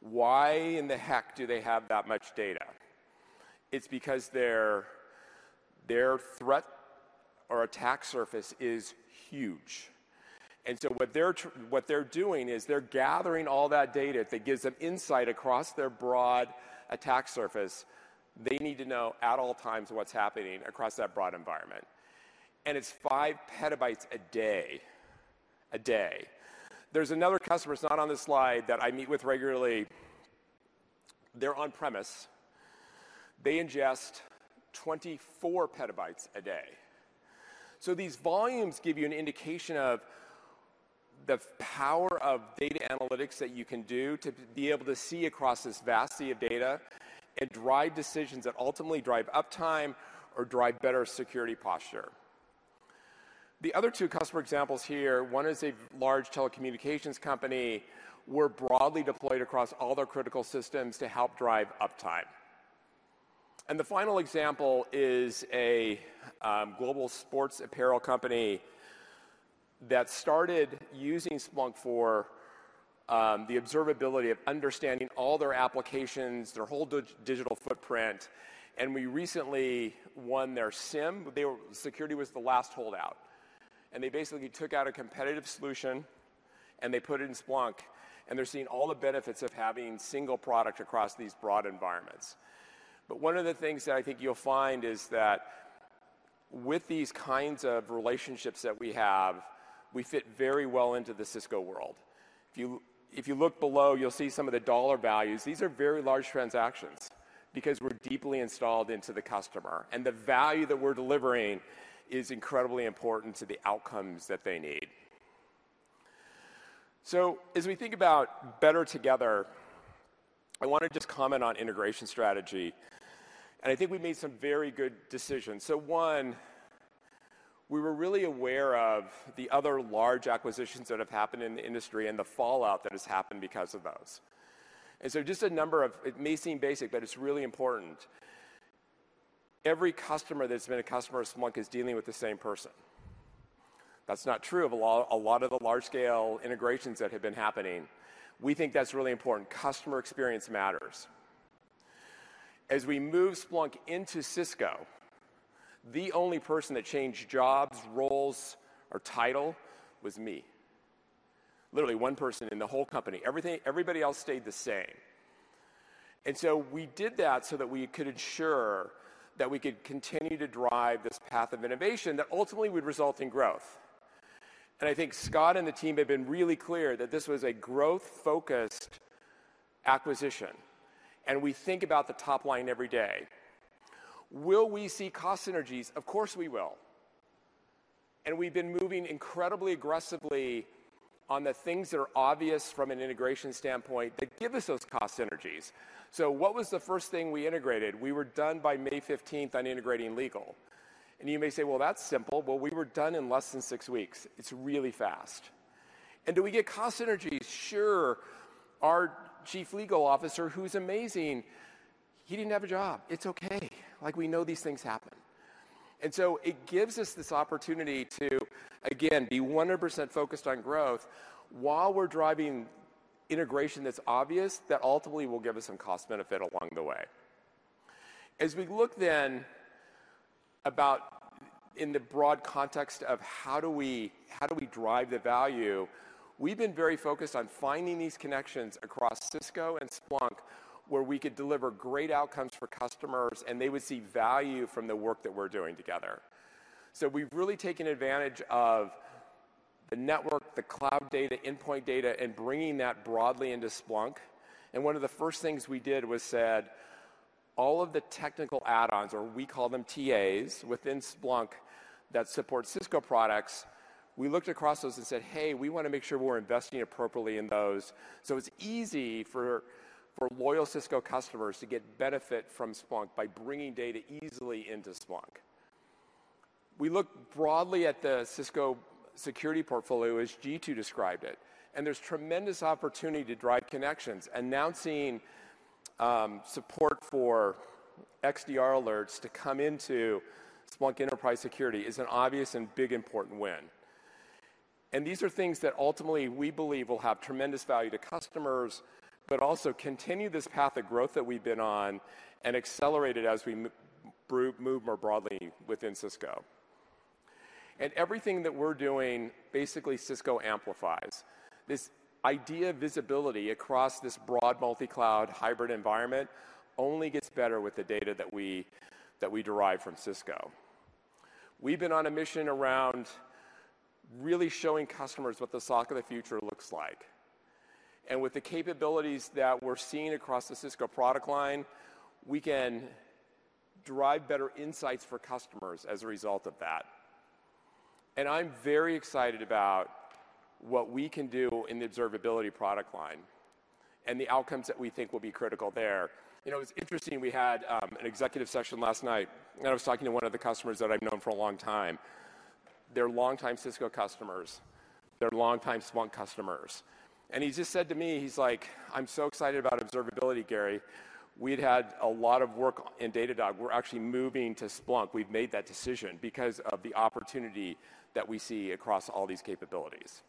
Why in the heck do they have that much data? It's because their threat or attack surface is huge. And so what they're doing is they're gathering all that data that gives them insight across their broad attack surface. They need to know at all times what's happening across that broad environment, and it's 5 petabytes a day. A day. There's another customer, who's not on this slide, that I meet with regularly. They're on-premise. They ingest 24 petabytes a day. So these volumes give you an indication of the power of data analytics that you can do to be able to see across this vast sea of data and drive decisions that ultimately drive uptime or drive better security posture. The other two customer examples here, one is a large telecommunications company. We're broadly deployed across all their critical systems to help drive uptime. And the final example is a global sports apparel company that started using Splunk for the observability of understanding all their applications, their whole digital footprint, and we recently won their SIEM. Security was the last holdout, and they basically took out a competitive solution, and they put it in Splunk, and they're seeing all the benefits of having single product across these broad environments. But one of the things that I think you'll find is that with these kinds of relationships that we have, we fit very well into the Cisco world. If you, if you look below, you'll see some of the dollar values. These are very large transactions because we're deeply installed into the customer, and the value that we're delivering is incredibly important to the outcomes that they need. So as we think about better together, I want to just comment on integration strategy, and I think we've made some very good decisions. So one, we were really aware of the other large acquisitions that have happened in the industry and the fallout that has happened because of those. And so just a number of... It may seem basic, but it's really important. Every customer that's been a customer of Splunk is dealing with the same person. That's not true of a lot, a lot of the large-scale integrations that have been happening. We think that's really important. Customer experience matters. As we move Splunk into Cisco, the only person that changed jobs, roles, or title was me. Literally, one person in the whole company. Everything, everybody else stayed the same. And so we did that so that we could ensure that we could continue to drive this path of innovation that ultimately would result in growth. And I think Scott and the team have been really clear that this was a growth-focused acquisition, and we think about the top line every day. Will we see cost synergies? Of course, we will. And we've been moving incredibly aggressively on the things that are obvious from an integration standpoint that give us those cost synergies. So what was the first thing we integrated? We were done by May fifteenth on integrating legal. And you may say, "Well, that's simple," but we were done in less than six weeks. It's really fast. And do we get cost synergies? Sure. Our chief legal officer, who's amazing, he didn't have a job. It's okay. Like, we know these things happen. And so it gives us this opportunity to, again, be 100% focused on growth while we're driving integration that's obvious, that ultimately will give us some cost benefit along the way. As we look then about in the broad context of how do we, how do we drive the value, we've been very focused on finding these connections across Cisco and Splunk, where we could deliver great outcomes for customers, and they would see value from the work that we're doing together. So we've really taken advantage of the network, the cloud data, endpoint data, and bringing that broadly into Splunk. One of the first things we did was said, all of the technical add-ons, or we call them TAs, within Splunk that support Cisco products, we looked across those and said, "Hey, we want to make sure we're investing appropriately in those." So it's easy for loyal Cisco customers to get benefit from Splunk by bringing data easily into Splunk. We looked broadly at the Cisco security portfolio, as Jeetu described it, and there's tremendous opportunity to drive connections. Announcing support for XDR alerts to come into Splunk Enterprise Security is an obvious and big important win. And these are things that ultimately we believe will have tremendous value to customers, but also continue this path of growth that we've been on and accelerate it as we move more broadly within Cisco. And everything that we're doing, basically, Cisco amplifies. This idea of visibility across this broad multi-cloud hybrid environment only gets better with the data that we derive from Cisco. We've been on a mission around really showing customers what the SOC of the future looks like. And with the capabilities that we're seeing across the Cisco product line, we can derive better insights for customers as a result of that. And I'm very excited about what we can do in the observability product line and the outcomes that we think will be critical there. You know, it's interesting, we had an executive session last night, and I was talking to one of the customers that I've known for a long time. They're longtime Cisco customers. They're longtime Splunk customers. And he just said to me, he's like: "I'm so excited about observability, Gary. We'd had a lot of work in Datadog. We're actually moving to Splunk. We've made that decision because of the opportunity that we see across all these capabilities."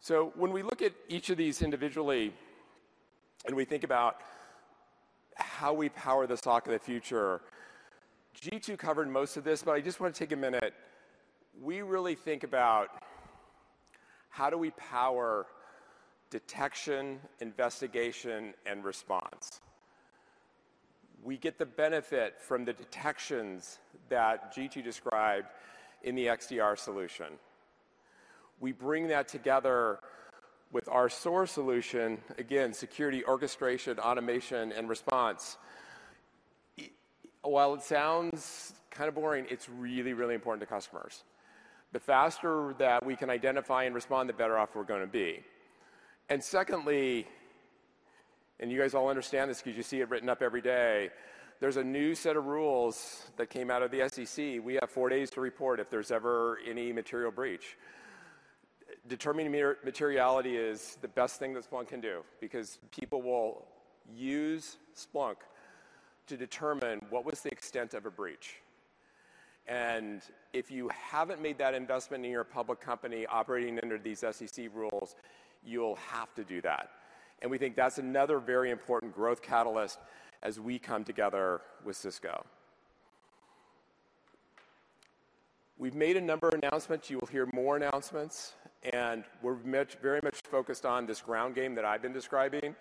So when we look at each of these individually and we think about how we power the SOC of the future, Jeetu covered most of this, but I just want to take a minute. We really think about how do we power detection, investigation, and response. We get the benefit from the detections that Jeetu described in the XDR solution. We bring that together with our SOAR solution, again, security, orchestration, automation, and response. While it sounds kind of boring, it's really, really important to customers. The faster that we can identify and respond, the better off we're gonna be. And secondly, and you guys all understand this because you see it written up every day, there's a new set of rules that came out of the SEC. We have four days to report if there's ever any material breach. Determining materiality is the best thing that Splunk can do, because people will use Splunk to determine what was the extent of a breach. And if you haven't made that investment in your public company operating under these SEC rules, you'll have to do that. And we think that's another very important growth catalyst as we come together with Cisco. We've made a number of announcements. You will hear more announcements, and we're much very much focused on this ground game that I've been describing.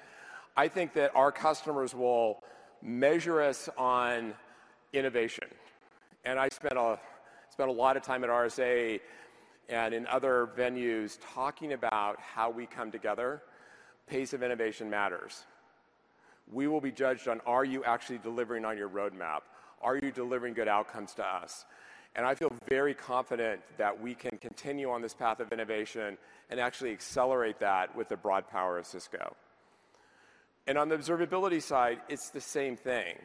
I think that our customers will measure us on innovation, and I spent a lot of time at RSA and in other venues talking about how we come together. Pace of innovation matters. We will be judged on: Are you actually delivering on your roadmap? Are you delivering good outcomes to us? And I feel very confident that we can continue on this path of innovation and actually accelerate that with the broad power of Cisco. And on the observability side, it's the same thing.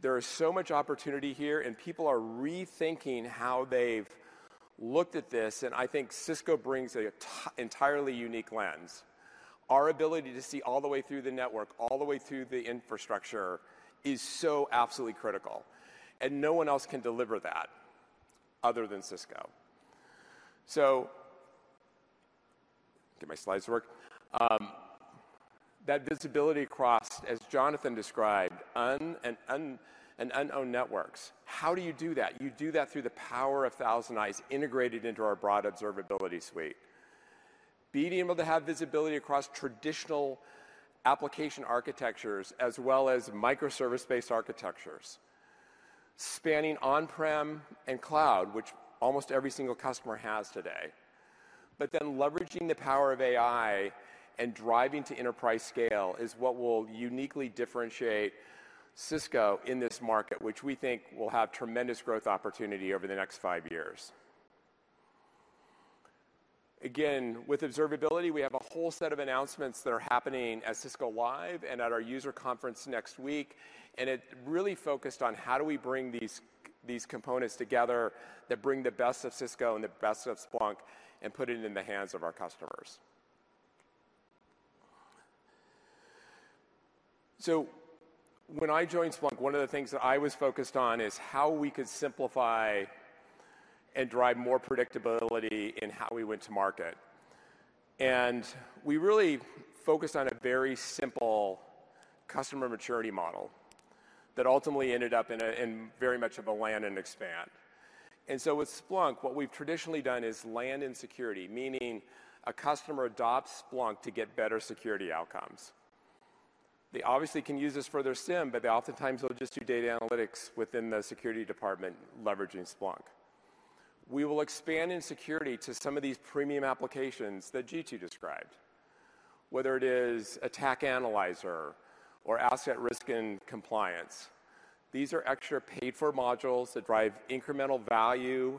There is so much opportunity here, and people are rethinking how they've looked at this, and I think Cisco brings an entirely unique lens. Our ability to see all the way through the network, all the way through the infrastructure, is so absolutely critical, and no one else can deliver that other than Cisco. So get my slides to work. That visibility across, as Jonathan described, unmanaged and unknown networks. How do you do that? You do that through the power of ThousandEyes, integrated into our broad observability suite. Being able to have visibility across traditional application architectures as well as microservice-based architectures, spanning on-prem and cloud, which almost every single customer has today. But then leveraging the power of AI and driving to enterprise scale is what will uniquely differentiate Cisco in this market, which we think will have tremendous growth opportunity over the next five years. Again, with observability, we have a whole set of announcements that are happening at Cisco Live and at our user conference next week, and it really focused on how do we bring these, these components together that bring the best of Cisco and the best of Splunk and put it in the hands of our customers. So when I joined Splunk, one of the things that I was focused on is how we could simplify and drive more predictability in how we went to market. We really focused on a very simple customer maturity model that ultimately ended up in very much of a land and expand. With Splunk, what we've traditionally done is land and security, meaning a customer adopts Splunk to get better security outcomes. They obviously can use this for their SIM, but they oftentimes will just do data analytics within the security department, leveraging Splunk. We will expand in security to some of these premium applications that Jeetu described, whether it is Attack Analyzer or Asset Risk and Compliance. These are extra paid-for modules that drive incremental value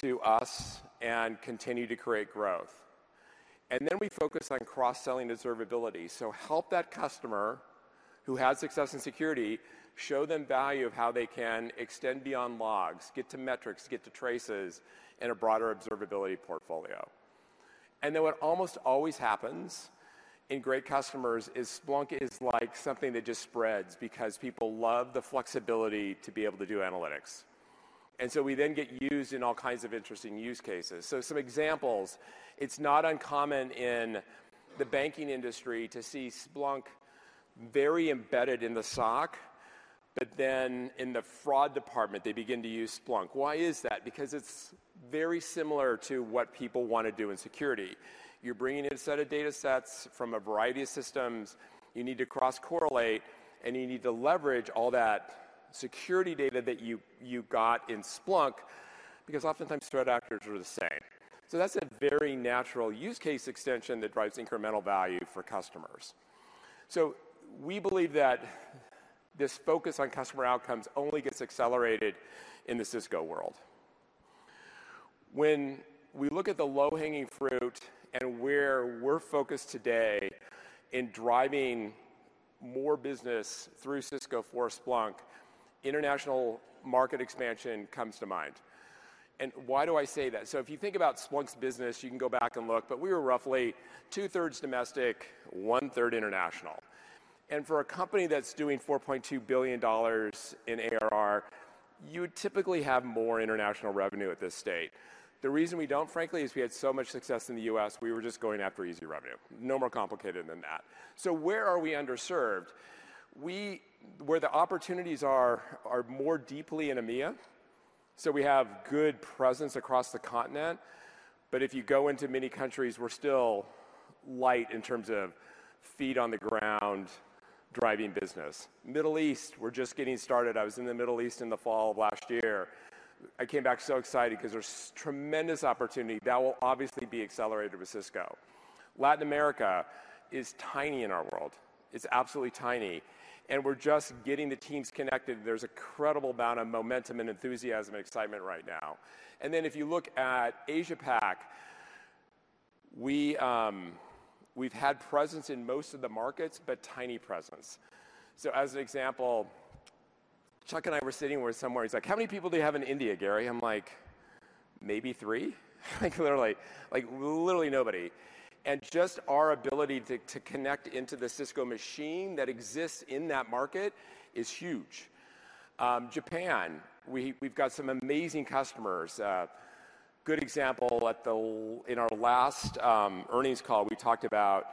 to us and continue to create growth. We focus on cross-selling observability. So help that customer who has success in security, show them value of how they can extend beyond logs, get to metrics, get to traces, and a broader observability portfolio. And then what almost always happens in great customers is Splunk is like something that just spreads because people love the flexibility to be able to do analytics. And so we then get used in all kinds of interesting use cases. So some examples, it's not uncommon in the banking industry to see Splunk very embedded in the SOC, but then in the fraud department, they begin to use Splunk. Why is that? Because it's very similar to what people want to do in security. You're bringing in a set of data sets from a variety of systems, you need to cross-correlate, and you need to leverage all that security data that you, you got in Splunk, because oftentimes threat actors are the same. So that's a very natural use case extension that drives incremental value for customers. So we believe that this focus on customer outcomes only gets accelerated in the Cisco world. When we look at the low-hanging fruit and where we're focused today in driving more business through Cisco for Splunk, international market expansion comes to mind. And why do I say that? So if you think about Splunk's business, you can go back and look, but we were roughly two-thirds domestic, one-third international. And for a company that's doing $4.2 billion in ARR, you would typically have more international revenue at this stage. The reason we don't, frankly, is we had so much success in the U.S., we were just going after easy revenue. No more complicated than that. So where are we underserved? Where the opportunities are more deeply in EMEA, so we have good presence across the continent, but if you go into many countries, we're still light in terms of feet on the ground, driving business. Middle East, we're just getting started. I was in the Middle East in the fall of last year. I came back so excited because there's tremendous opportunity that will obviously be accelerated with Cisco. Latin America is tiny in our world. It's absolutely tiny, and we're just getting the teams connected. There's incredible amount of momentum and enthusiasm and excitement right now. And then if you look at Asia Pac, we, we've had presence in most of the markets, but tiny presence. So as an example, Chuck and I were sitting, we were somewhere, he's like: "How many people do you have in India, Gary?" I'm like: "Maybe three?" Like literally, like literally nobody. And just our ability to connect into the Cisco machine that exists in that market is huge. Japan, we've got some amazing customers. Good example, in our last earnings call, we talked about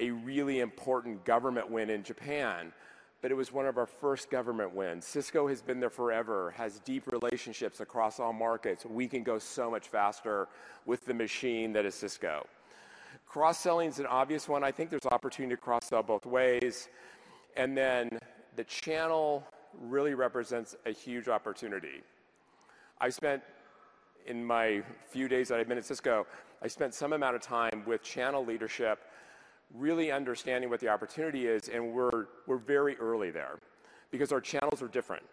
a really important government win in Japan, but it was one of our first government wins. Cisco has been there forever, has deep relationships across all markets. We can go so much faster with the machine that is Cisco. Cross-selling is an obvious one. I think there's opportunity to cross-sell both ways, and then the channel really represents a huge opportunity. I spent, in my few days that I've been at Cisco, some amount of time with channel leadership, really understanding what the opportunity is, and we're very early there because our channels are different.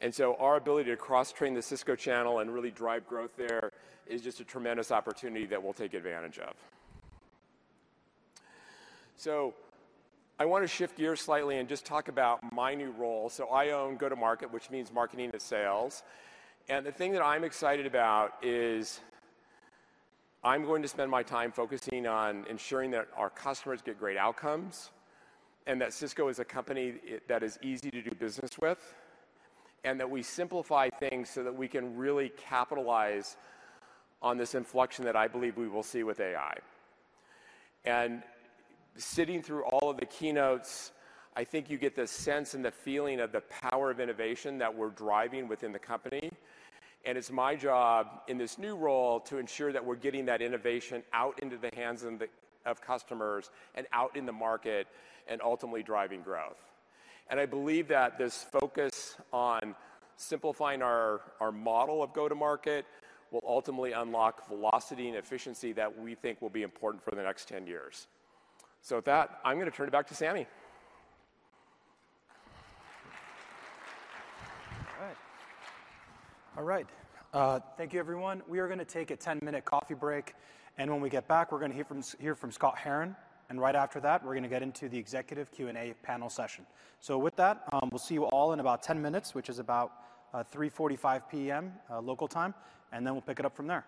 And so our ability to cross-train the Cisco channel and really drive growth there is just a tremendous opportunity that we'll take advantage of. So I want to shift gears slightly and just talk about my new role. So I own Go-to-Market, which means marketing to sales, and the thing that I'm excited about is I'm going to spend my time focusing on ensuring that our customers get great outcomes, and that Cisco is a company that is easy to do business with, and that we simplify things so that we can really capitalize on this inflection that I believe we will see with AI. Sitting through all of the keynotes, I think you get the sense and the feeling of the power of innovation that we're driving within the company, and it's my job in this new role to ensure that we're getting that innovation out into the hands of the customers and out in the market and ultimately driving growth. I believe that this focus on simplifying our model of Go-to-Market will ultimately unlock velocity and efficiency that we think will be important for the next 10 years. So with that, I'm gonna turn it back to Sami. All right. All right, thank you, everyone. We are gonna take a 10-minute coffee break, and when we get back, we're gonna hear from Scott Herren, and right after that, we're gonna get into the executive Q&A panel session. So with that, we'll see you all in about 10 minutes, which is about 3:45 P.M. local time, and then we'll pick it up from there. ...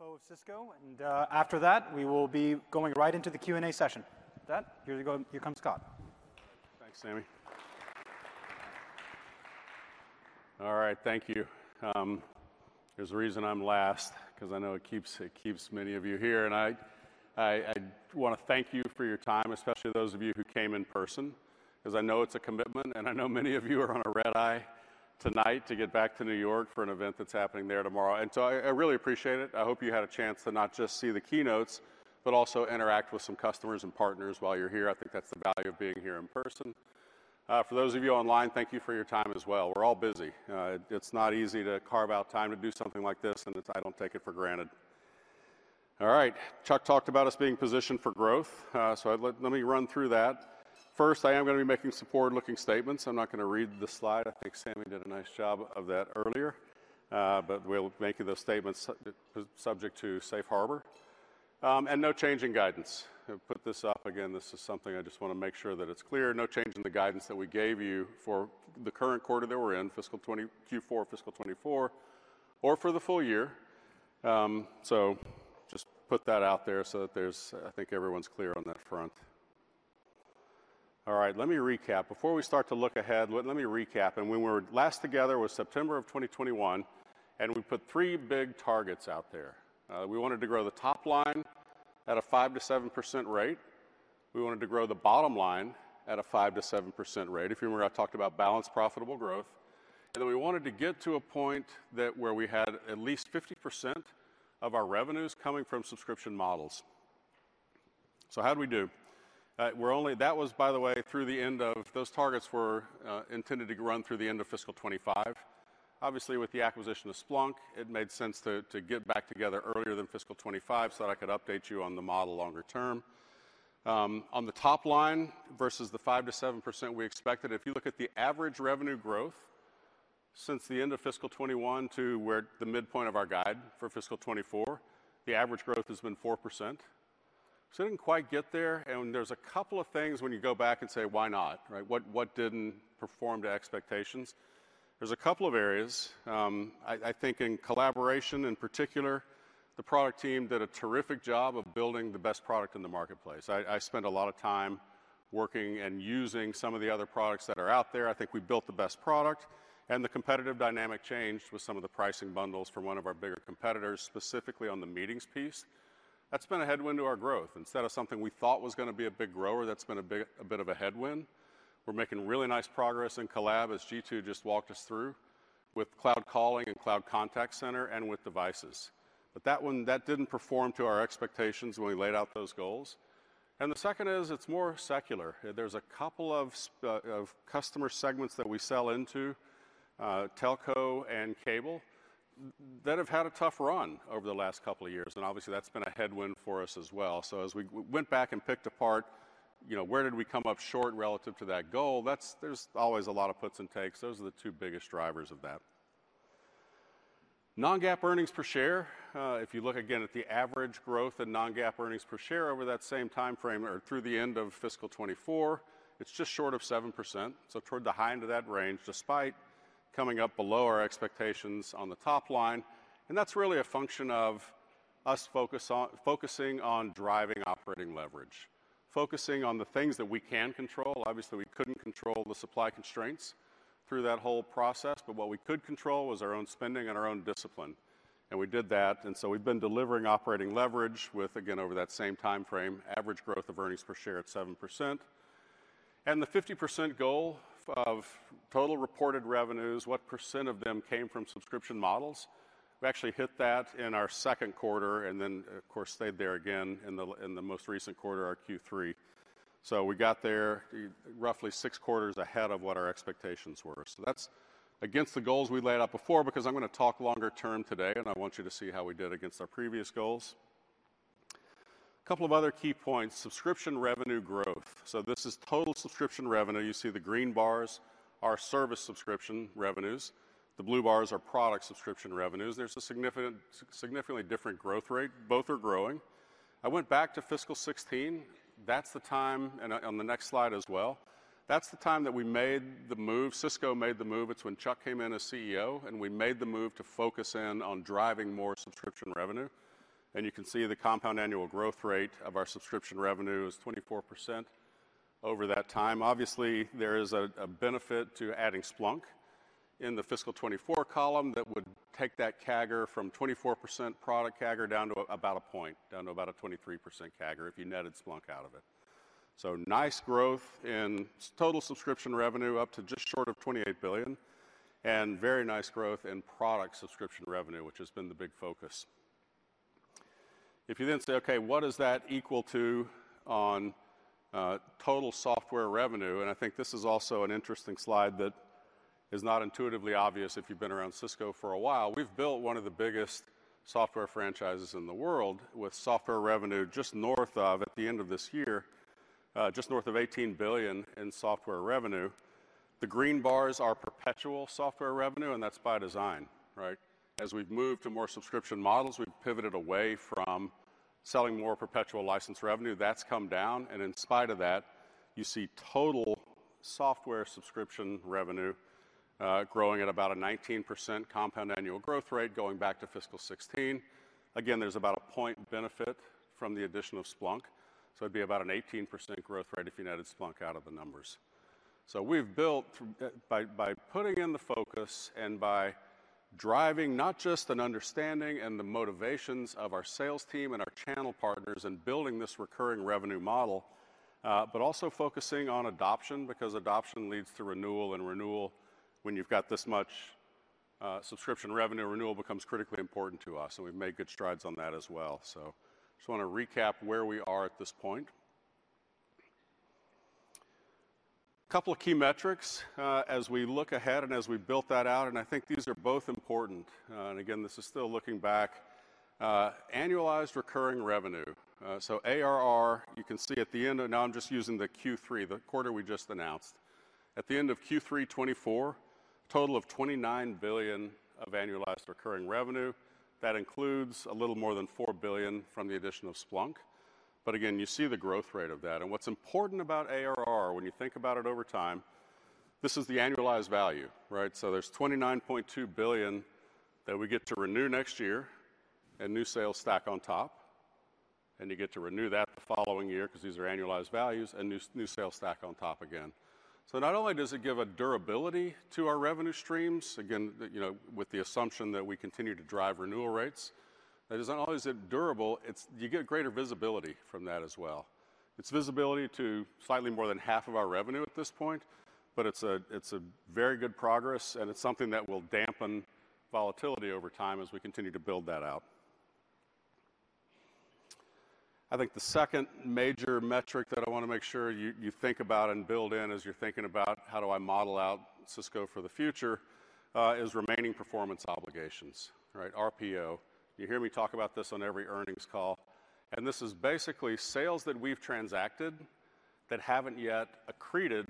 CFO of Cisco, and after that, we will be going right into the Q&A session. With that, here you go - here comes Scott. Thanks, Sami. All right, thank you. There's a reason I'm last, 'cause I know it keeps many of you here, and I wanna thank you for your time, especially those of you who came in person, 'cause I know it's a commitment, and I know many of you are on a red-eye tonight to get back to New York for an event that's happening there tomorrow. I really appreciate it. I hope you had a chance to not just see the keynotes, but also interact with some customers and partners while you're here. I think that's the value of being here in person. For those of you online, thank you for your time as well. We're all busy. It's not easy to carve out time to do something like this, and I don't take it for granted. All right. Chuck talked about us being positioned for growth, so I'd like. Let me run through that. First, I am gonna be making forward-looking statements. I'm not gonna read the slide. I think Sami did a nice job of that earlier. But we're making those statements subject to Safe Harbor, and no change in guidance. I put this up again. This is something I just wanna make sure that it's clear, no change in the guidance that we gave you for the current quarter that we're in, fiscal 2024 Q4, fiscal 2024, or for the full year. So just put that out there so that there's. I think everyone's clear on that front. All right, let me recap. Before we start to look ahead, let me recap. When we were last together was September 2021, and we put three big targets out there. We wanted to grow the top line at a 5%-7% rate. We wanted to grow the bottom line at a 5%-7% rate. If you remember, I talked about balanced, profitable growth. Then we wanted to get to a point that where we had at least 50% of our revenues coming from subscription models. So how'd we do? We're only... That was, by the way, through the end of those targets were intended to run through the end of fiscal 2025. Obviously, with the acquisition of Splunk, it made sense to get back together earlier than fiscal 2025 so that I could update you on the model longer term. On the top line versus the 5%-7% we expected, if you look at the average revenue growth since the end of fiscal 2021 to where the midpoint of our guide for fiscal 2024, the average growth has been 4%. So didn't quite get there, and there's a couple of things when you go back and say, "Why not?" Right? What didn't perform to expectations? There's a couple of areas. I think in collaboration, in particular, the product team did a terrific job of building the best product in the marketplace. I spent a lot of time working and using some of the other products that are out there. I think we built the best product, and the competitive dynamic changed with some of the pricing bundles from one of our bigger competitors, specifically on the meetings piece. That's been a headwind to our growth. Instead of something we thought was gonna be a big grower, that's been a bit of a headwind. We're making really nice progress in Collab, as Jeetu just walked us through, with Cloud Calling and Cloud Contact Center and with devices. But that one, that didn't perform to our expectations when we laid out those goals. And the second is it's more secular. There's a couple of customer segments that we sell into, telco and cable, that have had a tough run over the last couple of years, and obviously that's been a headwind for us as well. So as we went back and picked apart, you know, where did we come up short relative to that goal? That's. There's always a lot of puts and takes. Those are the two biggest drivers of that. Non-GAAP earnings per share. If you look again at the average growth in non-GAAP earnings per share over that same time frame or through the end of fiscal 2024, it's just short of 7%, so toward the high end of that range, despite coming up below our expectations on the top line. And that's really a function of focusing on driving operating leverage, focusing on the things that we can control. Obviously, we couldn't control the supply constraints through that whole process, but what we could control was our own spending and our own discipline, and we did that. And so we've been delivering operating leverage with, again, over that same time frame, average growth of earnings per share at 7%. And the 50% goal of total reported revenues, what percent of them came from subscription models? We actually hit that in our second quarter and then, of course, stayed there again in the, in the most recent quarter, our Q3. So we got there roughly 6 quarters ahead of what our expectations were. So that's against the goals we laid out before, because I'm gonna talk longer term today, and I want you to see how we did against our previous goals. A couple of other key points, subscription revenue growth. So this is total subscription revenue. You see the green bars are service subscription revenues. The blue bars are product subscription revenues. There's a significant, significantly different growth rate. Both are growing. I went back to fiscal 2016. That's the time... and on the next slide as well, that's the time that we made the move. Cisco made the move. It's when Chuck came in as CEO, and we made the move to focus in on driving more subscription revenue. And you can see the compound annual growth rate of our subscription revenue is 24% over that time. Obviously, there is a benefit to adding Splunk in the fiscal 2024 column that would take that CAGR from 24% product CAGR down to about a point, down to about a 23% CAGR, if you netted Splunk out of it. So nice growth in total subscription revenue, up to just short of $28 billion, and very nice growth in product subscription revenue, which has been the big focus. If you then say, "Okay, what is that equal to on total software revenue?" And I think this is also an interesting slide that is not intuitively obvious if you've been around Cisco for a while. We've built one of the biggest software franchises in the world, with software revenue just north of, at the end of this year, just north of $18 billion in software revenue. The green bars are perpetual software revenue, and that's by design, right? As we've moved to more subscription models, we've pivoted away from selling more perpetual license revenue. That's come down, and in spite of that, you see total software subscription revenue, growing at about a 19% compound annual growth rate, going back to fiscal 2016. Again, there's about a point benefit from the addition of Splunk, so it'd be about an 18% growth rate if you netted Splunk out of the numbers. So we've built by, by putting in the focus and by driving not just an understanding and the motivations of our sales team and our channel partners in building this recurring revenue model, but also focusing on adoption, because adoption leads to renewal, and renewal, when you've got this much, subscription revenue, renewal becomes critically important to us, and we've made good strides on that as well. So just want to recap where we are at this point. A couple of key metrics, as we look ahead and as we built that out, and I think these are both important. And again, this is still looking back. Annualized recurring revenue, so ARR, you can see at the end, and now I'm just using the Q3, the quarter we just announced. At the end of Q3 2024, total of $29 billion of annualized recurring revenue. That includes a little more than $4 billion from the addition of Splunk. But again, you see the growth rate of that. And what's important about ARR, when you think about it over time, this is the annualized value, right? So there's $29.2 billion that we get to renew next year and new sales stack on top, and you get to renew that the following year because these are annualized values and new, new sales stack on top again. So not only does it give a durability to our revenue streams, again, you know, with the assumption that we continue to drive renewal rates, that is not always durable. It's. You get greater visibility from that as well. It's visibility to slightly more than half of our revenue at this point, but it's a, it's a very good progress, and it's something that will dampen volatility over time as we continue to build that out. I think the second major metric that I want to make sure you, you think about and build in as you're thinking about, "How do I model out Cisco for the future?" is remaining performance obligations, right? RPO. You hear me talk about this on every earnings call, and this is basically sales that we've transacted that haven't yet accreted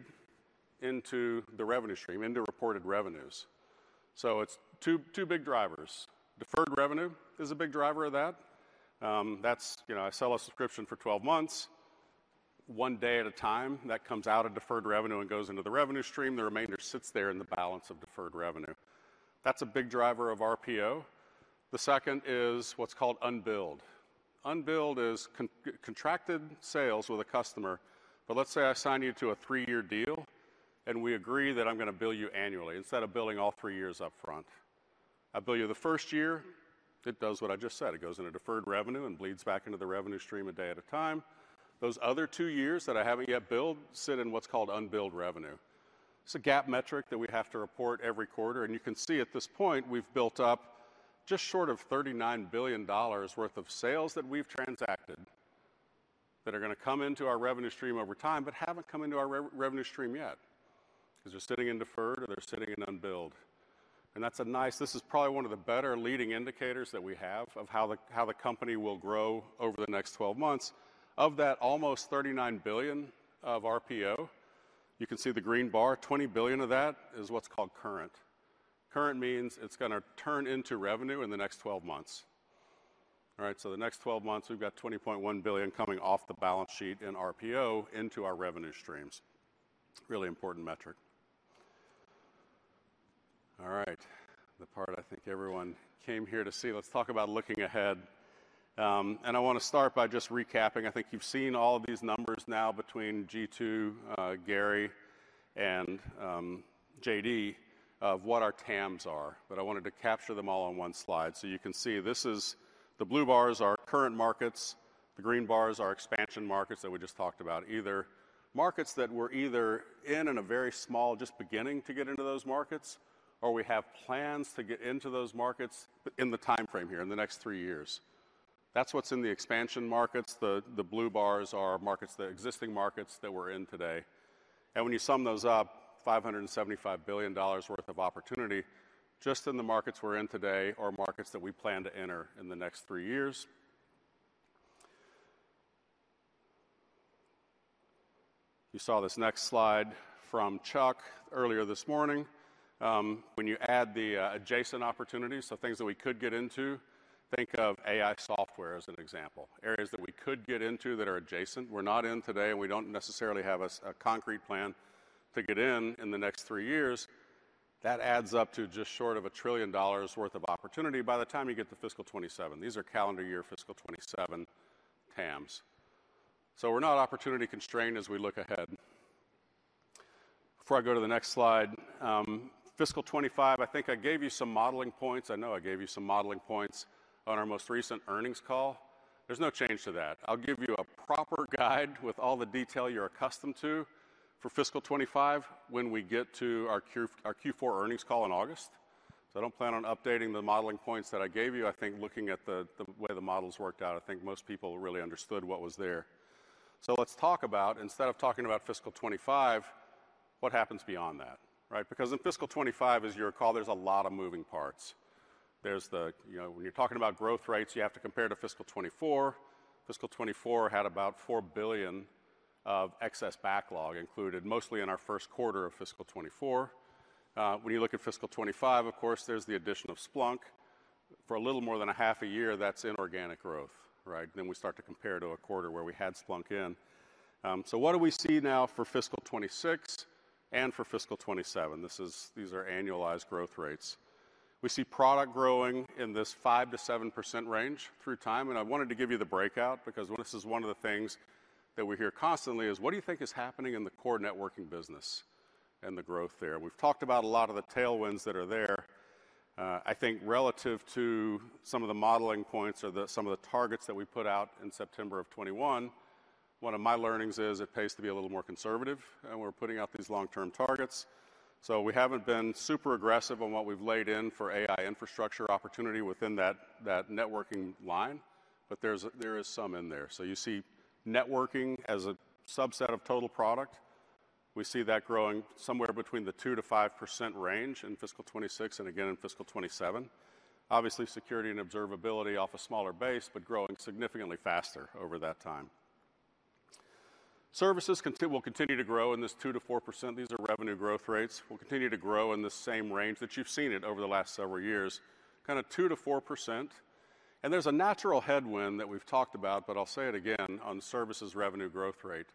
into the revenue stream, into reported revenues. So it's two, two big drivers. Deferred revenue is a big driver of that. That's, you know, I sell a subscription for 12 months, one day at a time, that comes out of deferred revenue and goes into the revenue stream. The remainder sits there in the balance of deferred revenue. That's a big driver of RPO. The second is what's called unbilled. Unbilled is contracted sales with a customer, but let's say I sign you to a 3-year deal, and we agree that I'm gonna bill you annually instead of billing all 3 years up front. I bill you the first year. It does what I just said. It goes into deferred revenue and bleeds back into the revenue stream a day at a time. Those other 2 years that I haven't yet billed sit in what's called unbilled revenue. It's a GAAP metric that we have to report every quarter, and you can see at this point, we've built up just short of $39 billion worth of sales that we've transacted. that are going to come into our revenue stream over time, but haven't come into our revenue stream yet, 'cause they're sitting in deferred or they're sitting in unbilled. And that's a nice, this is probably one of the better leading indicators that we have of how the, how the company will grow over the next twelve months. Of that almost $39 billion of RPO, you can see the green bar, $20 billion of that is what's called current. Current means it's gonna turn into revenue in the next twelve months. All right, so the next twelve months, we've got $20.1 billion coming off the balance sheet in RPO into our revenue streams. Really important metric. All right, the part I think everyone came here to see. Let's talk about looking ahead. And I want to start by just recapping. I think you've seen all of these numbers now between Jeetu, Gary, and JD of what our TAMs are, but I wanted to capture them all on one slide. So you can see this is the blue bars are current markets, the green bars are expansion markets that we just talked about. Either markets that we're either in, in a very small, just beginning to get into those markets, or we have plans to get into those markets in the time frame here, in the next three years. That's what's in the expansion markets. The blue bars are markets, the existing markets that we're in today. And when you sum those up, $575 billion worth of opportunity just in the markets we're in today or markets that we plan to enter in the next three years. You saw this next slide from Chuck earlier this morning. When you add the adjacent opportunities, so things that we could get into, think of AI software as an example, areas that we could get into that are adjacent. We're not in today, and we don't necessarily have a concrete plan to get in in the next three years. That adds up to just short of $1 trillion worth of opportunity by the time you get to fiscal 27. These are calendar year fiscal 27 TAMs. So we're not opportunity-constrained as we look ahead. Before I go to the next slide, fiscal 25, I think I gave you some modeling points. I know I gave you some modeling points on our most recent earnings call. There's no change to that. I'll give you a proper guide with all the detail you're accustomed to for fiscal 25 when we get to our Q4 earnings call in August. So I don't plan on updating the modeling points that I gave you. I think looking at the way the models worked out, I think most people really understood what was there. So let's talk about, instead of talking about fiscal 25, what happens beyond that, right? Because in fiscal 25, as you recall, there's a lot of moving parts. There's the... you know, when you're talking about growth rates, you have to compare to fiscal 24. Fiscal 24 had about $4 billion of excess backlog included, mostly in our first quarter of fiscal 24. When you look at fiscal 25, of course, there's the addition of Splunk. For a little more than a half a year, that's inorganic growth, right? Then we start to compare to a quarter where we had Splunk in. So what do we see now for fiscal 2026 and for fiscal 2027? These are annualized growth rates. We see product growing in this 5%-7% range through time, and I wanted to give you the breakout because this is one of the things that we hear constantly, is what do you think is happening in the core networking business and the growth there? We've talked about a lot of the tailwinds that are there. I think relative to some of the modeling points or some of the targets that we put out in September of 2021, one of my learnings is it pays to be a little more conservative, and we're putting out these long-term targets. So we haven't been super aggressive on what we've laid in for AI Infrastructure opportunity within that, that networking line, but there's, there is some in there. So you see networking as a subset of total product. We see that growing somewhere between the 2%-5% range in fiscal 2026 and again in fiscal 2027. Obviously, security and observability off a smaller base, but growing significantly faster over that time. Services will continue to grow in this 2%-4%. These are revenue growth rates, will continue to grow in the same range that you've seen it over the last several years, kind of 2%-4%. And there's a natural headwind that we've talked about, but I'll say it again, on services revenue growth rate.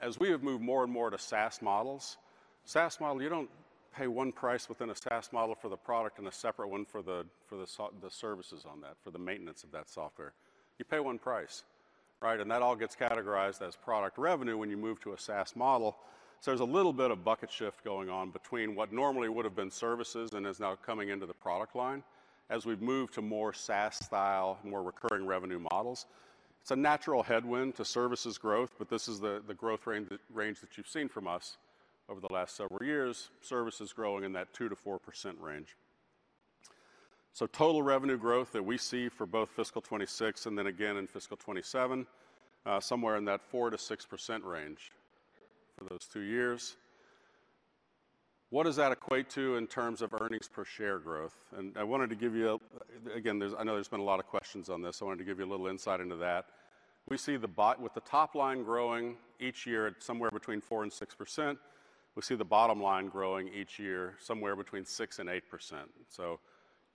As we have moved more and more to SaaS models, SaaS model, you don't pay one price within a SaaS model for the product and a separate one for the services on that, for the maintenance of that software. You pay one price, right? And that all gets categorized as product revenue when you move to a SaaS model. So there's a little bit of bucket shift going on between what normally would have been services and is now coming into the product line. As we've moved to more SaaS style, more recurring revenue models, it's a natural headwind to services growth, but this is the growth range that you've seen from us over the last several years. Services growing in that 2%-4% range. So total revenue growth that we see for both fiscal 2026 and then again in fiscal 2027, somewhere in that 4%-6% range for those two years. What does that equate to in terms of earnings per share growth? And I wanted to give you, again, there's-- I know there's been a lot of questions on this. I wanted to give you a little insight into that. We see with the top line growing each year at somewhere between 4% and 6%. We see the bottom line growing each year, somewhere between 6% and 8%. So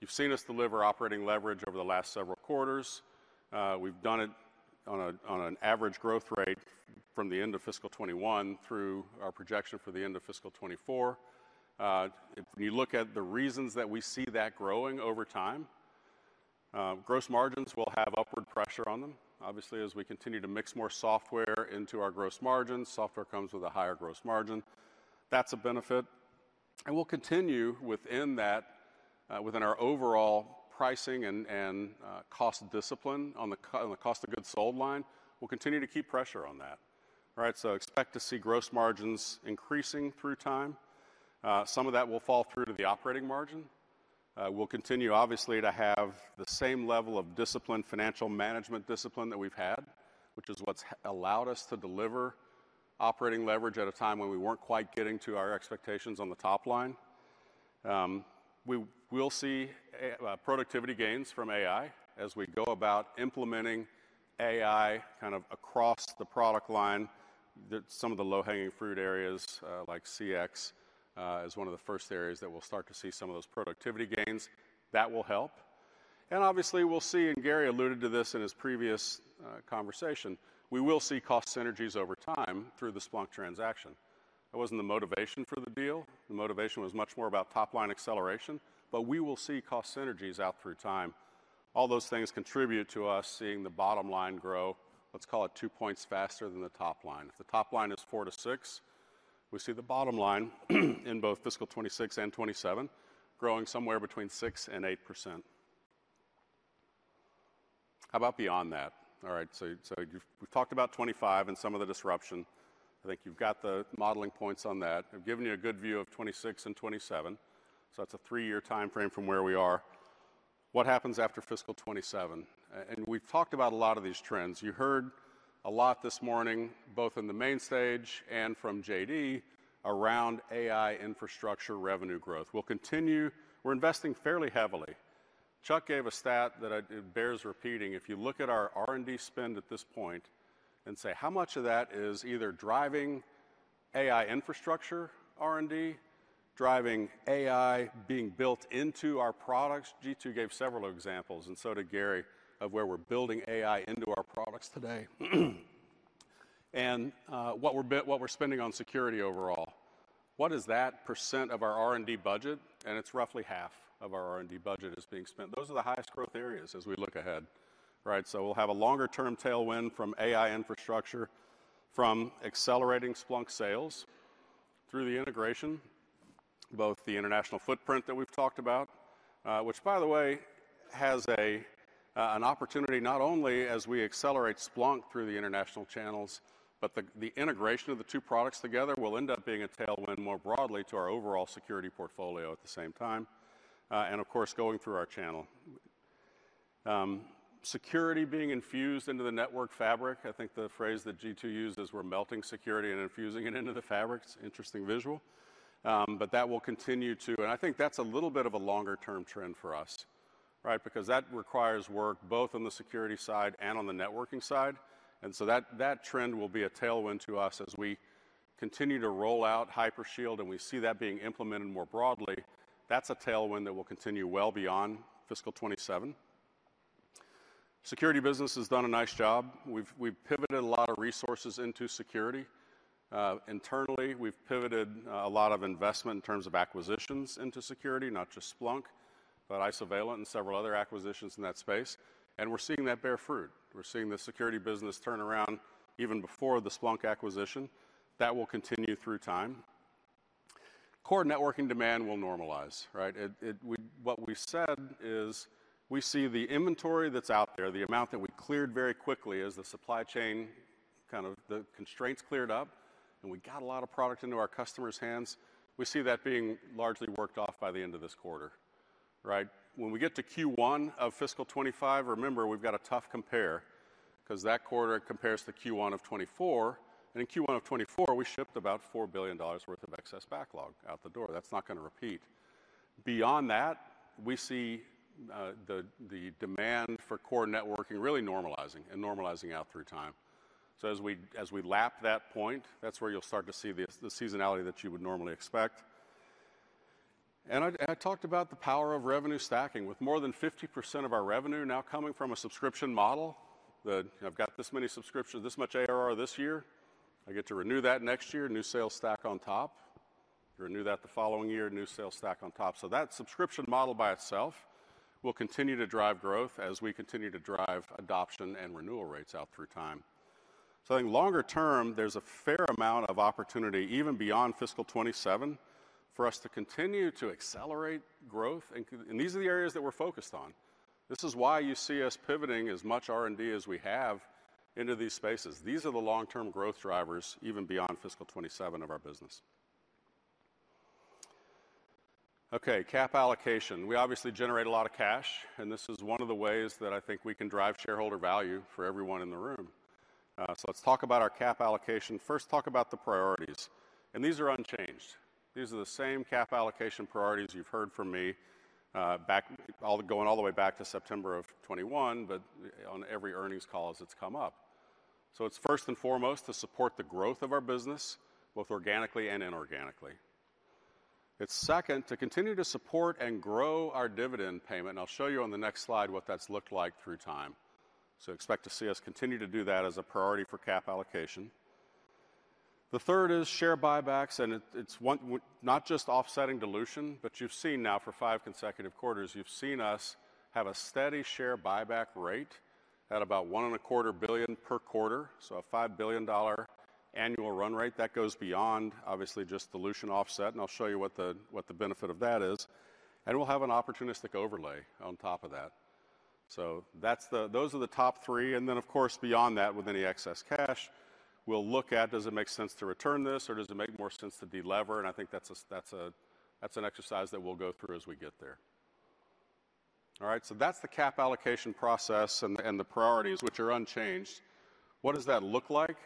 you've seen us deliver operating leverage over the last several quarters. We've done it on a, on an average growth rate from the end of fiscal 2021 through our projection for the end of fiscal 2024. If you look at the reasons that we see that growing over time, gross margins will have upward pressure on them. Obviously, as we continue to mix more software into our gross margins, software comes with a higher gross margin. That's a benefit, and we'll continue within that, within our overall pricing and cost discipline on the on the cost of goods sold line. We'll continue to keep pressure on that, right? So expect to see gross margins increasing through time. Some of that will fall through to the operating margin. We'll continue, obviously, to have the same level of discipline, financial management discipline that we've had, which is what's allowed us to deliver operating leverage at a time when we weren't quite getting to our expectations on the top line. We'll see a productivity gains from AI as we go about implementing AI kind of across the product line, that some of the low-hanging fruit areas, like CX, is one of the first areas that we'll start to see some of those productivity gains. That will help. Obviously, we'll see, and Gary alluded to this in his previous conversation, we will see cost synergies over time through the Splunk transaction. That wasn't the motivation for the deal. The motivation was much more about top-line acceleration, but we will see cost synergies out through time. All those things contribute to us seeing the bottom line grow, let's call it 2 points faster than the top line. If the top line is 4%-6%, we see the bottom line, in both fiscal 2026 and 2027, growing somewhere between 6%-8%. How about beyond that? All right, so, so you've—we've talked about 25 and some of the disruption. I think you've got the modeling points on that. I've given you a good view of 26 and 27, so that's a three-year timeframe from where we are. What happens after fiscal 27? And we've talked about a lot of these trends. You heard a lot this morning, both in the main stage and from JD, around AI Infrastructure revenue growth. We'll continue... We're investing fairly heavily. Chuck gave a stat that I, it bears repeating. If you look at our R&D spend at this point and say, how much of that is either driving AI Infrastructure, R&D, driving AI being built into our products? G2 gave several examples, and so did Gary, of where we're building AI into our products today. What we're spending on security overall, what is that percent of our R&D budget? It's roughly half of our R&D budget is being spent. Those are the highest growth areas as we look ahead, right? So we'll have a longer-term tailwind from AI Infrastructure, from accelerating Splunk sales through the integration, both the international footprint that we've talked about, which, by the way, has an opportunity not only as we accelerate Splunk through the international channels, but the integration of the two products together will end up being a tailwind more broadly to our overall security portfolio at the same time, and of course, going through our channel. Security being infused into the network fabric, I think the phrase that G2 used is, "We're melting security and infusing it into the fabric." It's an interesting visual, but that will continue to... I think that's a little bit of a longer-term trend for us, right? Because that requires work both on the security side and on the networking side, and so that, that trend will be a tailwind to us as we continue to roll out Hypershield, and we see that being implemented more broadly. That's a tailwind that will continue well beyond fiscal 2027. Security business has done a nice job. We've pivoted a lot of resources into security. Internally, we've pivoted a lot of investment in terms of acquisitions into security, not just Splunk, but Isovalent and several other acquisitions in that space, and we're seeing that bear fruit. We're seeing the security business turn around even before the Splunk acquisition. That will continue through time. Core networking demand will normalize, right? We said we see the inventory that's out there, the amount that we cleared very quickly as the supply chain, kind of the constraints cleared up, and we got a lot of product into our customers' hands. We see that being largely worked off by the end of this quarter, right? When we get to Q1 of fiscal 2025, remember, we've got a tough compare, 'cause that quarter compares to Q1 of 2024, and in Q1 of 2024, we shipped about $4 billion worth of excess backlog out the door. That's not gonna repeat. Beyond that, we see the demand for core networking really normalizing and normalizing out through time. So as we lap that point, that's where you'll start to see the seasonality that you would normally expect. And I talked about the power of revenue stacking. With more than 50% of our revenue now coming from a subscription model, I've got this many subscriptions, this much ARR this year, I get to renew that next year, new sales stack on top. Renew that the following year, new sales stack on top. So that subscription model by itself will continue to drive growth as we continue to drive adoption and renewal rates out through time. So I think longer term, there's a fair amount of opportunity, even beyond fiscal 2027, for us to continue to accelerate growth and these are the areas that we're focused on. This is why you see us pivoting as much R&D as we have into these spaces. These are the long-term growth drivers, even beyond fiscal 2027 of our business. Okay, cap allocation. We obviously generate a lot of cash, and this is one of the ways that I think we can drive shareholder value for everyone in the room. So let's talk about our cap allocation. First, talk about the priorities, and these are unchanged. These are the same cap allocation priorities you've heard from me, going all the way back to September of 2021, but on every earnings call as it's come up. So it's first and foremost to support the growth of our business, both organically and inorganically. It's second, to continue to support and grow our dividend payment, and I'll show you on the next slide what that's looked like through time. So expect to see us continue to do that as a priority for cap allocation. The third is share buybacks, and it's one way—not just offsetting dilution, but you've seen now for 5 consecutive quarters, you've seen us have a steady share buyback rate at about $1.25 billion per quarter, so a $5 billion annual run rate. That goes beyond, obviously, just dilution offset, and I'll show you what the benefit of that is, and we'll have an opportunistic overlay on top of that. So that's—those are the top three, and then, of course, beyond that, with any excess cash, we'll look at: Does it make sense to return this, or does it make more sense to delever? And I think that's an exercise that we'll go through as we get there. All right, so that's the cap allocation process and the priorities, which are unchanged. What does that look like?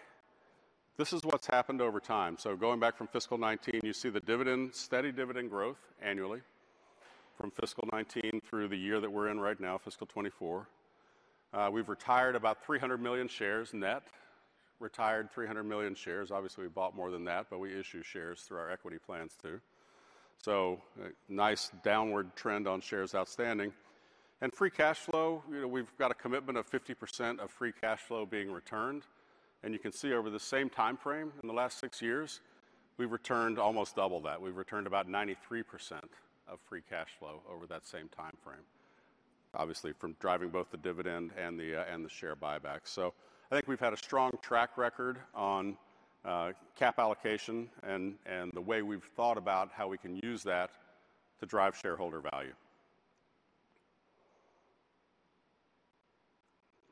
This is what's happened over time. So going back from fiscal 2019, you see the dividend, steady dividend growth annually from fiscal 2019 through the year that we're in right now, fiscal 2024. We've retired about 300 million shares net, retired 300 million shares. Obviously, we bought more than that, but we issue shares through our equity plans, too. So a nice downward trend on shares outstanding. And free cash flow, you know, we've got a commitment of 50% of free cash flow being returned, and you can see over the same timeframe, in the last 6 years, we've returned almost double that. We've returned about 93% of free cash flow over that same timeframe, obviously, from driving both the dividend and the, and the share buyback. So I think we've had a strong track record on, cap allocation and, and the way we've thought about how we can use that to drive shareholder value.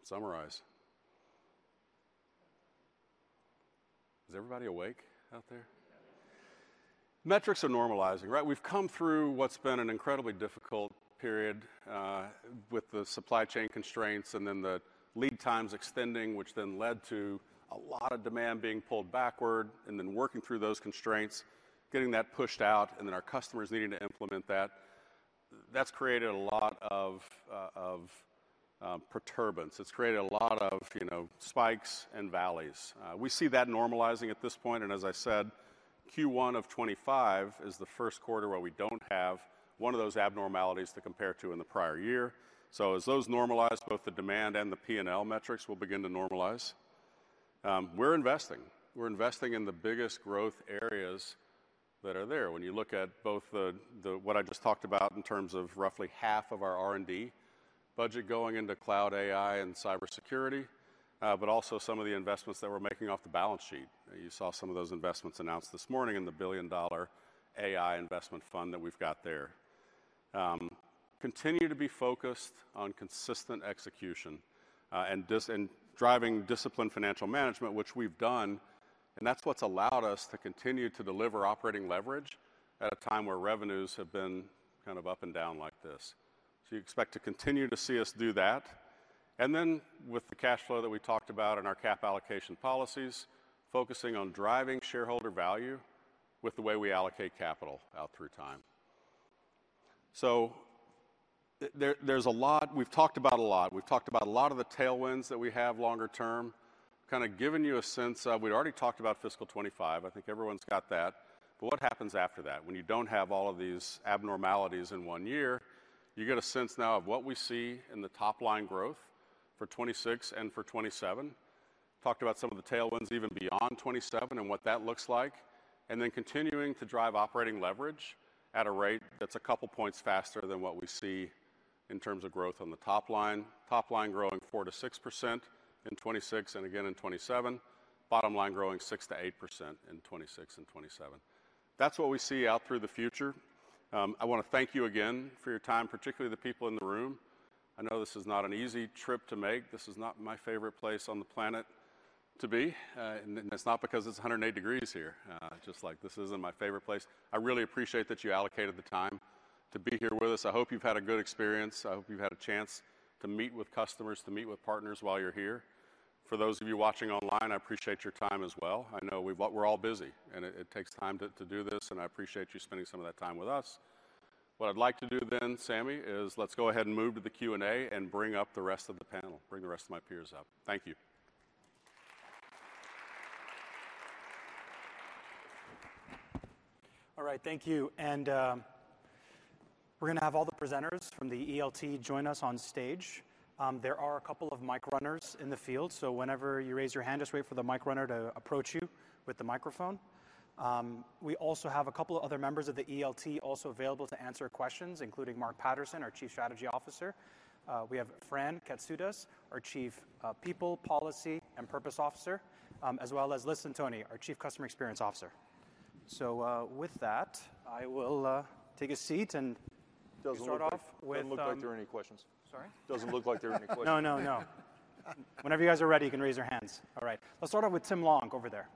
Summarize. Is everybody awake out there? Yeah. Metrics are normalizing, right? We've come through what's been an incredibly difficult period with the supply chain constraints, and then the lead times extending, which then led to a lot of demand being pulled backward, and then working through those constraints, getting that pushed out, and then our customers needing to implement that. That's created a lot of perturbation. It's created a lot of, you know, spikes and valleys. We see that normalizing at this point, and as I said, Q1 of 2025 is the first quarter where we don't have one of those abnormalities to compare to in the prior year. So as those normalize, both the demand and the P&L metrics will begin to normalize. We're investing. We're investing in the biggest growth areas that are there. When you look at both the what I just talked about in terms of roughly half of our R&D budget going into cloud, AI, and cybersecurity, but also some of the investments that we're making off the balance sheet. You saw some of those investments announced this morning in the billion-dollar AI investment fund that we've got there. Continue to be focused on consistent execution and driving disciplined financial management, which we've done, and that's what's allowed us to continue to deliver operating leverage at a time where revenues have been kind of up and down like this. So you expect to continue to see us do that. And then, with the cash flow that we talked about and our cap allocation policies, focusing on driving shareholder value with the way we allocate capital out through time. So there's a lot... We've talked about a lot. We've talked about a lot of the tailwinds that we have longer term, kinda giving you a sense of, we'd already talked about fiscal 2025. I think everyone's got that. But what happens after that, when you don't have all of these abnormalities in one year? You get a sense now of what we see in the top-line growth for 2026 and for 2027. Talked about some of the tailwinds even beyond 2027 and what that looks like, and then continuing to drive operating leverage at a rate that's a couple points faster than what we see in terms of growth on the top line. Top line growing 4%-6% in 2026 and again in 2027. Bottom line growing 6%-8% in 2026 and 2027. That's what we see out through the future. I wanna thank you again for your time, particularly the people in the room. I know this is not an easy trip to make. This is not my favorite place on the planet to be, and, and it's not because it's 108 degrees here. Just, like, this isn't my favorite place. I really appreciate that you allocated the time to be here with us. I hope you've had a good experience. I hope you've had a chance to meet with customers, to meet with partners while you're here. For those of you watching online, I appreciate your time as well. I know we're all busy, and it, it takes time to, to do this, and I appreciate you spending some of that time with us. What I'd like to do then, Sami, is let's go ahead and move to the Q&A and bring up the rest of the panel, bring the rest of my peers up. Thank you. All right, thank you. And, we're gonna have all the presenters from the ELT join us on stage. There are a couple of mic runners in the field, so whenever you raise your hand, just wait for the mic runner to approach you with the microphone. We also have a couple of other members of the ELT also available to answer questions, including Mark Patterson, our Chief Strategy Officer. We have Fran Katsoudas, our Chief People, Policy, and Purpose Officer, as well as Liz Centoni, our Chief Customer Experience Officer. So, with that, I will take a seat, and- Doesn't look- We'll start off with, Doesn't look like there are any questions. Sorry? Doesn't look like there are any questions. No, no, no. Whenever you guys are ready, you can raise your hands. All right, let's start off with Tim Long over there.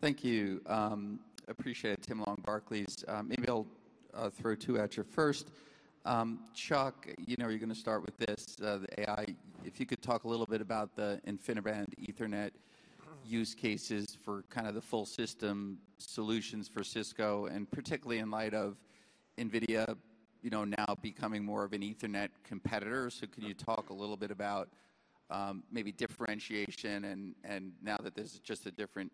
Thank you. Appreciate it. Tim Long, Barclays. Maybe I'll throw two at you. First, Chuck, you know, you're gonna start with this, the AI. If you could talk a little bit about the InfiniBand Ethernet use cases for kinda the full system solutions for Cisco, and particularly in light of NVIDIA, you know, now becoming more of an Ethernet competitor. So can you talk a little bit about, maybe differentiation and, and now that this is just a different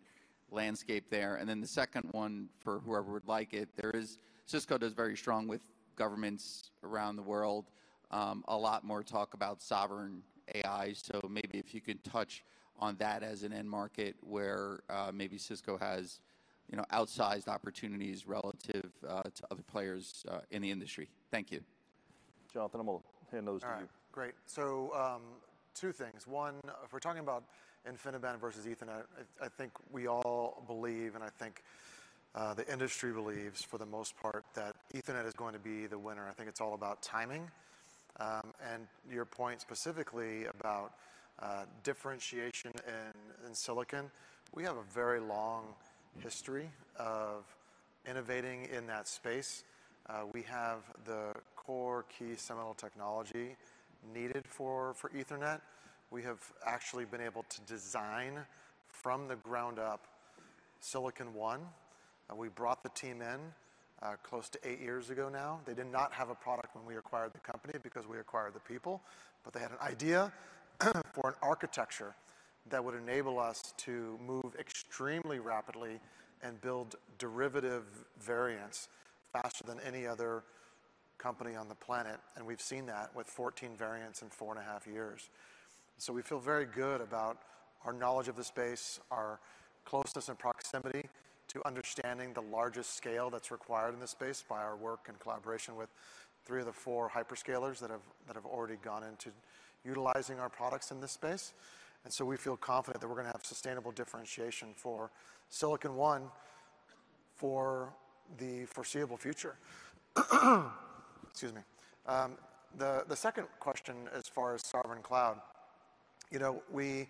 landscape there? And then the second one, for whoever would like it, there is, Cisco does very strong with governments around the world. A lot more talk about sovereign AI, so maybe if you could touch on that as an end market where, maybe Cisco has, you know, outsized opportunities relative, to other players, in the industry. Thank you. Jonathan, I'm gonna hand those to you. All right. Great. So, two things: One, if we're talking about InfiniBand versus Ethernet, I think we all believe, and I think the industry believes, for the most part, that Ethernet is going to be the winner. I think it's all about timing. And your point specifically about differentiation in silicon, we have a very long history of innovating in that space. We have the core key seminal technology needed for Ethernet. We have actually been able to design, from the ground up, Silicon One, and we brought the team in close to eight years ago now. They did not have a product when we acquired the company because we acquired the people, but they had an idea for an architecture that would enable us to move extremely rapidly and build derivative variants faster than any other company on the planet, and we've seen that with 14 variants in four and a half years. So we feel very good about our knowledge of the space, our closeness and proximity to understanding the largest scale that's required in this space by our work and collaboration with three of the four hyperscalers that have already gone into utilizing our products in this space. And so we feel confident that we're gonna have sustainable differentiation for Silicon One for the foreseeable future. Excuse me. The second question, as far as Sovereign Cloud, you know, we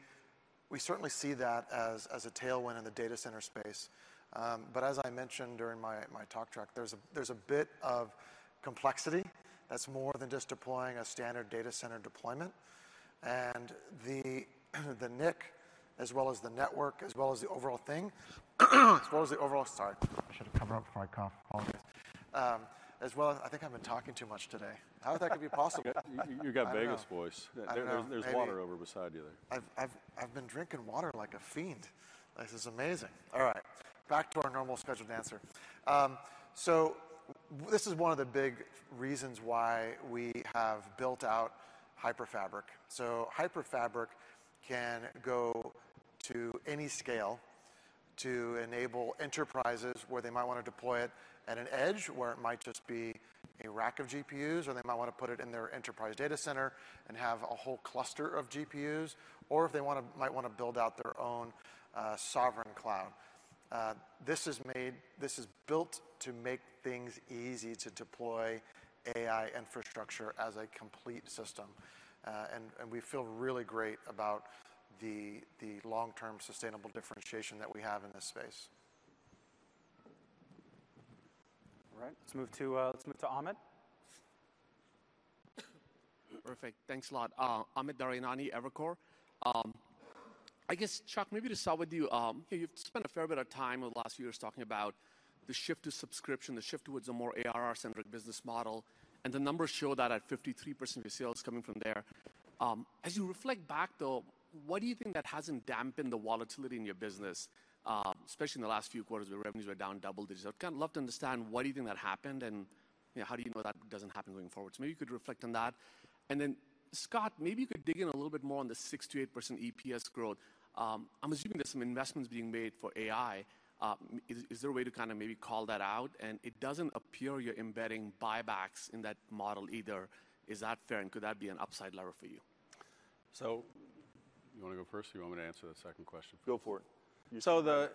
certainly see that as a tailwind in the data center space. But as I mentioned during my talk track, there's a bit of complexity that's more than just deploying a standard data center deployment. And the NIC, as well as the network, as well as the overall thing, as well as the overall— Sorry, I should have covered up before I coughed. Apologies. As well... I think I've been talking too much today. How could that be possible? You, you got Vegas voice. I know. There, there's water over beside you there. I've been drinking water like a fiend. This is amazing. All right, back to our normal scheduled answer. So this is one of the big reasons why we have built out HyperFabric. So HyperFabric can go to any scale to enable enterprises where they might want to deploy it at an edge, where it might just be a rack of GPUs, or they might want to put it in their enterprise data center and have a whole cluster of GPUs, or if they might wanna build out their own sovereign cloud. This is built to make things easy to deploy AI Infrastructure as a complete system, and we feel really great about the long-term sustainable differentiation that we have in this space. All right. Let's move to, let's move to Amit. Perfect. Thanks a lot. Amit Daryanani, Evercore. I guess, Chuck, maybe to start with you, you've spent a fair bit of time over the last few years talking about the shift to subscription, the shift towards a more ARR-centric business model, and the numbers show that at 53% of your sales coming from there. As you reflect back, though, what do you think that hasn't dampened the volatility in your business, especially in the last few quarters, where revenues were down double digits? I'd kind of love to understand why do you think that happened, and, you know, how do you know that doesn't happen going forward? So maybe you could reflect on that. And then, Scott, maybe you could dig in a little bit more on the 6%-8% EPS growth. I'm assuming there's some investments being made for AI. Is there a way to kind of maybe call that out? It doesn't appear you're embedding buybacks in that model either. Is that fair, and could that be an upside lever for you? So you wanna go first, or you want me to answer the second question? Go for it. So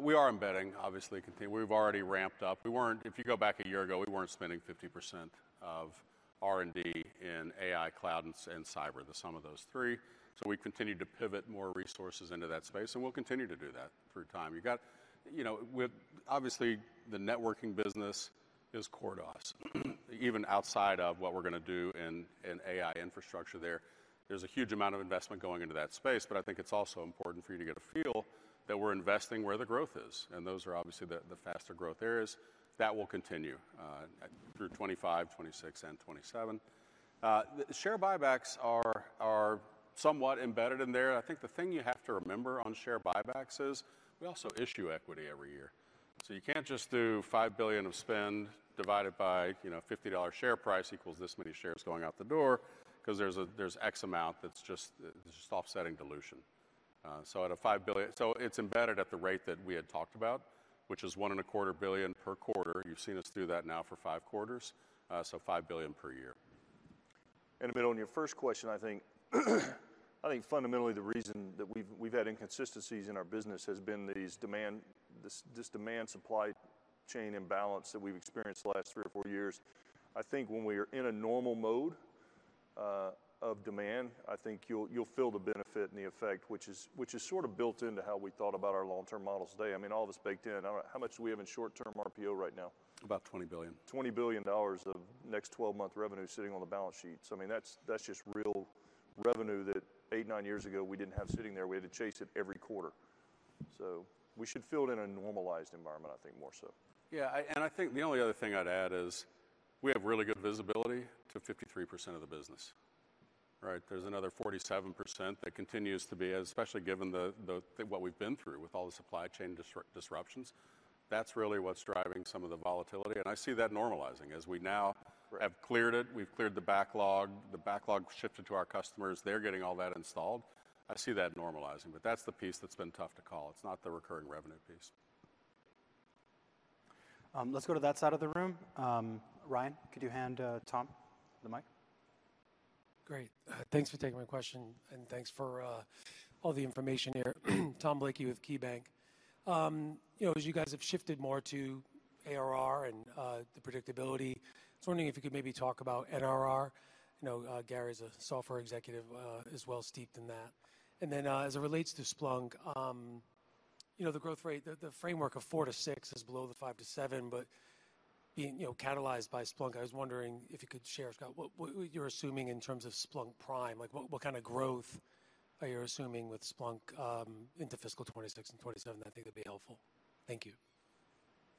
we are embedding, obviously, continue—we've already ramped up. We weren't—If you go back a year ago, we weren't spending 50% of R&D in AI, cloud, and cyber, the sum of those three. So we continued to pivot more resources into that space, and we'll continue to do that through time. You got, you know, with—Obviously, the networking business is core to us, even outside of what we're gonna do in, in AI Infrastructure there. There's a huge amount of investment going into that space, but I think it's also important for you to get a feel that we're investing where the growth is, and those are obviously the, the faster growth areas. That will continue through 2025, 2026, and 2027. The share buybacks are somewhat embedded in there. I think the thing you have to remember on share buybacks is, we also issue equity every year. So you can't just do $5 billion of spend divided by, you know, $50 share price equals this many shares going out the door, 'cause there's a, there's X amount that's just, just offsetting dilution. So out of $5 billion. So it's embedded at the rate that we had talked about, which is $1.25 billion per quarter. You've seen us do that now for 5 quarters, so $5 billion per year. And a bit on your first question, I think fundamentally the reason that we've had inconsistencies in our business has been this demand/supply chain imbalance that we've experienced the last three or four years. I think when we are in a normal mode of demand, I think you'll feel the benefit and the effect, which is sort of built into how we thought about our long-term model today. I mean, all of it's baked in. I don't know, how much do we have in short-term RPO right now? About $20 billion. $20 billion of next 12-month revenue sitting on the balance sheets. I mean, that's, that's just real revenue that 8, 9 years ago we didn't have sitting there. We had to chase it every quarter. So we should feel it in a normalized environment, I think, more so. Yeah, and I think the only other thing I'd add is, we have really good visibility to 53% of the business, right? There's another 47% that continues to be, especially given the--what we've been through with all the supply chain disruptions. That's really what's driving some of the volatility, and I see that normalizing as we now- Right ... have cleared it. We've cleared the backlog. The backlog shifted to our customers. They're getting all that installed. I see that normalizing, but that's the piece that's been tough to call. It's not the recurring revenue piece. Let's go to that side of the room. Ryan, could you hand Tom the mic?... Great. Thanks for taking my question, and thanks for all the information here. Tom Blakey with KeyBank. You know, as you guys have shifted more to ARR and the predictability, I was wondering if you could maybe talk about NRR. I know Gary's a software executive is well steeped in that. And then, as it relates to Splunk, you know, the growth rate, the framework of 4-6 is below the 5-7, but being catalyzed by Splunk, I was wondering if you could share, Scott, what you're assuming in terms of Splunk prime? Like, what kind of growth are you assuming with Splunk into fiscal 2026 and 2027? I think that'd be helpful. Thank you.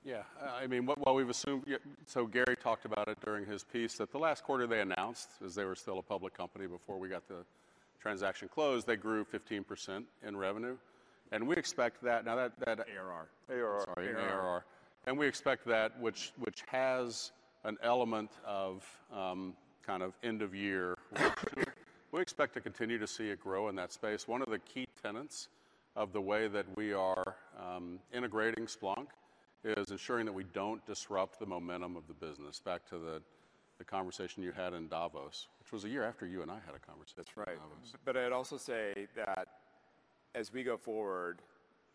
Yeah. I mean, what we've assumed, yeah. So Gary talked about it during his piece, that the last quarter they announced, as they were still a public company before we got the transaction closed, they grew 15% in revenue, and we expect that... Now, that, that- ARR. ARR. Sorry, ARR. We expect that, which has an element of kind of end-of-year workflow. We expect to continue to see it grow in that space. One of the key tenets of the way that we are integrating Splunk is ensuring that we don't disrupt the momentum of the business. Back to the conversation you had in Davos, which was a year after you and I had a conversation- That's right. -in Davos. But I'd also say that as we go forward,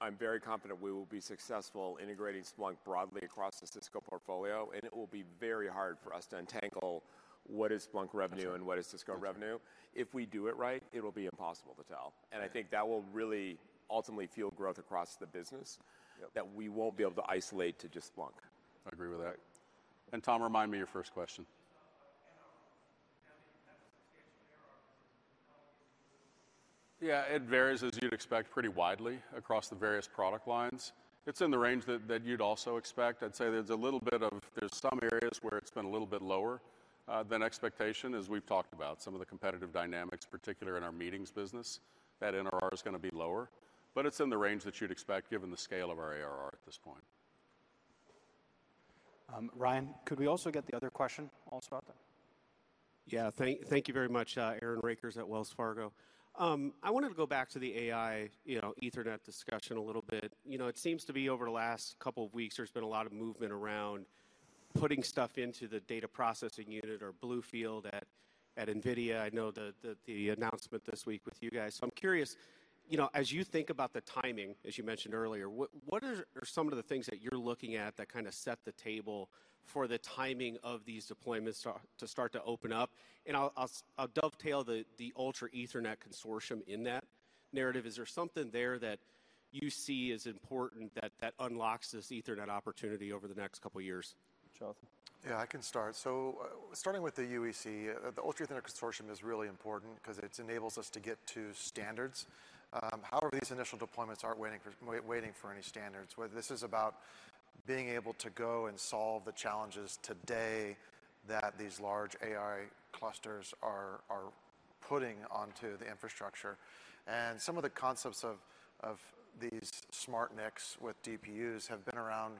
I'm very confident we will be successful integrating Splunk broadly across the Cisco portfolio, and it will be very hard for us to untangle what is Splunk revenue... That's right... and what is Cisco revenue? If we do it right, it'll be impossible to tell. Yeah. I think that will really ultimately fuel growth across the business. Yep ... that we won't be able to isolate to just Splunk. I agree with that. Tom, remind me your first question. You know, having that association there are- Yeah, it varies, as you'd expect, pretty widely across the various product lines. It's in the range that you'd also expect. I'd say there's a little bit of—there's some areas where it's been a little bit lower than expectation, as we've talked about. Some of the competitive dynamics, particularly in our meetings business, that NRR is gonna be lower, but it's in the range that you'd expect, given the scale of our ARR at this point. Ryan, could we also get the other question also about that? Yeah. Thank you very much, Aaron Rakers at Wells Fargo. I wanted to go back to the AI, you know, Ethernet discussion a little bit. You know, it seems to be over the last couple of weeks, there's been a lot of movement around putting stuff into the data processing unit or BlueField at NVIDIA. I know the announcement this week with you guys. So I'm curious, you know, as you think about the timing, as you mentioned earlier, what are some of the things that you're looking at that kind of set the table for the timing of these deployments to start to open up? And I'll dovetail the Ultra Ethernet Consortium in that narrative. Is there something there that you see as important that unlocks this Ethernet opportunity over the next couple of years? Jonathan? Yeah, I can start. So starting with the UEC, the Ultra Ethernet Consortium is really important 'cause it enables us to get to standards. However, these initial deployments aren't waiting for waiting for any standards. Where this is about being able to go and solve the challenges today that these large AI clusters are putting onto the infrastructure. And some of the concepts of these smart NICs with DPUs have been around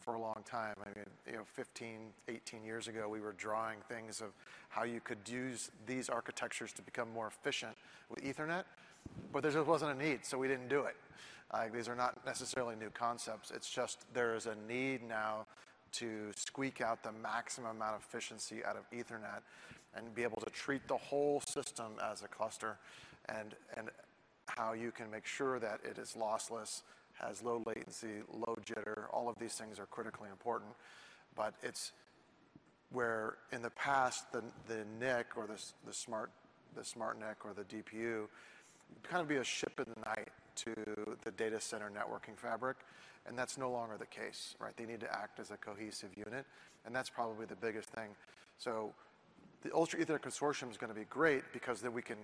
for a long time. I mean, you know, 15, 18 years ago, we were drawing things of how you could use these architectures to become more efficient with Ethernet, but there just wasn't a need, so we didn't do it. These are not necessarily new concepts. It's just there is a need now to squeak out the maximum amount of efficiency out of Ethernet and be able to treat the whole system as a cluster, and how you can make sure that it is lossless, has low latency, low jitter. All of these things are critically important, but it's where, in the past, the NIC or the smart NIC or the DPU kind of be a ship in the night to the data center networking fabric, and that's no longer the case, right? They need to act as a cohesive unit, and that's probably the biggest thing. So the Ultra Ethernet Consortium is gonna be great because then we can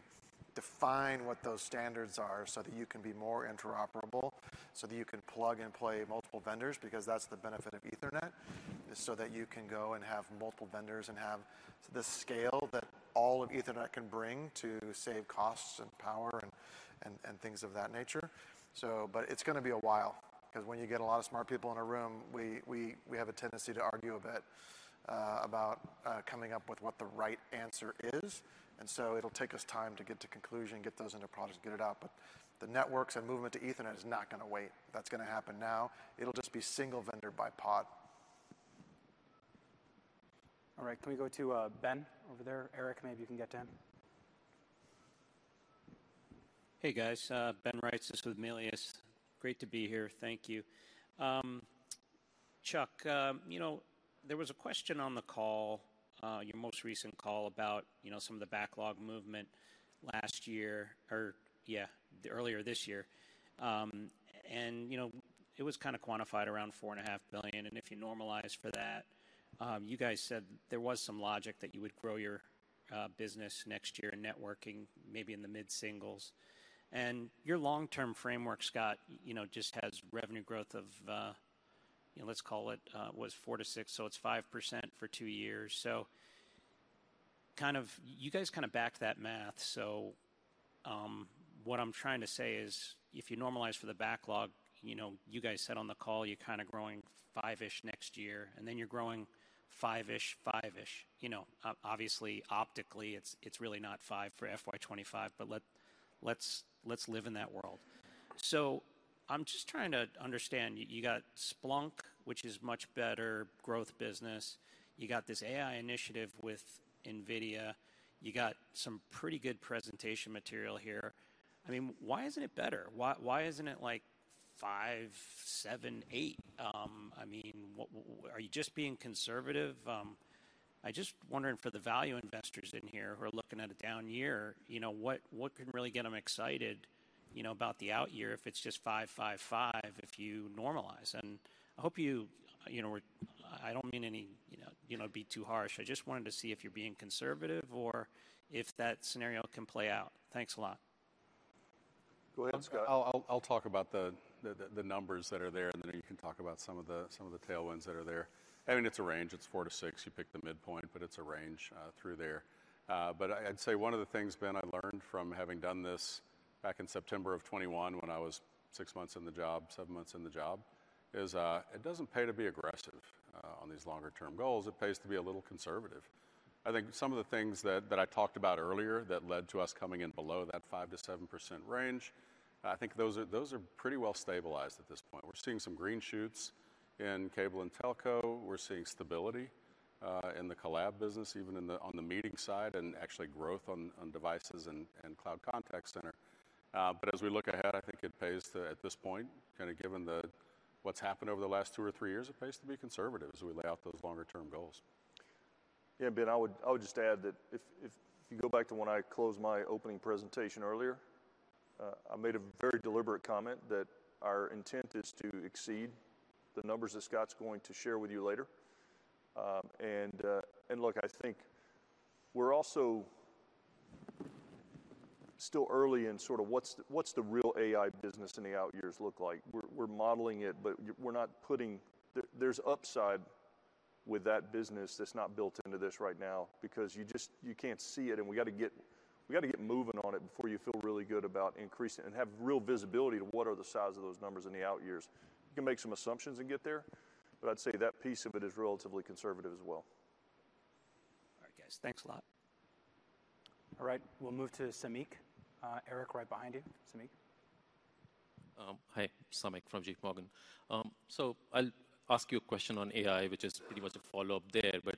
define what those standards are so that you can be more interoperable, so that you can plug and play multiple vendors, because that's the benefit of Ethernet, is so that you can go and have multiple vendors and have the scale that all of Ethernet can bring to save costs and power and things of that nature. So, but it's gonna be a while, 'cause when you get a lot of smart people in a room, we have a tendency to argue a bit about coming up with what the right answer is, and so it'll take us time to get to conclusion, get those into products, get it out. But the networks and movement to Ethernet is not gonna wait. That's gonna happen now. It'll just be single vendor by pod. All right. Can we go to Ben, over there? Eric, maybe you can get to him. Hey, guys. Ben Reitzes, Melius. Great to be here. Thank you. Chuck, you know, there was a question on the call, your most recent call about, you know, some of the backlog movement last year or, yeah, earlier this year. And, you know, it was kind of quantified around $4.5 billion, and if you normalize for that, you guys said there was some logic that you would grow your business next year in networking, maybe in the mid-singles. And your long-term framework, Scott, you know, just has revenue growth of, you know, let's call it, was 4%-6%, so it's 5% for two years. So kind of... You guys kind of backed that math. So, what I'm trying to say is, if you normalize for the backlog, you know, you guys said on the call, you're kind of growing five-ish next year, and then you're growing five-ish, five-ish. You know, obviously, optically, it's, it's really not five for FY 2025, but let's, let's live in that world. So I'm just trying to understand. You, you got Splunk, which is much better growth business. You got this AI initiative with NVIDIA. You got some pretty good presentation material here. I mean, why isn't it better? Why, why isn't it like five, seven, eight? I mean, w- w- are you just being conservative? I just wondering for the value investors in here who are looking at a down year, you know, what, what can really get them excited, you know, about the out year if it's just 5, 5, 5, if you normalize? And I hope you, you know, we're-- I don't mean any, you know, you know, be too harsh. I just wanted to see if you're being conservative or if that scenario can play out. Thanks a lot. Go ahead, Scott. I'll talk about the numbers that are there, and then you can talk about some of the tailwinds that are there. I mean, it's a range. It's 4-6. You pick the midpoint, but it's a range through there. But I'd say one of the things, Ben, I learned from having done this back in September of 2021, when I was six months in the job, seven months in the job, is it doesn't pay to be aggressive on these longer term goals. It pays to be a little conservative. I think some of the things that I talked about earlier that led to us coming in below that 5%-7% range, I think those are pretty well stabilized at this point. We're seeing some green shoots in cable and telco. We're seeing stability in the collab business, even in the meeting side, and actually growth on devices and cloud contact center. But as we look ahead, I think it pays to, at this point, kind of given what's happened over the last two or three years, it pays to be conservative as we lay out those longer term goals. Yeah, Ben, I would just add that if you go back to when I closed my opening presentation earlier, I made a very deliberate comment that our intent is to exceed the numbers that Scott's going to share with you later. And look, I think we're also still early in sort of what's the real AI business in the out years look like? We're modeling it, but we're not putting... There's upside with that business that's not built into this right now because you just--you can't see it, and we gotta get moving on it before you feel really good about increasing and have real visibility to what are the size of those numbers in the out years. You can make some assumptions and get there, but I'd say that piece of it is relatively conservative as well. All right, guys. Thanks a lot. All right. We'll move to Samik. Eric, right behind you. Samik. Hi, Samik from JPMorgan. So I'll ask you a question on AI, which is pretty much a follow-up there, but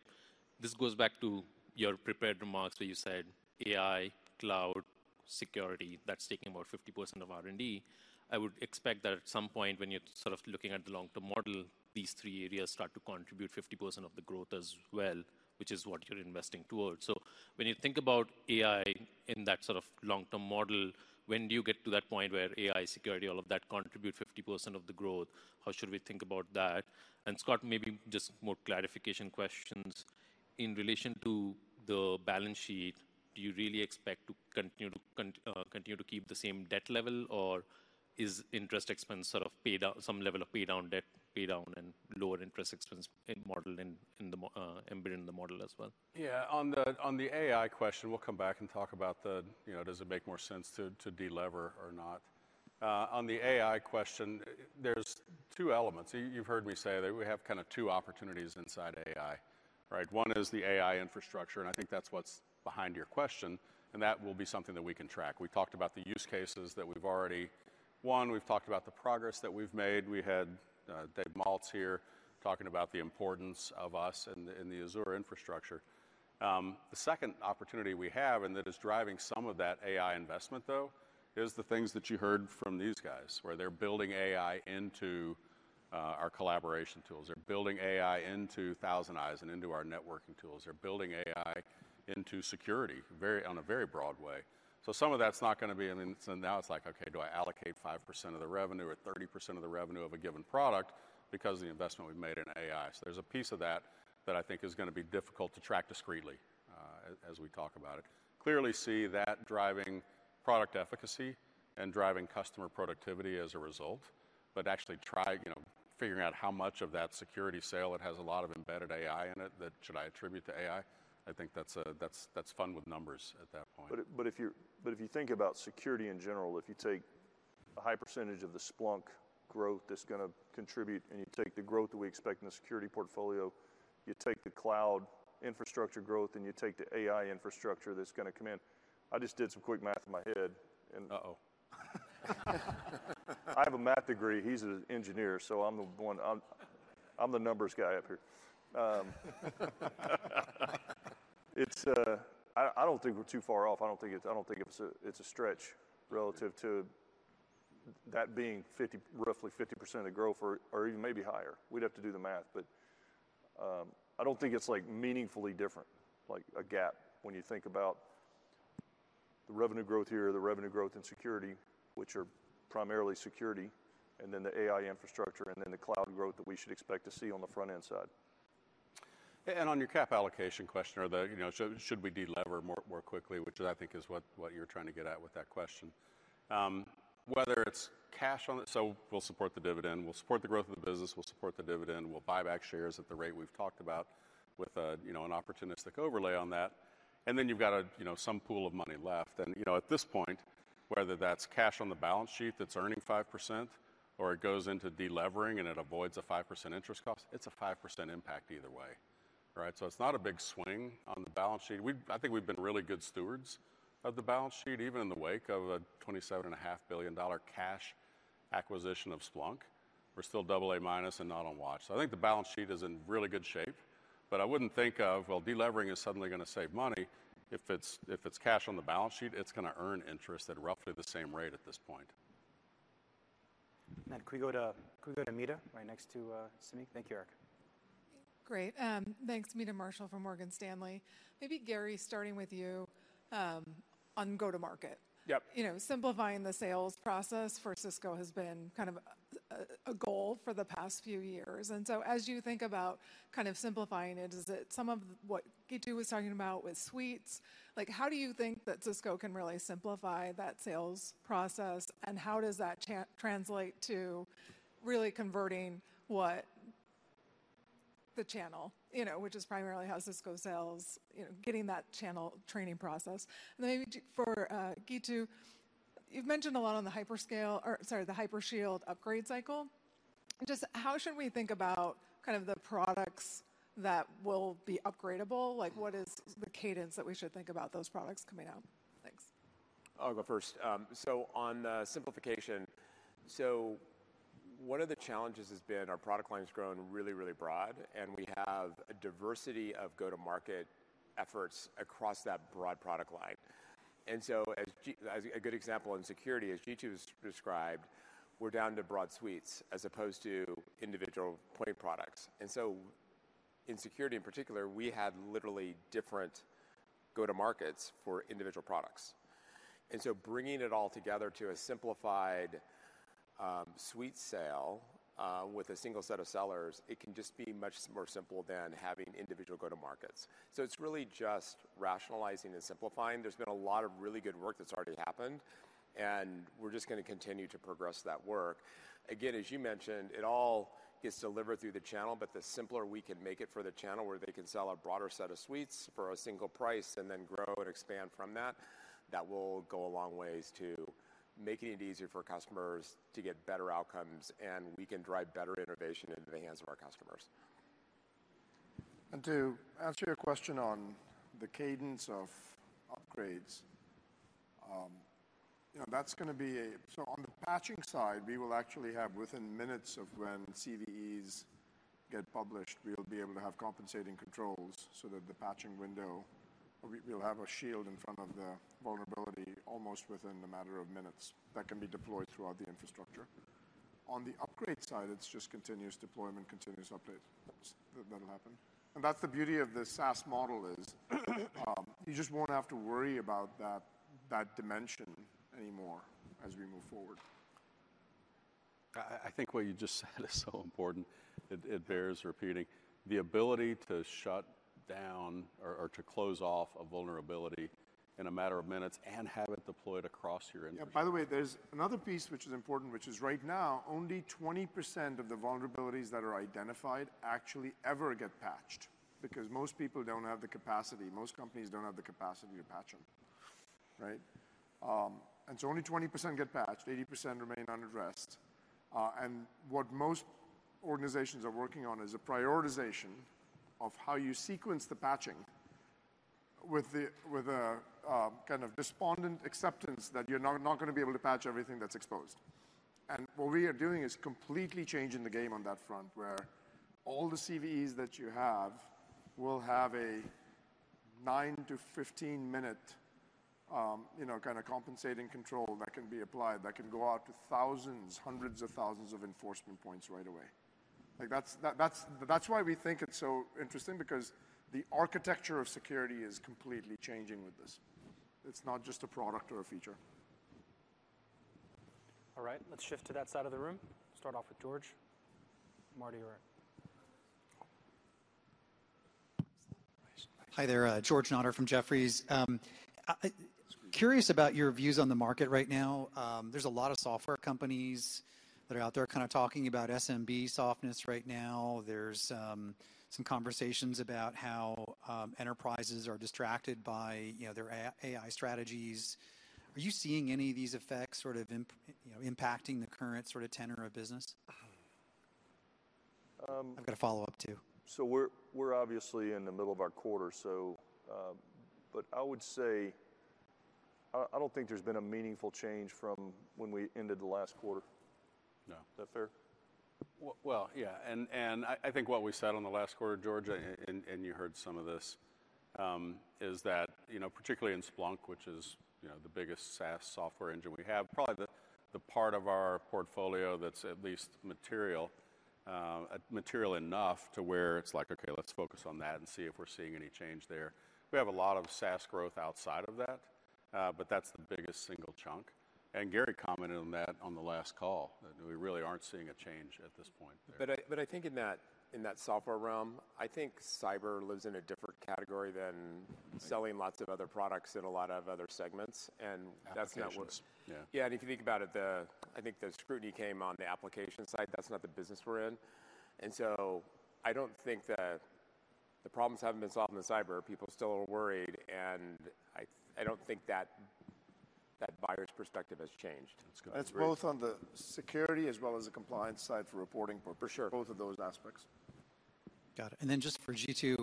this goes back to your prepared remarks, where you said AI, cloud, security, that's taking about 50% of R&D. I would expect that at some point when you're sort of looking at the long-term model, these three areas start to contribute 50% of the growth as well, which is what you're investing towards. So when you think about AI in that sort of long-term model, when do you get to that point where AI, security, all of that contribute 50% of the growth? How should we think about that? And, Scott, maybe just more clarification questions. In relation to the balance sheet, do you really expect to continue to keep the same debt level, or is interest expense sort of paid down, some level of paid down debt, paid down and lower interest expense modeled in, embedded in the model as well? Yeah. On the AI question, we'll come back and talk about the, you know, does it make more sense to delever or not? On the AI question, there's two elements. You've heard me say that we have kind of two opportunities inside AI, right? One is the AI Infrastructure, and I think that's what's behind your question, and that will be something that we can track. We talked about the use cases that we've already... One, we've talked about the progress that we've made. We had Dave Maltz here talking about the importance of us in the Azure infrastructure. The second opportunity we have, and that is driving some of that AI investment, though, is the things that you heard from these guys, where they're building AI into our collaboration tools. They're building AI into ThousandEyes and into our networking tools. They're building AI into security, very on a very broad way. So some of that's not gonna be in the... So now it's like, okay, do I allocate 5% of the revenue or 30% of the revenue of a given product because of the investment we've made in AI? So there's a piece of that that I think is gonna be difficult to track discreetly, as we talk about it. Clearly see that driving product efficacy and driving customer productivity as a result, but actually try, you know, figuring out how much of that security sale that has a lot of embedded AI in it, that should I attribute to AI? I think that's fun with numbers at that point. But if you think about security in general, if you take a high percentage of the Splunk growth that's gonna contribute, and you take the growth that we expect in the security portfolio, you take the cloud infrastructure growth, and you take the AI Infrastructure that's gonna come in. I just did some quick math in my head, and uh-oh. I have a math degree. He's an engineer, so I'm the one—I'm the numbers guy up here. It's... I don't think we're too far off. I don't think it's a stretch relative to that being roughly 50% of growth or even maybe higher. We'd have to do the math, but, I don't think it's, like, meaningfully different, like a gap, when you think about the revenue growth here, the revenue growth in security, which are primarily security, and then the AI Infrastructure, and then the cloud growth that we should expect to see on the front-end side. On your cap allocation question or the, you know, should we delever more quickly, which I think is what you're trying to get at with that question. Whether it's cash on it, so we'll support the dividend. We'll support the growth of the business, we'll support the dividend, we'll buy back shares at the rate we've talked about with a, you know, an opportunistic overlay on that, and then you've got a, you know, some pool of money left. You know, at this point, whether that's cash on the balance sheet that's earning 5%, or it goes into delevering, and it avoids a 5% interest cost, it's a 5% impact either way, right? So it's not a big swing on the balance sheet. I think we've been really good stewards of the balance sheet, even in the wake of a $27.5 billion cash acquisition of Splunk. We're still double A minus and not on watch. So I think the balance sheet is in really good shape, but I wouldn't think of, well, delevering is suddenly gonna save money. If it's cash on the balance sheet, it's gonna earn interest at roughly the same rate at this point. Can we go to, can we go to Meta, right next to Samik? Thank you, Eric. Great. Thanks, Meta Marshall from Morgan Stanley. Maybe Gary, starting with you, on Go-to-Market. Yep. You know, simplifying the sales process for Cisco has been kind of a goal for the past few years. And so as you think about kind of simplifying it, is it some of what Jeetu was talking about with suites? Like, how do you think that Cisco can really simplify that sales process, and how does that translate to really converting what the channel, you know, which is primarily how Cisco sells, you know, getting that channel training process? And then for Jeetu, you've mentioned a lot on the Hypershield upgrade cycle. Just how should we think about kind of the products that will be upgradable? Like, what is the cadence that we should think about those products coming out? Thanks. I'll go first. So on simplification, so one of the challenges has been our product line has grown really, really broad, and we have a diversity of Go-to-Market efforts across that broad product line. And so as a good example, in security, as Jeetu's described, we're down to broad suites as opposed to individual point products. And so in security, in particular, we had literally different Go-to-Markets for individual products. And so bringing it all together to a simplified, suite sale, with a single set of sellers, it can just be much more simple than having individual Go-to-Markets. So it's really just rationalizing and simplifying. There's been a lot of really good work that's already happened, and we're just gonna continue to progress that work. Again, as you mentioned, it all gets delivered through the channel, but the simpler we can make it for the channel, where they can sell a broader set of suites for a single price and then grow and expand from that, that will go a long ways to making it easier for customers to get better outcomes, and we can drive better innovation into the hands of our customers. To answer your question on the cadence of upgrades, you know, that's gonna be a. So on the patching side, we will actually have, within minutes of when CVEs get published, we'll be able to have compensating controls so that the patching window, we'll have a shield in front of the vulnerability almost within a matter of minutes that can be deployed throughout the infrastructure. On the upgrade side, it's just continuous deployment, continuous updates. That'll happen. And that's the beauty of the SaaS model is, you just won't have to worry about that, that dimension anymore as we move forward. I think what you just said is so important, it bears repeating. The ability to shut down or to close off a vulnerability in a matter of minutes and have it deployed across your enterprise. Yeah, by the way, there's another piece which is important, which is right now, only 20% of the vulnerabilities that are identified actually ever get patched, because most people don't have the capacity, most companies don't have the capacity to patch them, right? And so only 20% get patched, 80% remain unaddressed. And what most organizations are working on is a prioritization of how you sequence the patching with a kind of despondent acceptance that you're not gonna be able to patch everything that's exposed. And what we are doing is completely changing the game on that front, where all the CVEs that you have will have a 9-15-minute, you know, kind of compensating control that can be applied, that can go out to thousands, hundreds of thousands of enforcement points right away. Like, that's why we think it's so interesting, because the architecture of security is completely changing with this. It's not just a product or a feature. All right, let's shift to that side of the room. Start off with George. Marty, you're right. Hi there, George Notter from Jefferies. Sorry. Curious about your views on the market right now. There's a lot of software companies that are out there kind of talking about SMB softness right now. There's some conversations about how enterprises are distracted by, you know, their AI strategies. Are you seeing any of these effects sort of impacting the current sort of tenor of business? Um- I've got a follow-up, too. So we're, we're obviously in the middle of our quarter, so, but I would say, I, I don't think there's been a meaningful change from when we ended the last quarter. No. Is that fair? Well, yeah, and I think what we said on the last quarter, George, and you heard some of this, is that, you know, particularly in Splunk, which is, you know, the biggest SaaS software engine we have, probably the part of our portfolio that's at least material, material enough to where it's like, "Okay, let's focus on that and see if we're seeing any change there." We have a lot of SaaS growth outside of that, but that's the biggest single chunk. And Gary commented on that on the last call, that we really aren't seeing a change at this point there. But I think in that software realm, I think cyber lives in a different category than- Mm-hmm... selling lots of other products in a lot of other segments, and that's not what- Applications, yeah. Yeah, and if you think about it, I think the scrutiny came on the application side, that's not the business we're in. And so I don't think that the problems haven't been solved in the cyber. People still are worried, and I, I don't think that the-... that buyer's perspective has changed. That's both on the security as well as the compliance side for reporting- For sure. Both of those aspects. Got it. And then just for Jeetu,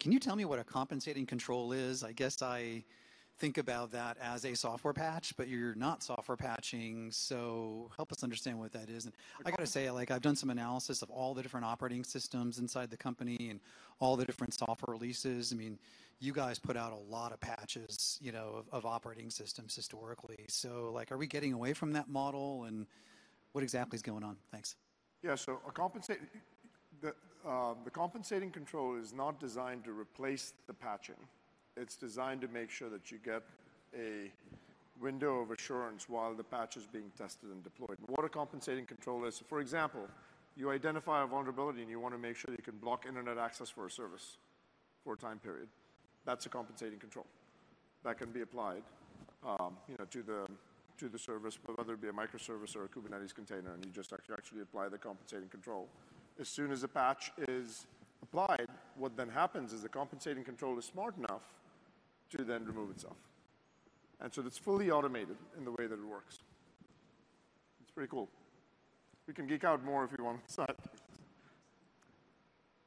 can you tell me what a compensating control is? I guess I think about that as a software patch, but you're not software patching, so help us understand what that is. And I gotta say, like, I've done some analysis of all the different operating systems inside the company and all the different software releases. I mean, you guys put out a lot of patches, you know, of operating systems historically. So, like, are we getting away from that model, and what exactly is going on? Thanks. Yeah, so the compensating control is not designed to replace the patching. It's designed to make sure that you get a window of assurance while the patch is being tested and deployed. What a compensating control is, for example, you identify a vulnerability, and you wanna make sure you can block internet access for a service for a time period. That's a compensating control. That can be applied, you know, to the service, whether it be a microservice or a Kubernetes container, and you just actually apply the compensating control. As soon as a patch is applied, what then happens is the compensating control is smart enough to then remove itself, and so it's fully automated in the way that it works. It's pretty cool. We can geek out more if you want on the side.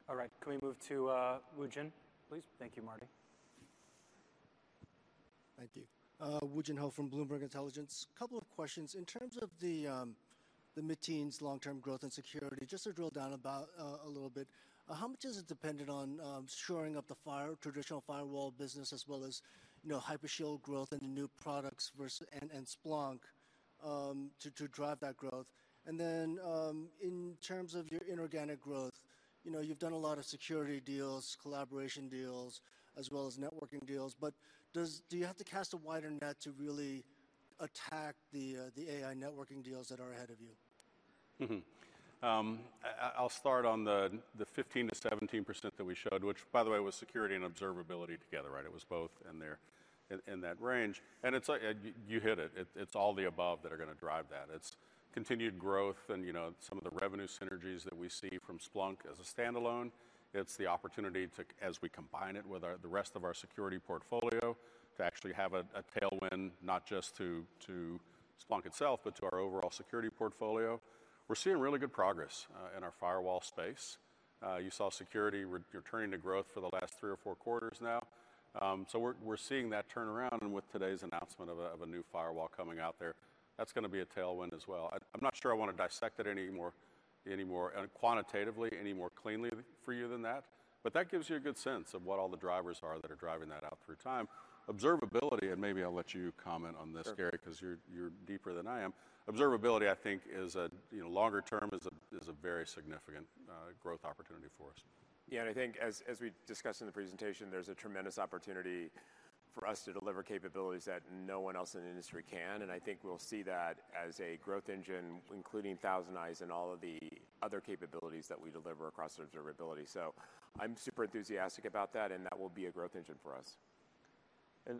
All right, can we move to Woo Jin Ho, please? Thank you, Marty. Thank you. Woo Jin Ho from Bloomberg Intelligence. Couple of questions. In terms of the mid-teens long-term growth and security, just to drill down a little bit, how much is it dependent on shoring up the traditional firewall business as well as, you know, Hypershield growth and the new products versus and Splunk to drive that growth? And then, in terms of your inorganic growth, you know, you've done a lot of security deals, collaboration deals, as well as networking deals, but do you have to cast a wider net to really attack the AI networking deals that are ahead of you? Mm-hmm. I'll start on the 15%-17% that we showed, which, by the way, was security and observability together, right? It was both in there, in that range. And it's like, you hit it. It's all the above that are gonna drive that. It's continued growth and, you know, some of the revenue synergies that we see from Splunk as a standalone. It's the opportunity to, as we combine it with the rest of our security portfolio, to actually have a tailwind, not just to Splunk itself, but to our overall security portfolio. We're seeing really good progress in our firewall space. You saw security returning to growth for the last three or four quarters now. So we're seeing that turnaround, and with today's announcement of a new firewall coming out there, that's gonna be a tailwind as well. I'm not sure I wanna dissect it any more quantitatively any more cleanly for you than that, but that gives you a good sense of what all the drivers are that are driving that out through time. Observability, and maybe I'll let you comment on this, Gary- Sure. 'Cause you're deeper than I am. Observability, I think, is a, you know, longer term, is a very significant growth opportunity for us. Yeah, and I think as we discussed in the presentation, there's a tremendous opportunity for us to deliver capabilities that no one else in the industry can, and I think we'll see that as a growth engine, including ThousandEyes and all of the other capabilities that we deliver across observability. So I'm super enthusiastic about that, and that will be a growth engine for us.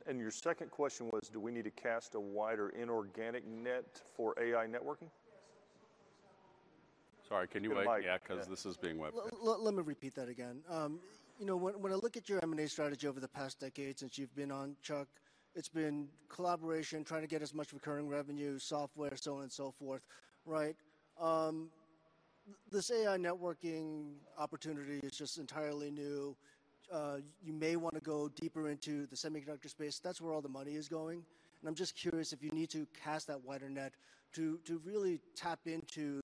And, your second question was, do we need to cast a wider inorganic net for AI networking? Yes. Sorry, can you wait? Yeah. 'Cause this is being webcast. Let me repeat that again. You know, when, when I look at your M&A strategy over the past decade since you've been on, Chuck, it's been collaboration, trying to get as much recurring revenue, software, so on and so forth, right? This AI networking opportunity is just entirely new. You may wanna go deeper into the semiconductor space. That's where all the money is going, and I'm just curious if you need to cast that wider net to, to really tap into,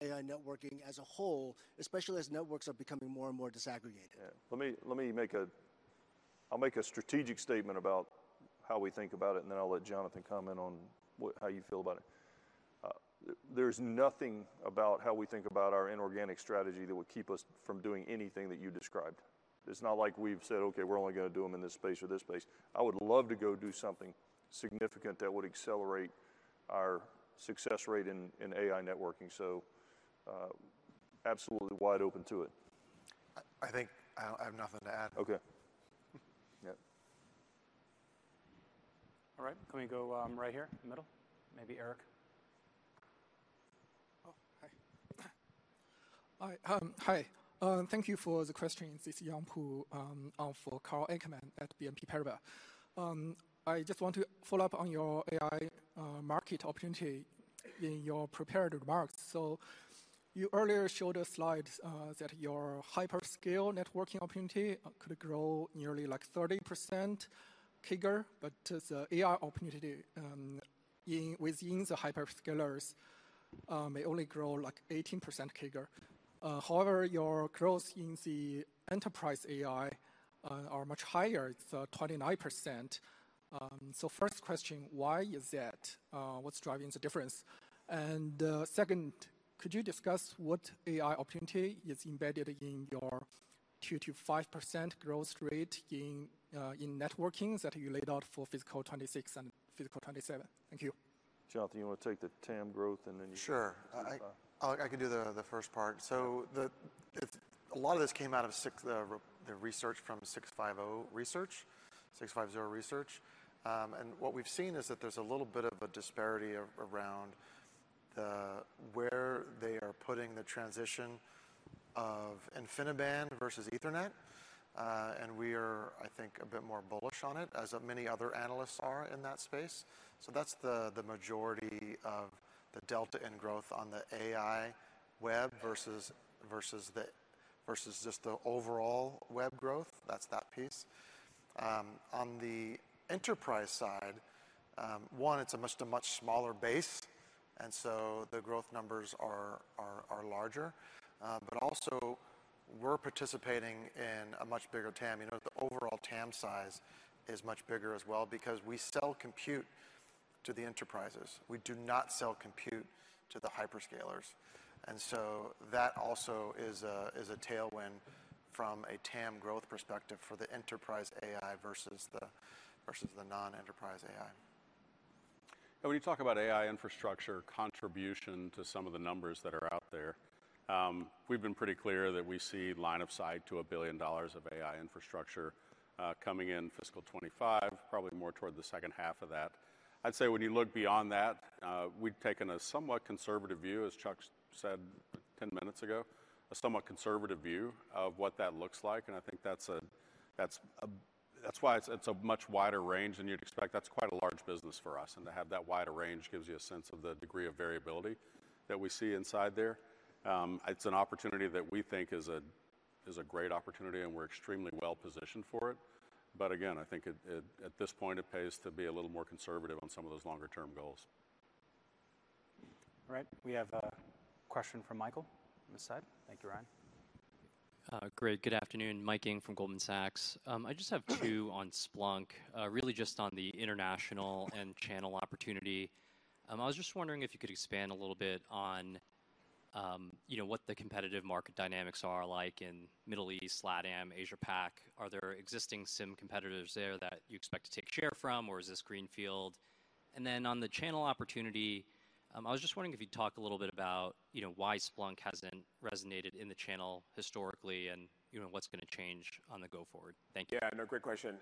AI networking as a whole, especially as networks are becoming more and more disaggregated. Yeah. Let me, let me make a... I'll make a strategic statement about how we think about it, and then I'll let Jonathan comment on what, how you feel about it. There's nothing about how we think about our inorganic strategy that would keep us from doing anything that you described. It's not like we've said, "Okay, we're only gonna do them in this space or this space." I would love to go do something significant that would accelerate our success rate in, in AI networking, so, absolutely wide open to it. I think I have nothing to add. Okay. Yep. All right. Can we go right here in the middle? Maybe Eric. Oh, hi. Hi. Thank you for the questions. This is Yang Pu for Carl Ackerman at BNP Paribas. I just want to follow up on your AI market opportunity in your prepared remarks. So you earlier showed a slide that your hyperscale networking opportunity could grow nearly like 30% bigger, but the AI opportunity within the hyperscalers may only grow like 18% bigger. However, your growth in the enterprise AI are much higher. It's 29%. So first question, why is that? What's driving the difference? And second, could you discuss what AI opportunity is embedded in your 2%-5% growth rate in networking that you laid out for fiscal 2026 and fiscal 2027? Thank you. Jonathan, you wanna take the TAM growth, and then you- Sure. - 5. I can do the first part. So, a lot of this came out of the research from 650 Research, 650 Research. And what we've seen is that there's a little bit of a disparity around-... the, where they are putting the transition of InfiniBand versus Ethernet, and we are, I think, a bit more bullish on it, as, many other analysts are in that space. So that's the majority of the delta in growth on the AI web versus just the overall web growth. That's that piece. On the enterprise side, one, it's a much smaller base, and so the growth numbers are larger. But also, we're participating in a much bigger TAM. You know, the overall TAM size is much bigger as well because we sell compute to the enterprises. We do not sell compute to the hyperscalers, and so that also is a tailwind from a TAM growth perspective for the enterprise AI versus the non-enterprise AI. When you talk about AI Infrastructure contribution to some of the numbers that are out there, we've been pretty clear that we see line of sight to $1 billion of AI Infrastructure coming in fiscal 2025, probably more toward the second half of that. I'd say when you look beyond that, we've taken a somewhat conservative view, as Chuck said 10 minutes ago, a somewhat conservative view of what that looks like, and I think that's why it's a much wider range than you'd expect. That's quite a large business for us, and to have that wider range gives you a sense of the degree of variability that we see inside there. It's an opportunity that we think is a great opportunity, and we're extremely well positioned for it. But again, I think it at this point, it pays to be a little more conservative on some of those longer term goals. All right, we have a question from Michael on this side. Thank you, Ryan. Great. Good afternoon, Michael Ng from Goldman Sachs. I just have two on Splunk, really just on the international and channel opportunity. I was just wondering if you could expand a little bit on, you know, what the competitive market dynamics are like in Middle East, LATAM, Asia Pac. Are there existing SIEM competitors there that you expect to take share from, or is this greenfield? And then on the channel opportunity, I was just wondering if you'd talk a little bit about, you know, why Splunk hasn't resonated in the channel historically, and, you know, what's gonna change on the go forward? Thank you. Yeah, no, great question.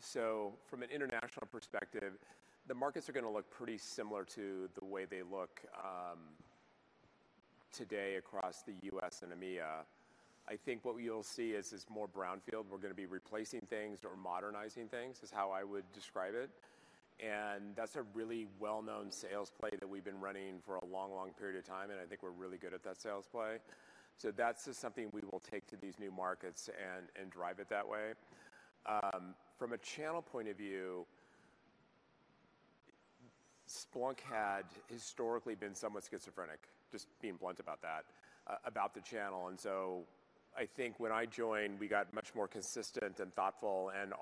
So from an international perspective, the markets are gonna look pretty similar to the way they look today across the US and EMEA. I think what you'll see is more brownfield. We're gonna be replacing things or modernizing things, is how I would describe it, and that's a really well-known sales play that we've been running for a long, long period of time, and I think we're really good at that sales play. So that's just something we will take to these new markets and drive it that way. From a channel point of view, Splunk had historically been somewhat schizophrenic, just being blunt about that, about the channel, and so I think when I joined, we got much more consistent and thoughtful, and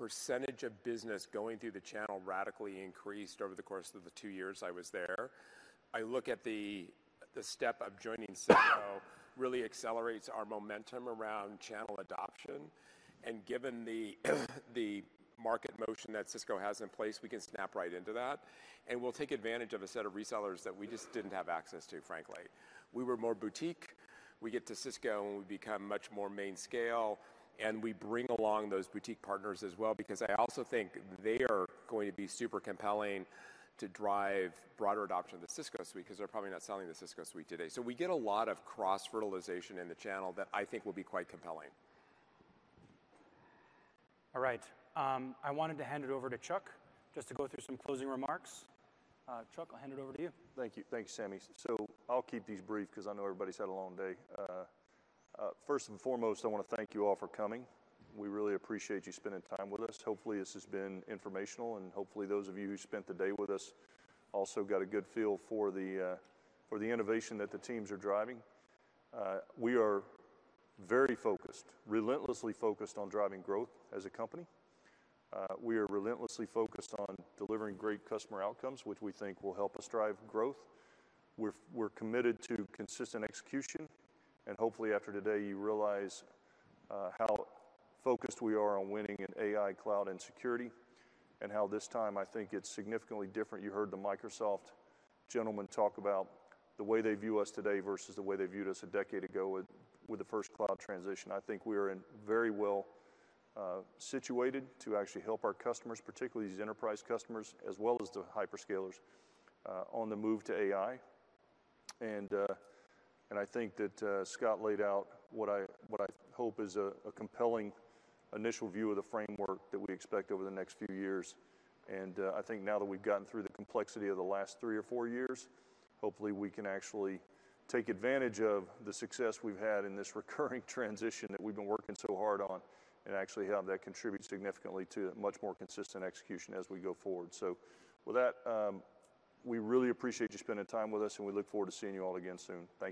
our percentage of business going through the channel radically increased over the course of the two years I was there. I look at the step of joining Cisco really accelerates our momentum around channel adoption, and given the market motion that Cisco has in place, we can snap right into that, and we'll take advantage of a set of resellers that we just didn't have access to, frankly. We were more boutique. We get to Cisco, and we become much more mainstream, and we bring along those boutique partners as well, because I also think they are going to be super compelling to drive broader adoption of the Cisco suite, 'cause they're probably not selling the Cisco suite today. So we get a lot of cross-fertilization in the channel that I think will be quite compelling. All right, I wanted to hand it over to Chuck, just to go through some closing remarks. Chuck, I'll hand it over to you. Thank you. Thanks, Sami. So I'll keep these brief 'cause I know everybody's had a long day. First and foremost, I wanna thank you all for coming. We really appreciate you spending time with us. Hopefully, this has been informational, and hopefully, those of you who spent the day with us also got a good feel for the, for the innovation that the teams are driving. We are very focused, relentlessly focused on driving growth as a company. We are relentlessly focused on delivering great customer outcomes, which we think will help us drive growth. We're, we're committed to consistent execution, and hopefully, after today, you realize how focused we are on winning in AI, cloud, and security, and how this time, I think it's significantly different. You heard the Microsoft gentleman talk about the way they view us today versus the way they viewed us a decade ago with the first cloud transition. I think we are very well situated to actually help our customers, particularly these enterprise customers, as well as the hyperscalers on the move to AI. And I think that Scott laid out what I hope is a compelling initial view of the framework that we expect over the next few years. And I think now that we've gotten through the complexity of the last three or four years, hopefully, we can actually take advantage of the success we've had in this recurring transition that we've been working so hard on, and actually have that contribute significantly to a much more consistent execution as we go forward. So with that, we really appreciate you spending time with us, and we look forward to seeing you all again soon. Thank you.